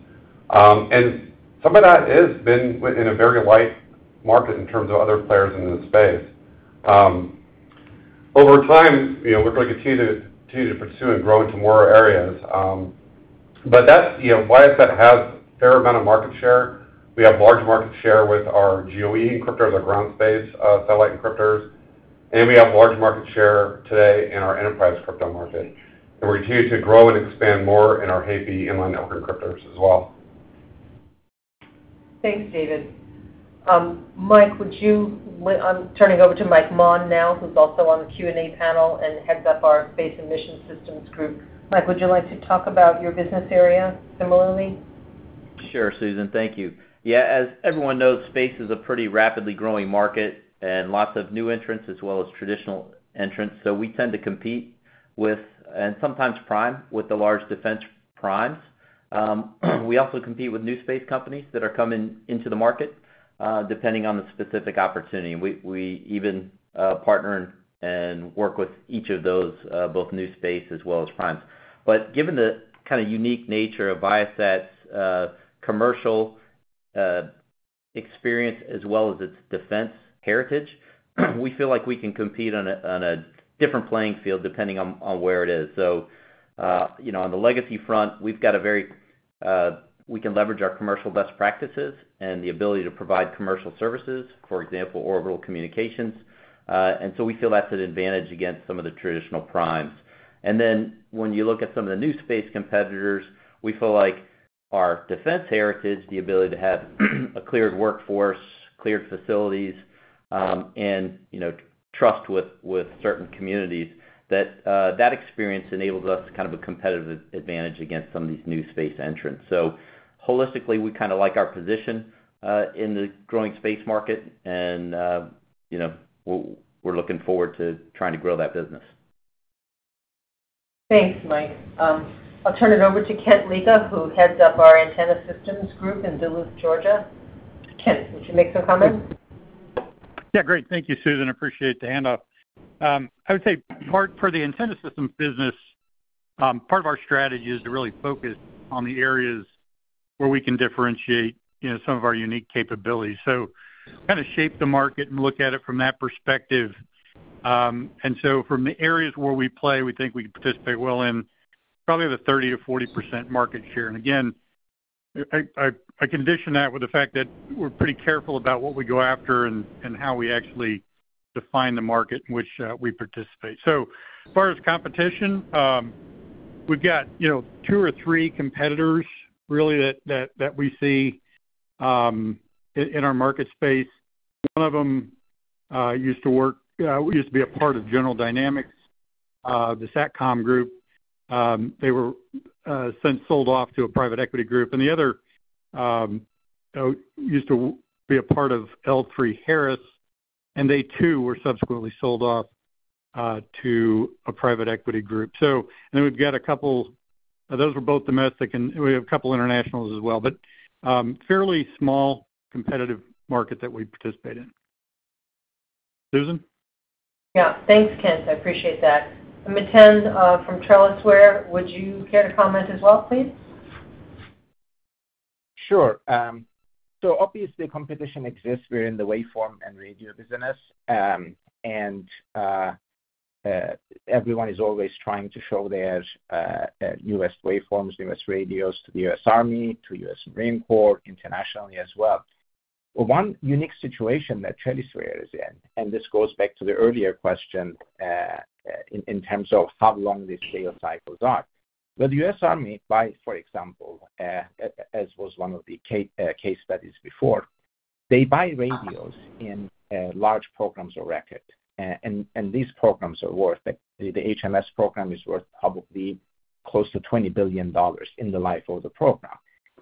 E: And some of that has been in a very light market in terms of other players in this space. Over time, you know, we're going to continue to pursue and grow into more areas, but that's, you know, Viasat has a fair amount of market share. We have large market share with our GEO encryptors, our ground space satellite encryptors, and we have large market share today in our enterprise crypto market, and we continue to grow and expand more in our HAIPE inline network encryptors as well.
C: Thanks, David. Mike, I'm turning over to Mike Maughan now, who's also on the Q&A panel and heads up our Space and Mission Systems group. Mike, would you like to talk about your business area similarly?
H: Sure, Susan. Thank you. Yeah, as everyone knows, space is a pretty rapidly growing market and lots of new entrants as well as traditional entrants. So we tend to compete with, and sometimes prime, with the large defense primes. We also compete with new space companies that are coming into the market, depending on the specific opportunity. We even partner and work with each of those, both new space as well as primes. But given the kind of unique nature of Viasat's commercial experience, as well as its defense heritage, we feel like we can compete on a different playing field, depending on where it is. So, you know, on the legacy front, we can leverage our commercial best practices and the ability to provide commercial services, for example, orbital communications. And so we feel that's an advantage against some of the traditional primes. And then when you look at some of the new space competitors, we feel like our defense heritage, the ability to have a cleared workforce, cleared facilities, and, you know, trust with certain communities, that experience enables us to kind of a competitive advantage against some of these new space entrants. So holistically, we kind of like our position in the growing space market, and, you know, we're looking forward to trying to grow that business.
C: Thanks, Mike. I'll turn it over to Kent Leka, who heads up our Antenna Systems group in Duluth, Georgia. Kent, would you make some comments?
I: Yeah, great. Thank you, Susan. Appreciate the handoff. I would say, for the antenna system business, part of our strategy is to really focus on the areas where we can differentiate, you know, some of our unique capabilities. So kind of shape the market and look at it from that perspective. And so from the areas where we play, we think we participate well in probably the 30%-40% market share. And again, I condition that with the fact that we're pretty careful about what we go after and how we actually define the market in which we participate. So as far as competition, we've got, you know, two or three competitors really that we see in our market space. One of them we used to be a part of General Dynamics, the SATCOM group. They were since sold off to a private equity group. And the other used to be a part of L3Harris, and they too were subsequently sold off to a private equity group. So and then we've got a couple. Those were both domestic, and we have a couple internationals as well, but, fairly small competitive market that we participate in. Susan?
C: Yeah, thanks, Kent. I appreciate that. Metin, from TrellisWare, would you care to comment as well, please?
F: Sure. So obviously, competition exists. We're in the waveform and radio business, and everyone is always trying to show their U.S. waveforms, U.S. radios to the U.S. Army, to U.S. Marine Corps, internationally as well. One unique situation that TrellisWare is in, and this goes back to the earlier question, in terms of how long the sales cycles are. When the U.S. Army buys, for example, as was one of the case studies before, they buy radios in large programs of record. And these programs are worth it. The HMS program is worth probably close to $20 billion in the life of the program,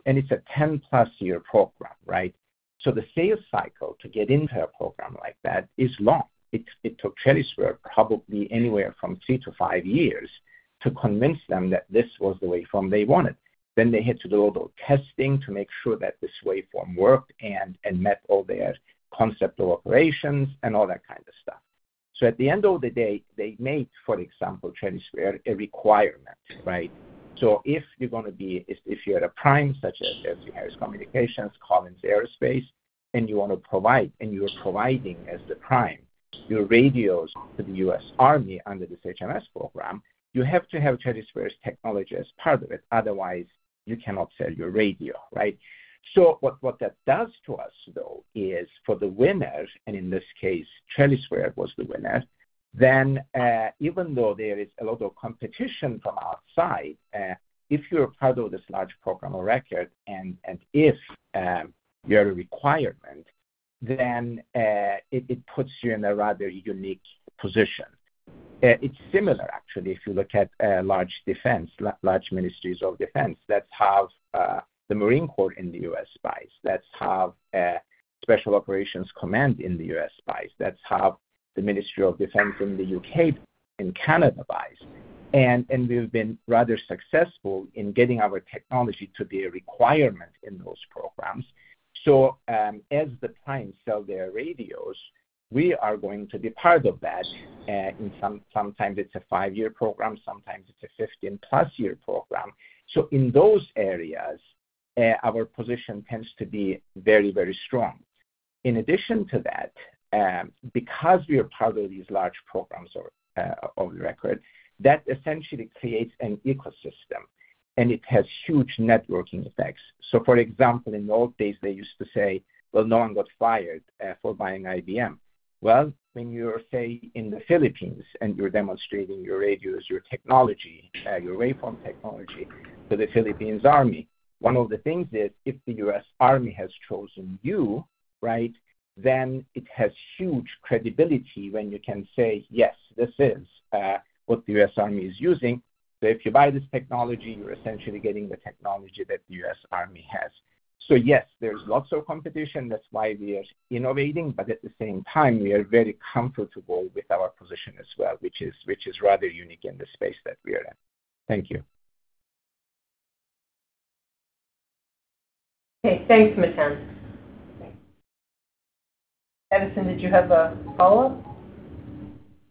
F: and it's a +10 year program, right? So the sales cycle to get into a program like that is long. It took TrellisWare probably anywhere from three to five years to convince them that this was the waveform they wanted. Then they had to do a little testing to make sure that this waveform worked and met all their concept of operations and all that kind of stuff. So at the end of the day, they make, for example, TrellisWare a requirement, right? So if you're at a prime, such as L3Harris Communications, Collins Aerospace, and you want to provide, and you're providing as the prime, your radios to the U.S. Army under this HMS program, you have to have TrellisWare's technology as part of it, otherwise you cannot sell your radio, right? So what that does to us, though, is for the winners, and in this case, TrellisWare was the winner. Then, even though there is a lot of competition from outside, if you're part of this large program of record and if you're a requirement, then it puts you in a rather unique position. It's similar actually, if you look at large defense large ministries of defense that have the Marine Corps in the U.S. buys, that have Special Operations Command in the U.S. buys, that have the Ministry of Defense in the U.K. and Canada buys. We've been rather successful in getting our technology to be a requirement in those programs. As the primes sell their radios, we are going to be part of that. And sometimes it's a five-year program, sometimes it's a +15 year program. So in those areas, our position tends to be very, very strong. In addition to that, because we are part of these large programs of record, that essentially creates an ecosystem, and it has huge networking effects. So, for example, in the old days, they used to say, "Well, no one got fired for buying IBM." Well, when you're, say, in the Philippines and you're demonstrating your radios, your technology, your waveform technology to the Philippines army, one of the things is, if the U.S. Army has chosen you, right, then it has huge credibility when you can say, "Yes, this is what the U.S. Army is using. So if you buy this technology, you're essentially getting the technology that the U.S. Army has." So yes, there's lots of competition. That's why we are innovating, but at the same time, we are very comfortable with our position as well, which is rather unique in the space that we are in. Thank you.
C: Okay, thanks, Metin. Edison, did you have a follow-up?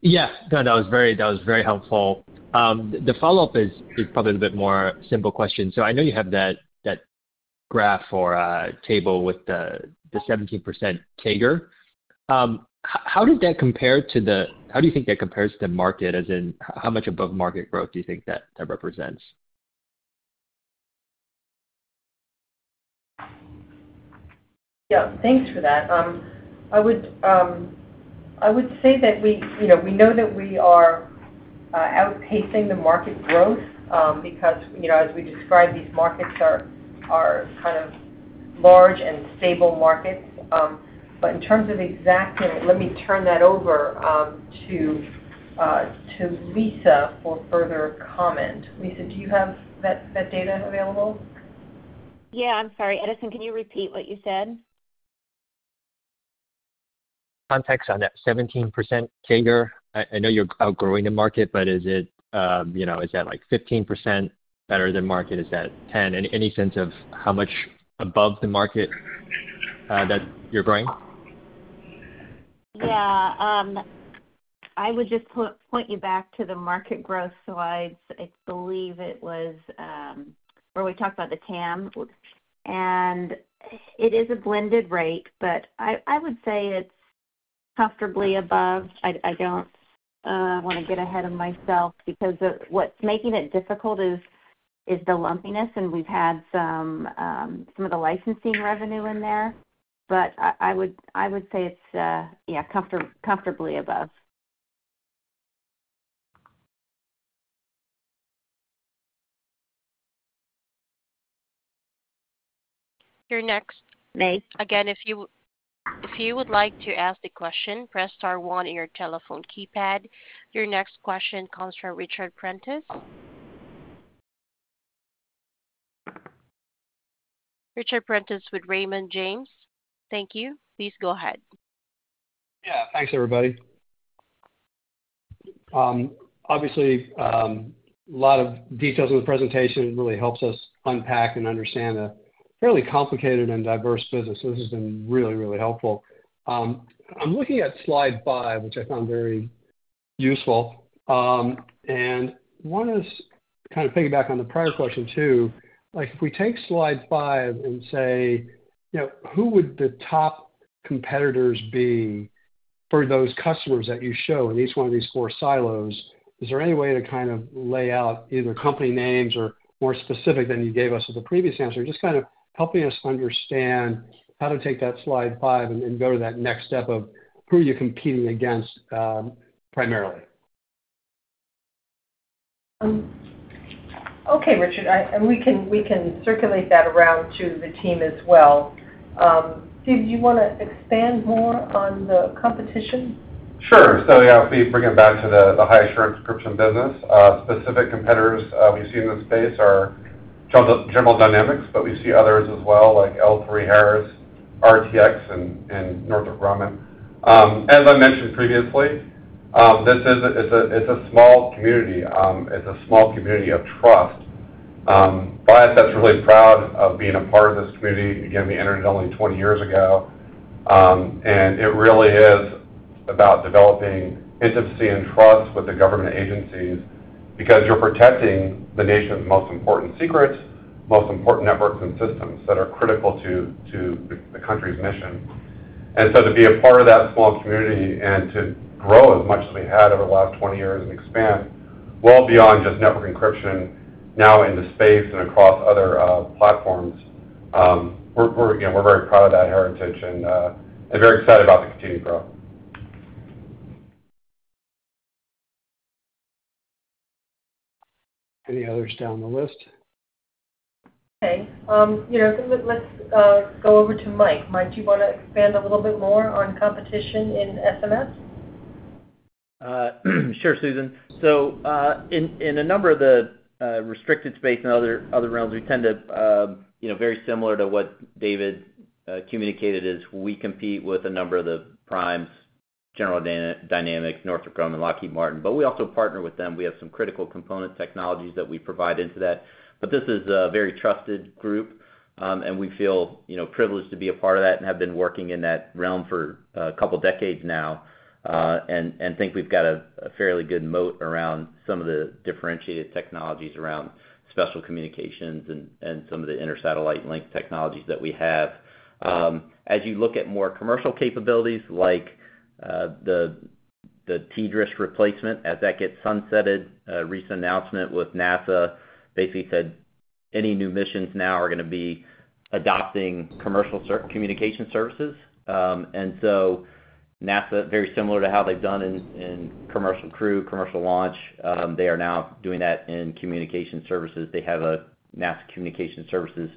G: Yes. No, that was very-- that was very helpful. The follow-up is probably a bit more simple question. So I know you have that graph or table with the 17% CAGR. How do you think that compares to the market, as in how much above market growth do you think that represents?
C: Yeah, thanks for that. I would say that we, you know, we know that we are outpacing the market growth, because, you know, as we described, these markets are kind of large and stable markets. But in terms of exactness, let me turn that over to Lisa for further comment. Lisa, do you have that data available?
B: Yeah. I'm sorry, Edison, can you repeat what you said?
G: Context on that 17% CAGR. I know you're outgrowing the market, but is it, you know, is that, like, 15% better than market? Is that 10%? Any sense of how much above the market that you're growing?
B: Yeah. I would just point you back to the market growth slides. I believe it was where we talked about the TAM. And it is a blended rate, but I would say it's comfortably above. I don't want to get ahead of myself because what's making it difficult is the lumpiness, and we've had some of the licensing revenue in there. But I would say it's, yeah, comfortably above.
A: Your next. Again, if you, if you would like to ask a question, press star one on your telephone keypad. Your next question comes from Richard Prentiss with Raymond James. Thank you. Please go ahead.
J: Yeah. Thanks, everybody. Obviously, a lot of details in the presentation really helps us unpack and understand a fairly complicated and diverse business. So this has been really, really helpful. I'm looking at slide 5, which I found very useful, and wanted to kind of piggyback on the prior question, too. Like, if we take slide 5 and say, you know, who would the top competitors be for those customers that you show in each one of these four silos? Is there any way to kind of lay out either company names or more specific than you gave us with the previous answer? Just kind of helping us understand how to take that slide 5 and go to that next step of who you're competing against, primarily.
C: Okay, Richard, and we can, we can circulate that around to the team as well. David, do you wanna expand more on the competition?
E: Sure. So, yeah, if we bring it back to the high assurance encryption business, specific competitors we see in this space are General Dynamics, but we see others as well, like L3Harris, RTX, and Northrop Grumman. As I mentioned previously, this is a-- it's a small community. It's a small community of trust. Viasat's really proud of being a part of this community. Again, we entered it only twenty years ago. And it really is about developing intimacy and trust with the government agencies because you're protecting the nation's most important secrets, most important networks and systems that are critical to the country's mission. To be a part of that small community and to grow as much as we have over the last twenty years and expand well beyond just network encryption, now into space and across other platforms, we're, again, very proud of that heritage and very excited about the continued growth.
J: Any others down the list?
C: Okay. You know, let's go over to Mike. Mike, do you wanna expand a little bit more on competition in SMS?
H: Sure, Susan. So, in a number of the restricted space and other realms, we tend to, you know, very similar to what David communicated, is we compete with a number of the primes: General Dynamics, Northrop Grumman, and Lockheed Martin. But we also partner with them. We have some critical component technologies that we provide into that. But this is a very trusted group, and we feel, you know, privileged to be a part of that and have been working in that realm for a couple of decades now, and think we've got a fairly good moat around some of the differentiated technologies around special communications and some of the intersatellite link technologies that we have. As you look at more commercial capabilities, like, the TDRS replacement, as that gets sunsetted, a recent announcement with NASA basically said any new missions now are gonna be adopting commercial communication services, and so NASA, very similar to how they've done in commercial crew, commercial launch, they are now doing that in communication services. They have a NASA Communications Services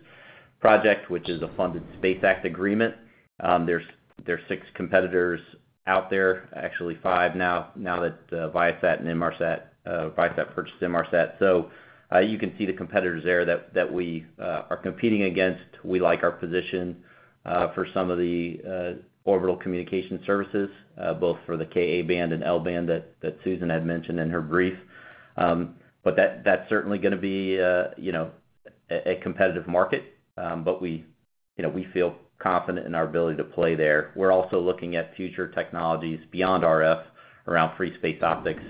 H: Project, which is a funded Space Act Agreement. There are six competitors out there. Actually, five now that Viasat and Inmarsat, Viasat purchased Inmarsat. So, you can see the competitors there that we are competing against. We like our position for some of the orbital communication services, both for the Ka-band and L-band that Susan had mentioned in her brief. But that's certainly gonna be, you know, a competitive market, but we, you know, we feel confident in our ability to play there. We're also looking at future technologies beyond RF, around free space optics,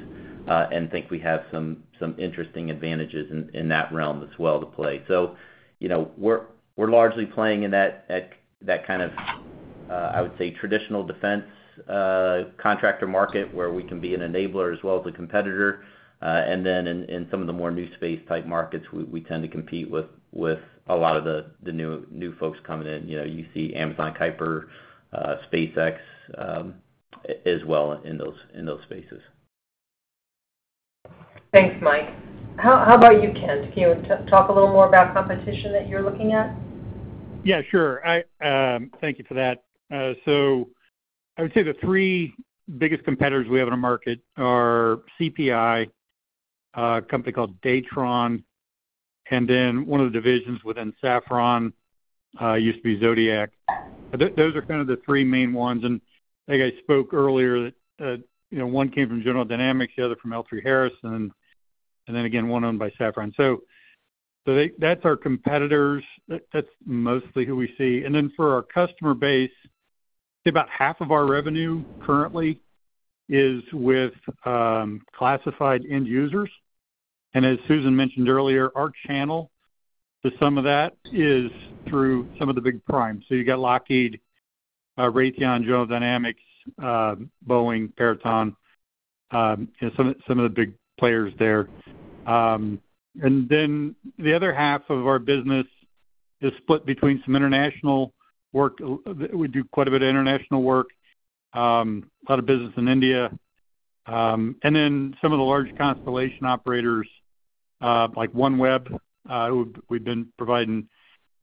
H: and think we have some interesting advantages in that realm as well, to play. So, you know, we're largely playing in that kind of, I would say, traditional defense contractor market, where we can be an enabler as well as a competitor. And then in some of the more new space-type markets, we tend to compete with a lot of the new folks coming in. You know, you see Amazon Kuiper, SpaceX, as well in those spaces.
C: Thanks, Mike. How about you, Kent? Can you talk a little more about competition that you're looking at?
I: Yeah, sure. I, Thank you for that. So I would say the three biggest competitors we have in the market are CPI, a company called Datron, and then one of the divisions within Safran, used to be Zodiac. Those are kind of the three main ones. And I think I spoke earlier that, you know, one came from General Dynamics, the other from L3Harris, and then again, one owned by Safran. So they-- that's our competitors. That, that's mostly who we see. And then for our customer base, say about half of our revenue currently is with, classified end users. And as Susan mentioned earlier, our channel. So some of that is through some of the big primes. So you got Lockheed, Raytheon, General Dynamics, Boeing, Peraton, you know, some of the big players there. And then the other half of our business is split between some international work. We do quite a bit of international work, a lot of business in India. And then some of the large constellation operators, like OneWeb, who we've been providing,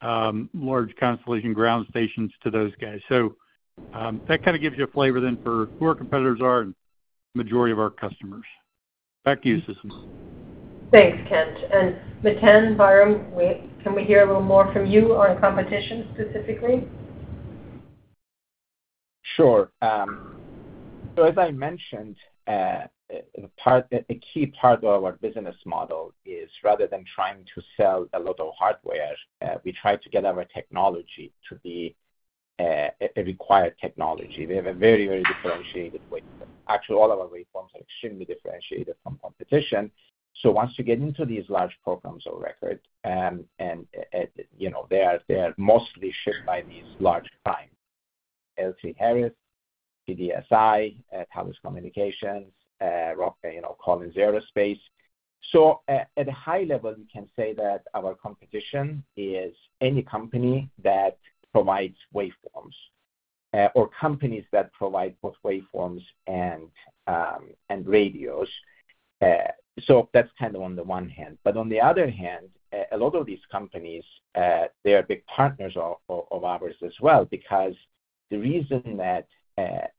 I: large constellation ground stations to those guys. So, that kind of gives you a flavor then for who our competitors are and majority of our customers. Back to you, Susan.
C: Thanks, Kent. And Metin Bayram, can we hear a little more from you on competition, specifically?
F: Sure. As I mentioned, a key part of our business model is rather than trying to sell a lot of hardware, we try to get our technology to be a required technology. We have a very, very differentiated waveform. Actually, all of our waveforms are extremely differentiated from competition. So once you get into these large programs of record, and you know, they are mostly shipped by these large primes: L3Harris, TDSI, Thales Communications, Rockwell, you know, Collins Aerospace. So at a high level, we can say that our competition is any company that provides waveforms, or companies that provide both waveforms and radios. So that's kind of on the one hand. But on the other hand, a lot of these companies, they are big partners of ours as well, because the reason that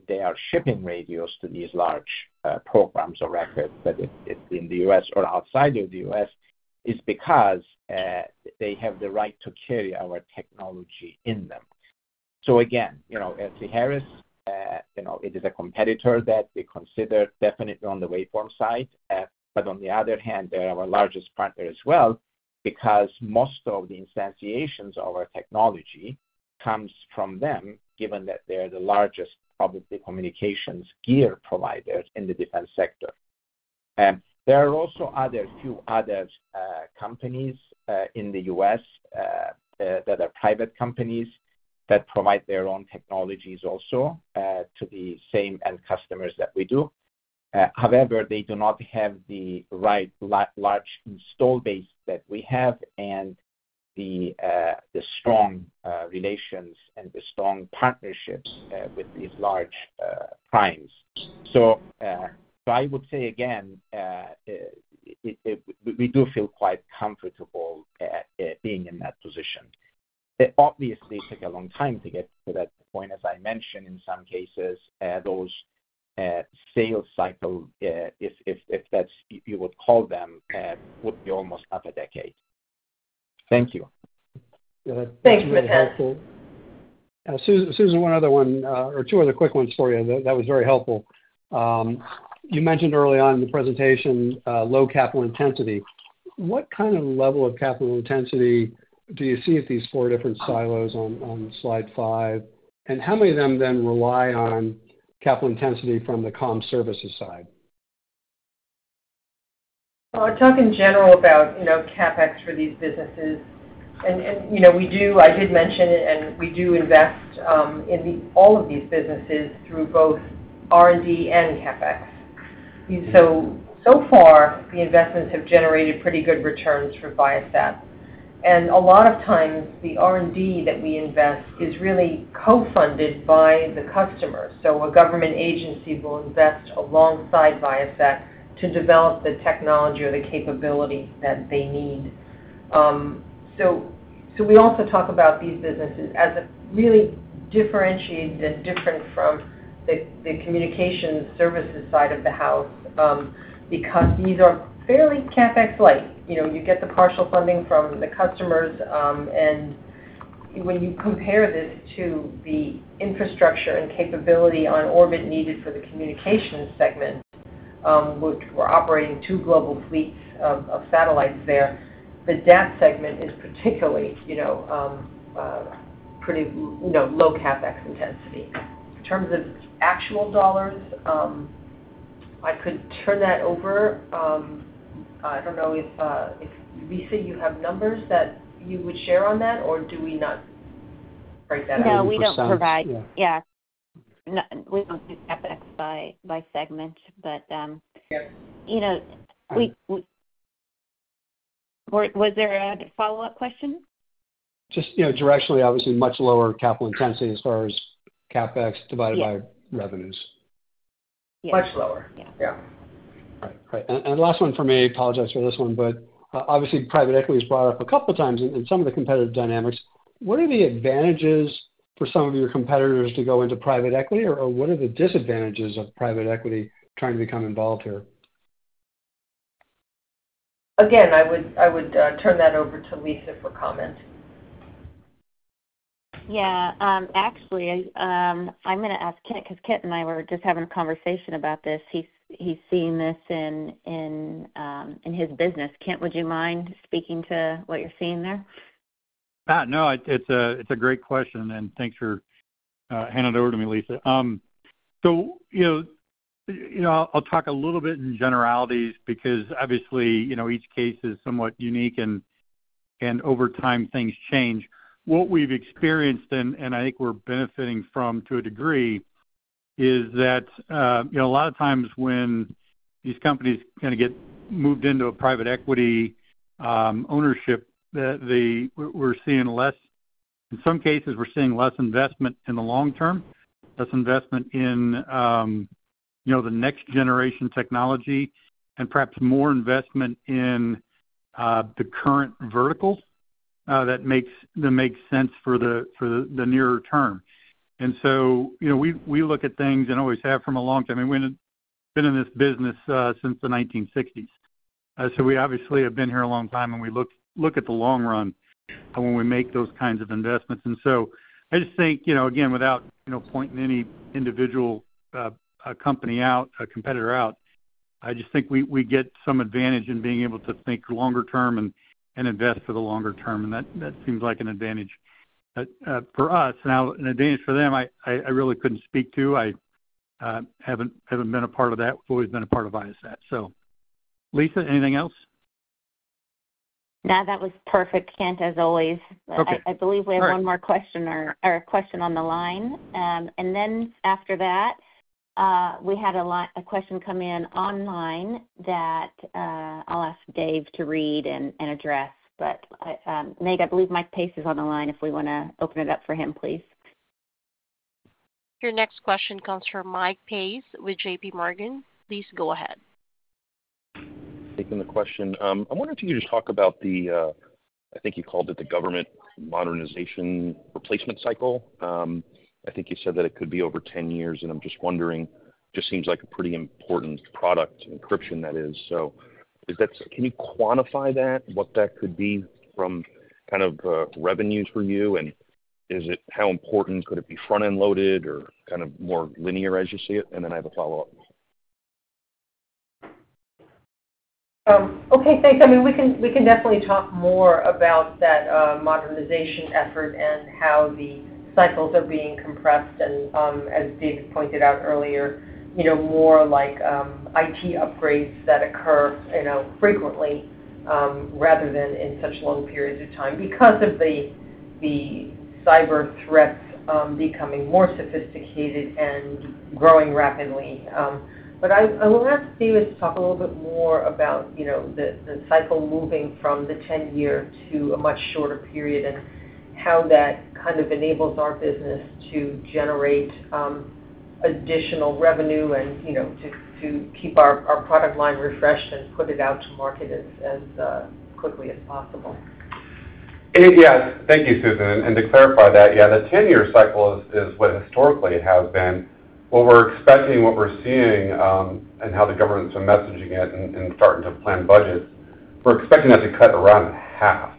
F: they are shipping radios to these large programs of record, whether it's in the U.S. or outside of the U.S., is because they have the right to carry our technology in them. So again, you know, L3Harris, you know, it is a competitor that we consider definitely on the waveform side. But on the other hand, they're our largest partner as well, because most of the instantiations of our technology comes from them, given that they're the largest, probably, communications gear provider in the defense sector. There are also other few others companies in the U.S. that are private companies that provide their own technologies also to the same end customers that we do. However, they do not have the right large install base that we have and the strong relations and the strong partnerships with these large primes. So I would say again it we do feel quite comfortable at being in that position. It obviously took a long time to get to that point. As I mentioned, in some cases those sales cycle if that's you would call them would be almost half a decade.
C: Thank you.
J: Yeah.
C: Thanks, Metin.
J: Susan, one other or two other quick ones for you. That was very helpful. You mentioned early on in the presentation low capital intensity. What kind of level of capital intensity do you see at these four different silos on slide five? And how many of them then rely on capital intensity from the comm services side?
C: I'll talk in general about, you know, CapEx for these businesses. And you know, I did mention it, and we do invest in all of these businesses through both R&D and CapEx. So far, the investments have generated pretty good returns for Viasat. And a lot of times, the R&D that we invest is really co-funded by the customer. So a government agency will invest alongside Viasat to develop the technology or the capability that they need. We also talk about these businesses as a really differentiated and different from the Communication Services side of the house, because these are fairly CapEx light. You know, you get the partial funding from the customers, and when you compare this to the infrastructure and capability on orbit needed for the communication segment, which we're operating two global fleets of satellites there, the DAT segment is particularly, you know, pretty, you know, low CapEx intensity. In terms of actual dollars, I could turn that over. I don't know if Lisa, you have numbers that you would share on that, or do we not break that out?
B: No, we don't provide. Yeah. No, we don't do CapEx by segment. But, you know, we--or was there a follow-up question?
J: Just, you know, directionally, obviously, much lower capital intensity as far as CapEx divided by revenues.
F: Much lower.
C: Yeah.
F: Yeah.
J: Right. And last one for me. Apologize for this one, but obviously, private equity was brought up a couple times in some of the competitive dynamics. What are the advantages for some of your competitors to go into private equity, or what are the disadvantages of private equity trying to become involved here?
C: Again, I would turn that over to Lisa for comment.
B: Yeah, actually, I'm gonna ask Kent, 'cause Kent and I were just having a conversation about this. He's seen this in his business. Kent, would you mind speaking to what you're seeing there?
I: No, it's a great question, and thanks for handing it over to me, Lisa. So, you know, I'll talk a little bit in generalities because obviously, you know, each case is somewhat unique and over time, things change. What we've experienced, and I think we're benefiting from, to a degree, is that, you know, a lot of times when these companies kind of get moved into a private equity ownership, that they -- we're seeing less - in some cases, we're seeing less investment in the long term, less investment in, you know, the next generation technology, and perhaps more investment in, the current verticals, that makes sense for the nearer term. And so, you know, we look at things and always have from a long time. I mean, we've been in this business since the 1960s. So we obviously have been here a long time, and we look at the long run when we make those kinds of investments. And so I just think, you know, again, without pointing any individual company out, a competitor out, I just think we get some advantage in being able to think longer term and invest for the longer term, and that seems like an advantage. But for us, now, an advantage for them, I really couldn't speak to. I haven't been a part of that. We've always been a part of Viasat. So, Lisa, anything else?
B: No, that was perfect, Kent, as always.
I: Okay.
B: I believe we have one more question or a question on the line, and then after that, we had a question come in online that I'll ask Dave to read and address, but Meg, I believe Mike Pace is on the line if we wanna open it up for him, please.
A: Your next question comes from Mike Pace with J.P. Morgan. Please go ahead.
L: Taking the question. I'm wondering if you could just talk about the, I think you called it the government modernization replacement cycle. I think you said that it could be over ten years, and I'm just wondering, just seems like a pretty important product, encryption that is. So is that? Can you quantify that? What that could be from kind of, revenues for you, and is it, how important could it be front-end loaded or kind of more linear as you see it? And then I have a follow-up.
C: Okay, thanks. I mean, we can definitely talk more about that modernization effort and how the cycles are being compressed. As Dave pointed out earlier, you know, more like IT upgrades that occur, you know, frequently rather than in such long periods of time because of the cyber threats becoming more sophisticated and growing rapidly. But I will ask Dave to talk a little bit more about, you know, the cycle moving from the 10-year to a much shorter period, and how that kind of enables our business to generate additional revenue and, you know, to keep our product line refreshed and put it out to market as quickly as possible.
E: Yes. Thank you, Susan. And to clarify that, yeah, the 10-year cycle is what historically it has been. What we're expecting, what we're seeing, and how the governments are messaging it and starting to plan budgets, we're expecting that to cut around half.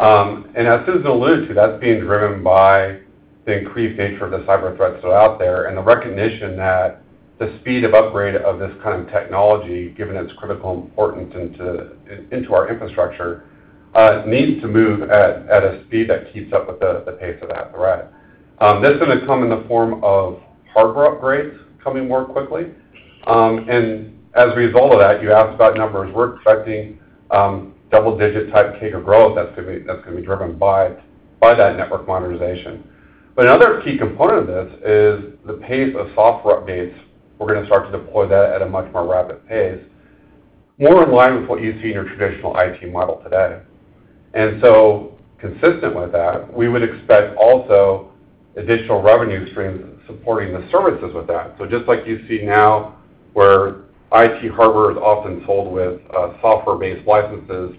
E: And as Susan alluded to, that's being driven by the increased nature of the cyber threats that are out there and the recognition that the speed of upgrade of this kind of technology, given its critical importance into our infrastructure, needs to move at a speed that keeps up with the pace of that threat. This is going to come in the form of hardware upgrades coming more quickly. And as a result of that, you asked about numbers. We're expecting double-digit type of growth that's gonna be driven by that network modernization, but another key component of this is the pace of software updates. We're gonna start to deploy that at a much more rapid pace, more in line with what you see in your traditional IT model today, and so consistent with that, we would expect also additional revenue streams supporting the services with that, so just like you see now, where IT hardware is often sold with software-based licenses,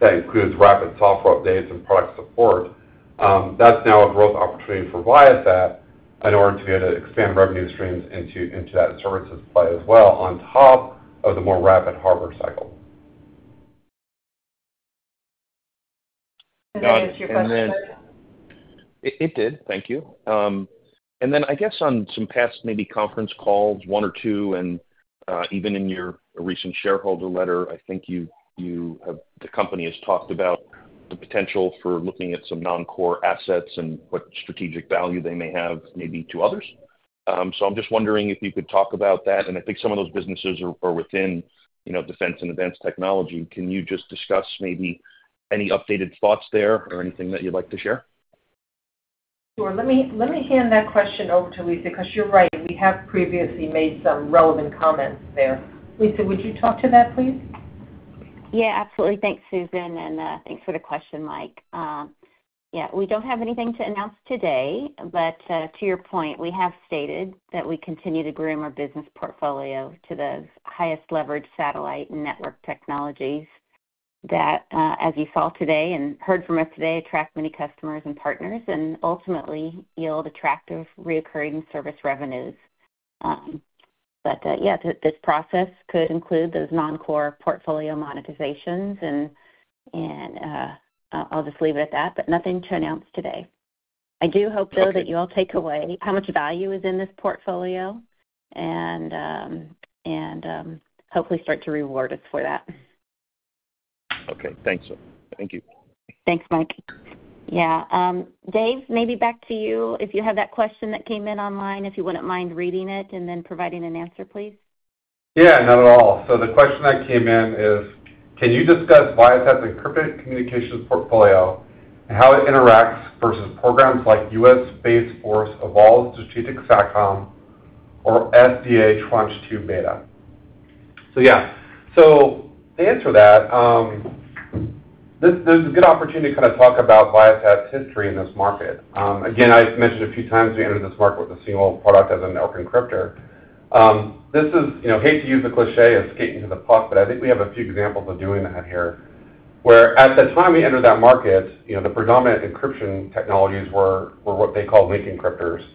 E: that includes rapid software updates and product support, that's now a growth opportunity for Viasat in order to be able to expand revenue streams into that services play as well, on top of the more rapid hardware cycle.
C: Did you get answer to your question?
L: It did. Thank you, and then I guess on some past maybe conference calls, one or two, and even in your recent shareholder letter, I think you, the company has talked about the potential for looking at some non-core assets and what strategic value they may have, maybe to others. So I'm just wondering if you could talk about that, and I think some of those businesses are within, you know, defense and advanced technology. Can you just discuss maybe any updated thoughts there or anything that you'd like to share?
C: Sure. Let me hand that question over to Lisa, because you're right, we have previously made some relevant comments there. Lisa, would you talk to that, please?
B: Yeah, absolutely. Thanks, Susan, and thanks for the question, Mike. Yeah, we don't have anything to announce today, but to your point, we have stated that we continue to groom our business portfolio to the highest leveraged satellite network technologies that, as you saw today and heard from us today, attract many customers and partners and ultimately yield attractive recurring service revenues. But yeah, this process could include those non-core portfolio monetizations, and I'll just leave it at that, but nothing to announce today. I do hope, though, that you all take away how much value is in this portfolio and hopefully start to reward us for that.
C: Okay, thanks. Thank you.
B: Thanks, Mike. Yeah. Dave, maybe back to you. If you have that question that came in online, if you wouldn't mind reading it and then providing an answer, please.
E: Yeah, not at all. So the question that came in is: Can you discuss Viasat's encrypted communications portfolio and how it interacts versus programs like U.S. Space Force Evolved Strategic SATCOM or SDA Tranche 2 Beta? So yeah, so to answer that, this is a good opportunity to kind of talk about Viasat's history in this market. Again, I've mentioned a few times, we entered this market with a single product as a network encryptor. This is, you know, I hate to use the cliché of skating to the puck, but I think we have a few examples of doing that here, where at the time we entered that market, you know, the predominant encryption technologies were what they call link encryptors.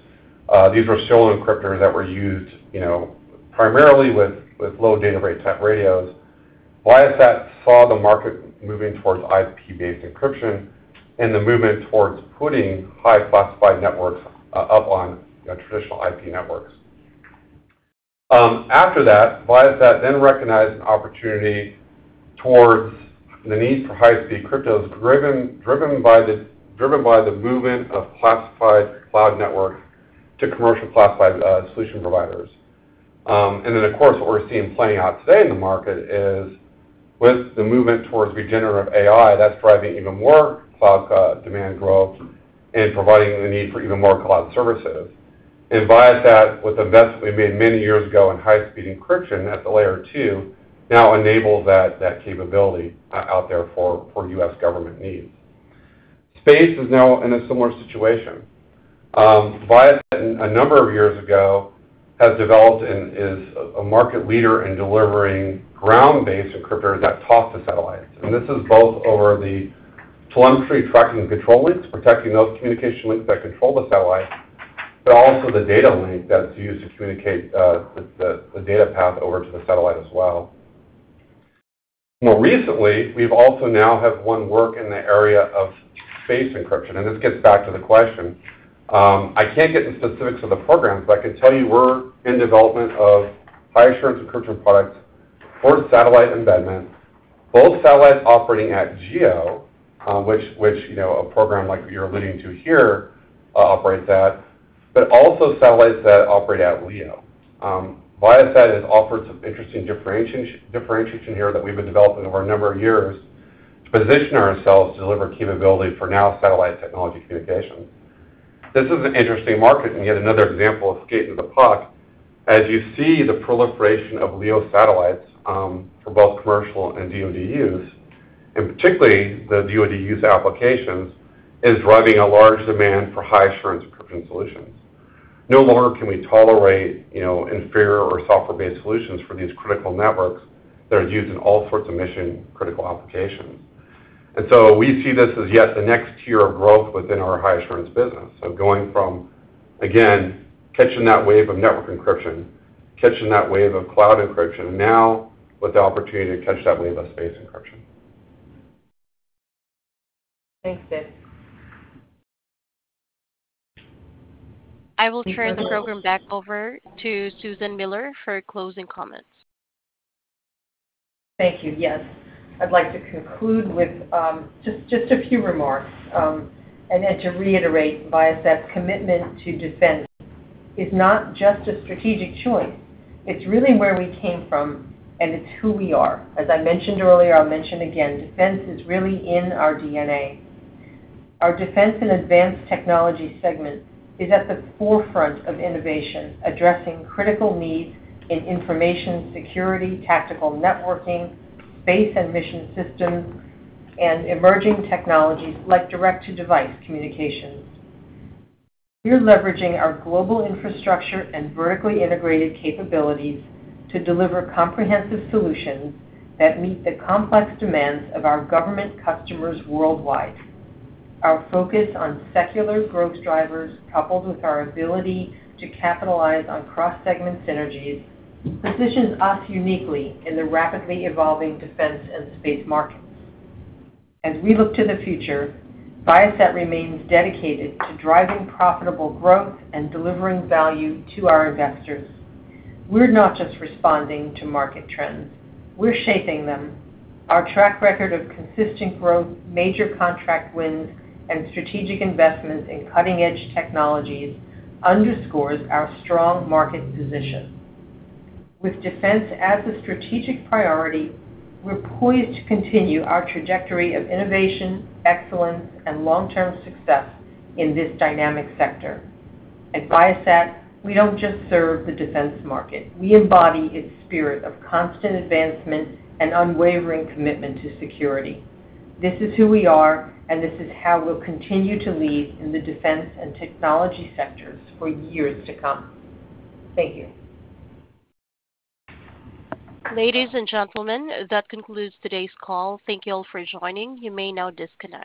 E: These were solo encryptors that were used, you know, primarily with low data rate type radios. Viasat saw the market moving towards IP-based encryption and the movement towards putting highly classified networks up on traditional IP networks. After that, Viasat then recognized an opportunity towards the need for high-speed cryptos, driven by the movement of classified cloud networks to commercial classified solution providers. And then, of course, what we're seeing playing out today in the market is with the movement towards generative AI, that's driving even more cloud demand growth and providing the need for even more cloud services, and Viasat, with investments we made many years ago in high-speed encryption at the layer two, now enables that capability out there for US government needs. Space is now in a similar situation. Viasat, a number of years ago, has developed and is a market leader in delivering ground-based encryptors that talk to satellites. And this is both over the telemetry tracking and control links, protecting those communication links that control the satellite, but also the data link that's used to communicate the data path over to the satellite as well. More recently, we've also now have won work in the area of space encryption, and this gets back to the question. I can't get into specifics of the programs, but I can tell you we're in development of high assurance encryption products for satellite embedment, both satellites operating at GEO, which you know a program like you're alluding to here operates at, but also satellites that operate at LEO. Viasat has offered some interesting differentiation here that we've been developing over a number of years to position ourselves to deliver capability for now satellite technology communications. This is an interesting market and yet another example of skating to the puck. As you see, the proliferation of LEO satellites for both commercial and DoD use, and particularly the DoD use applications, is driving a large demand for high assurance encryption solutions. No longer can we tolerate, you know, inferior or software-based solutions for these critical networks that are used in all sorts of mission-critical applications, and so we see this as yet the next tier of growth within our high assurance business, so going from, again, catching that wave of network encryption, catching that wave of cloud encryption, now with the opportunity to catch that wave of space encryption.
C: Thanks, Dave.
A: I will turn the program back over to Susan Miller for closing comments.
C: Thank you. Yes, I'd like to conclude with just a few remarks, and then to reiterate, Viasat's commitment to defense is not just a strategic choice, it's really where we came from, and it's who we are. As I mentioned earlier, I'll mention again, defense is really in our DNA. Our defense and advanced technology segment is at the forefront of innovation, addressing critical needs in Information Security, Tactical Networking, Space and Mission Systems, and emerging technologies like direct-to-device communications. We're leveraging our global infrastructure and vertically integrated capabilities to deliver comprehensive solutions that meet the complex demands of our government customers worldwide. Our focus on secular growth drivers, coupled with our ability to capitalize on cross-segment synergies, positions us uniquely in the rapidly evolving defense and space markets. As we look to the future, Viasat remains dedicated to driving profitable growth and delivering value to our investors. We're not just responding to market trends, we're shaping them. Our track record of consistent growth, major contract wins, and strategic investments in cutting-edge technologies underscores our strong market position. With defense as a strategic priority, we're poised to continue our trajectory of innovation, excellence, and long-term success in this dynamic sector. At Viasat, we don't just serve the defense market. We embody its spirit of constant advancement and unwavering commitment to security. This is who we are, and this is how we'll continue to lead in the defense and technology sectors for years to come. Thank you.
A: Ladies and gentlemen, that concludes today's call. Thank you all for joining. You may now disconnect.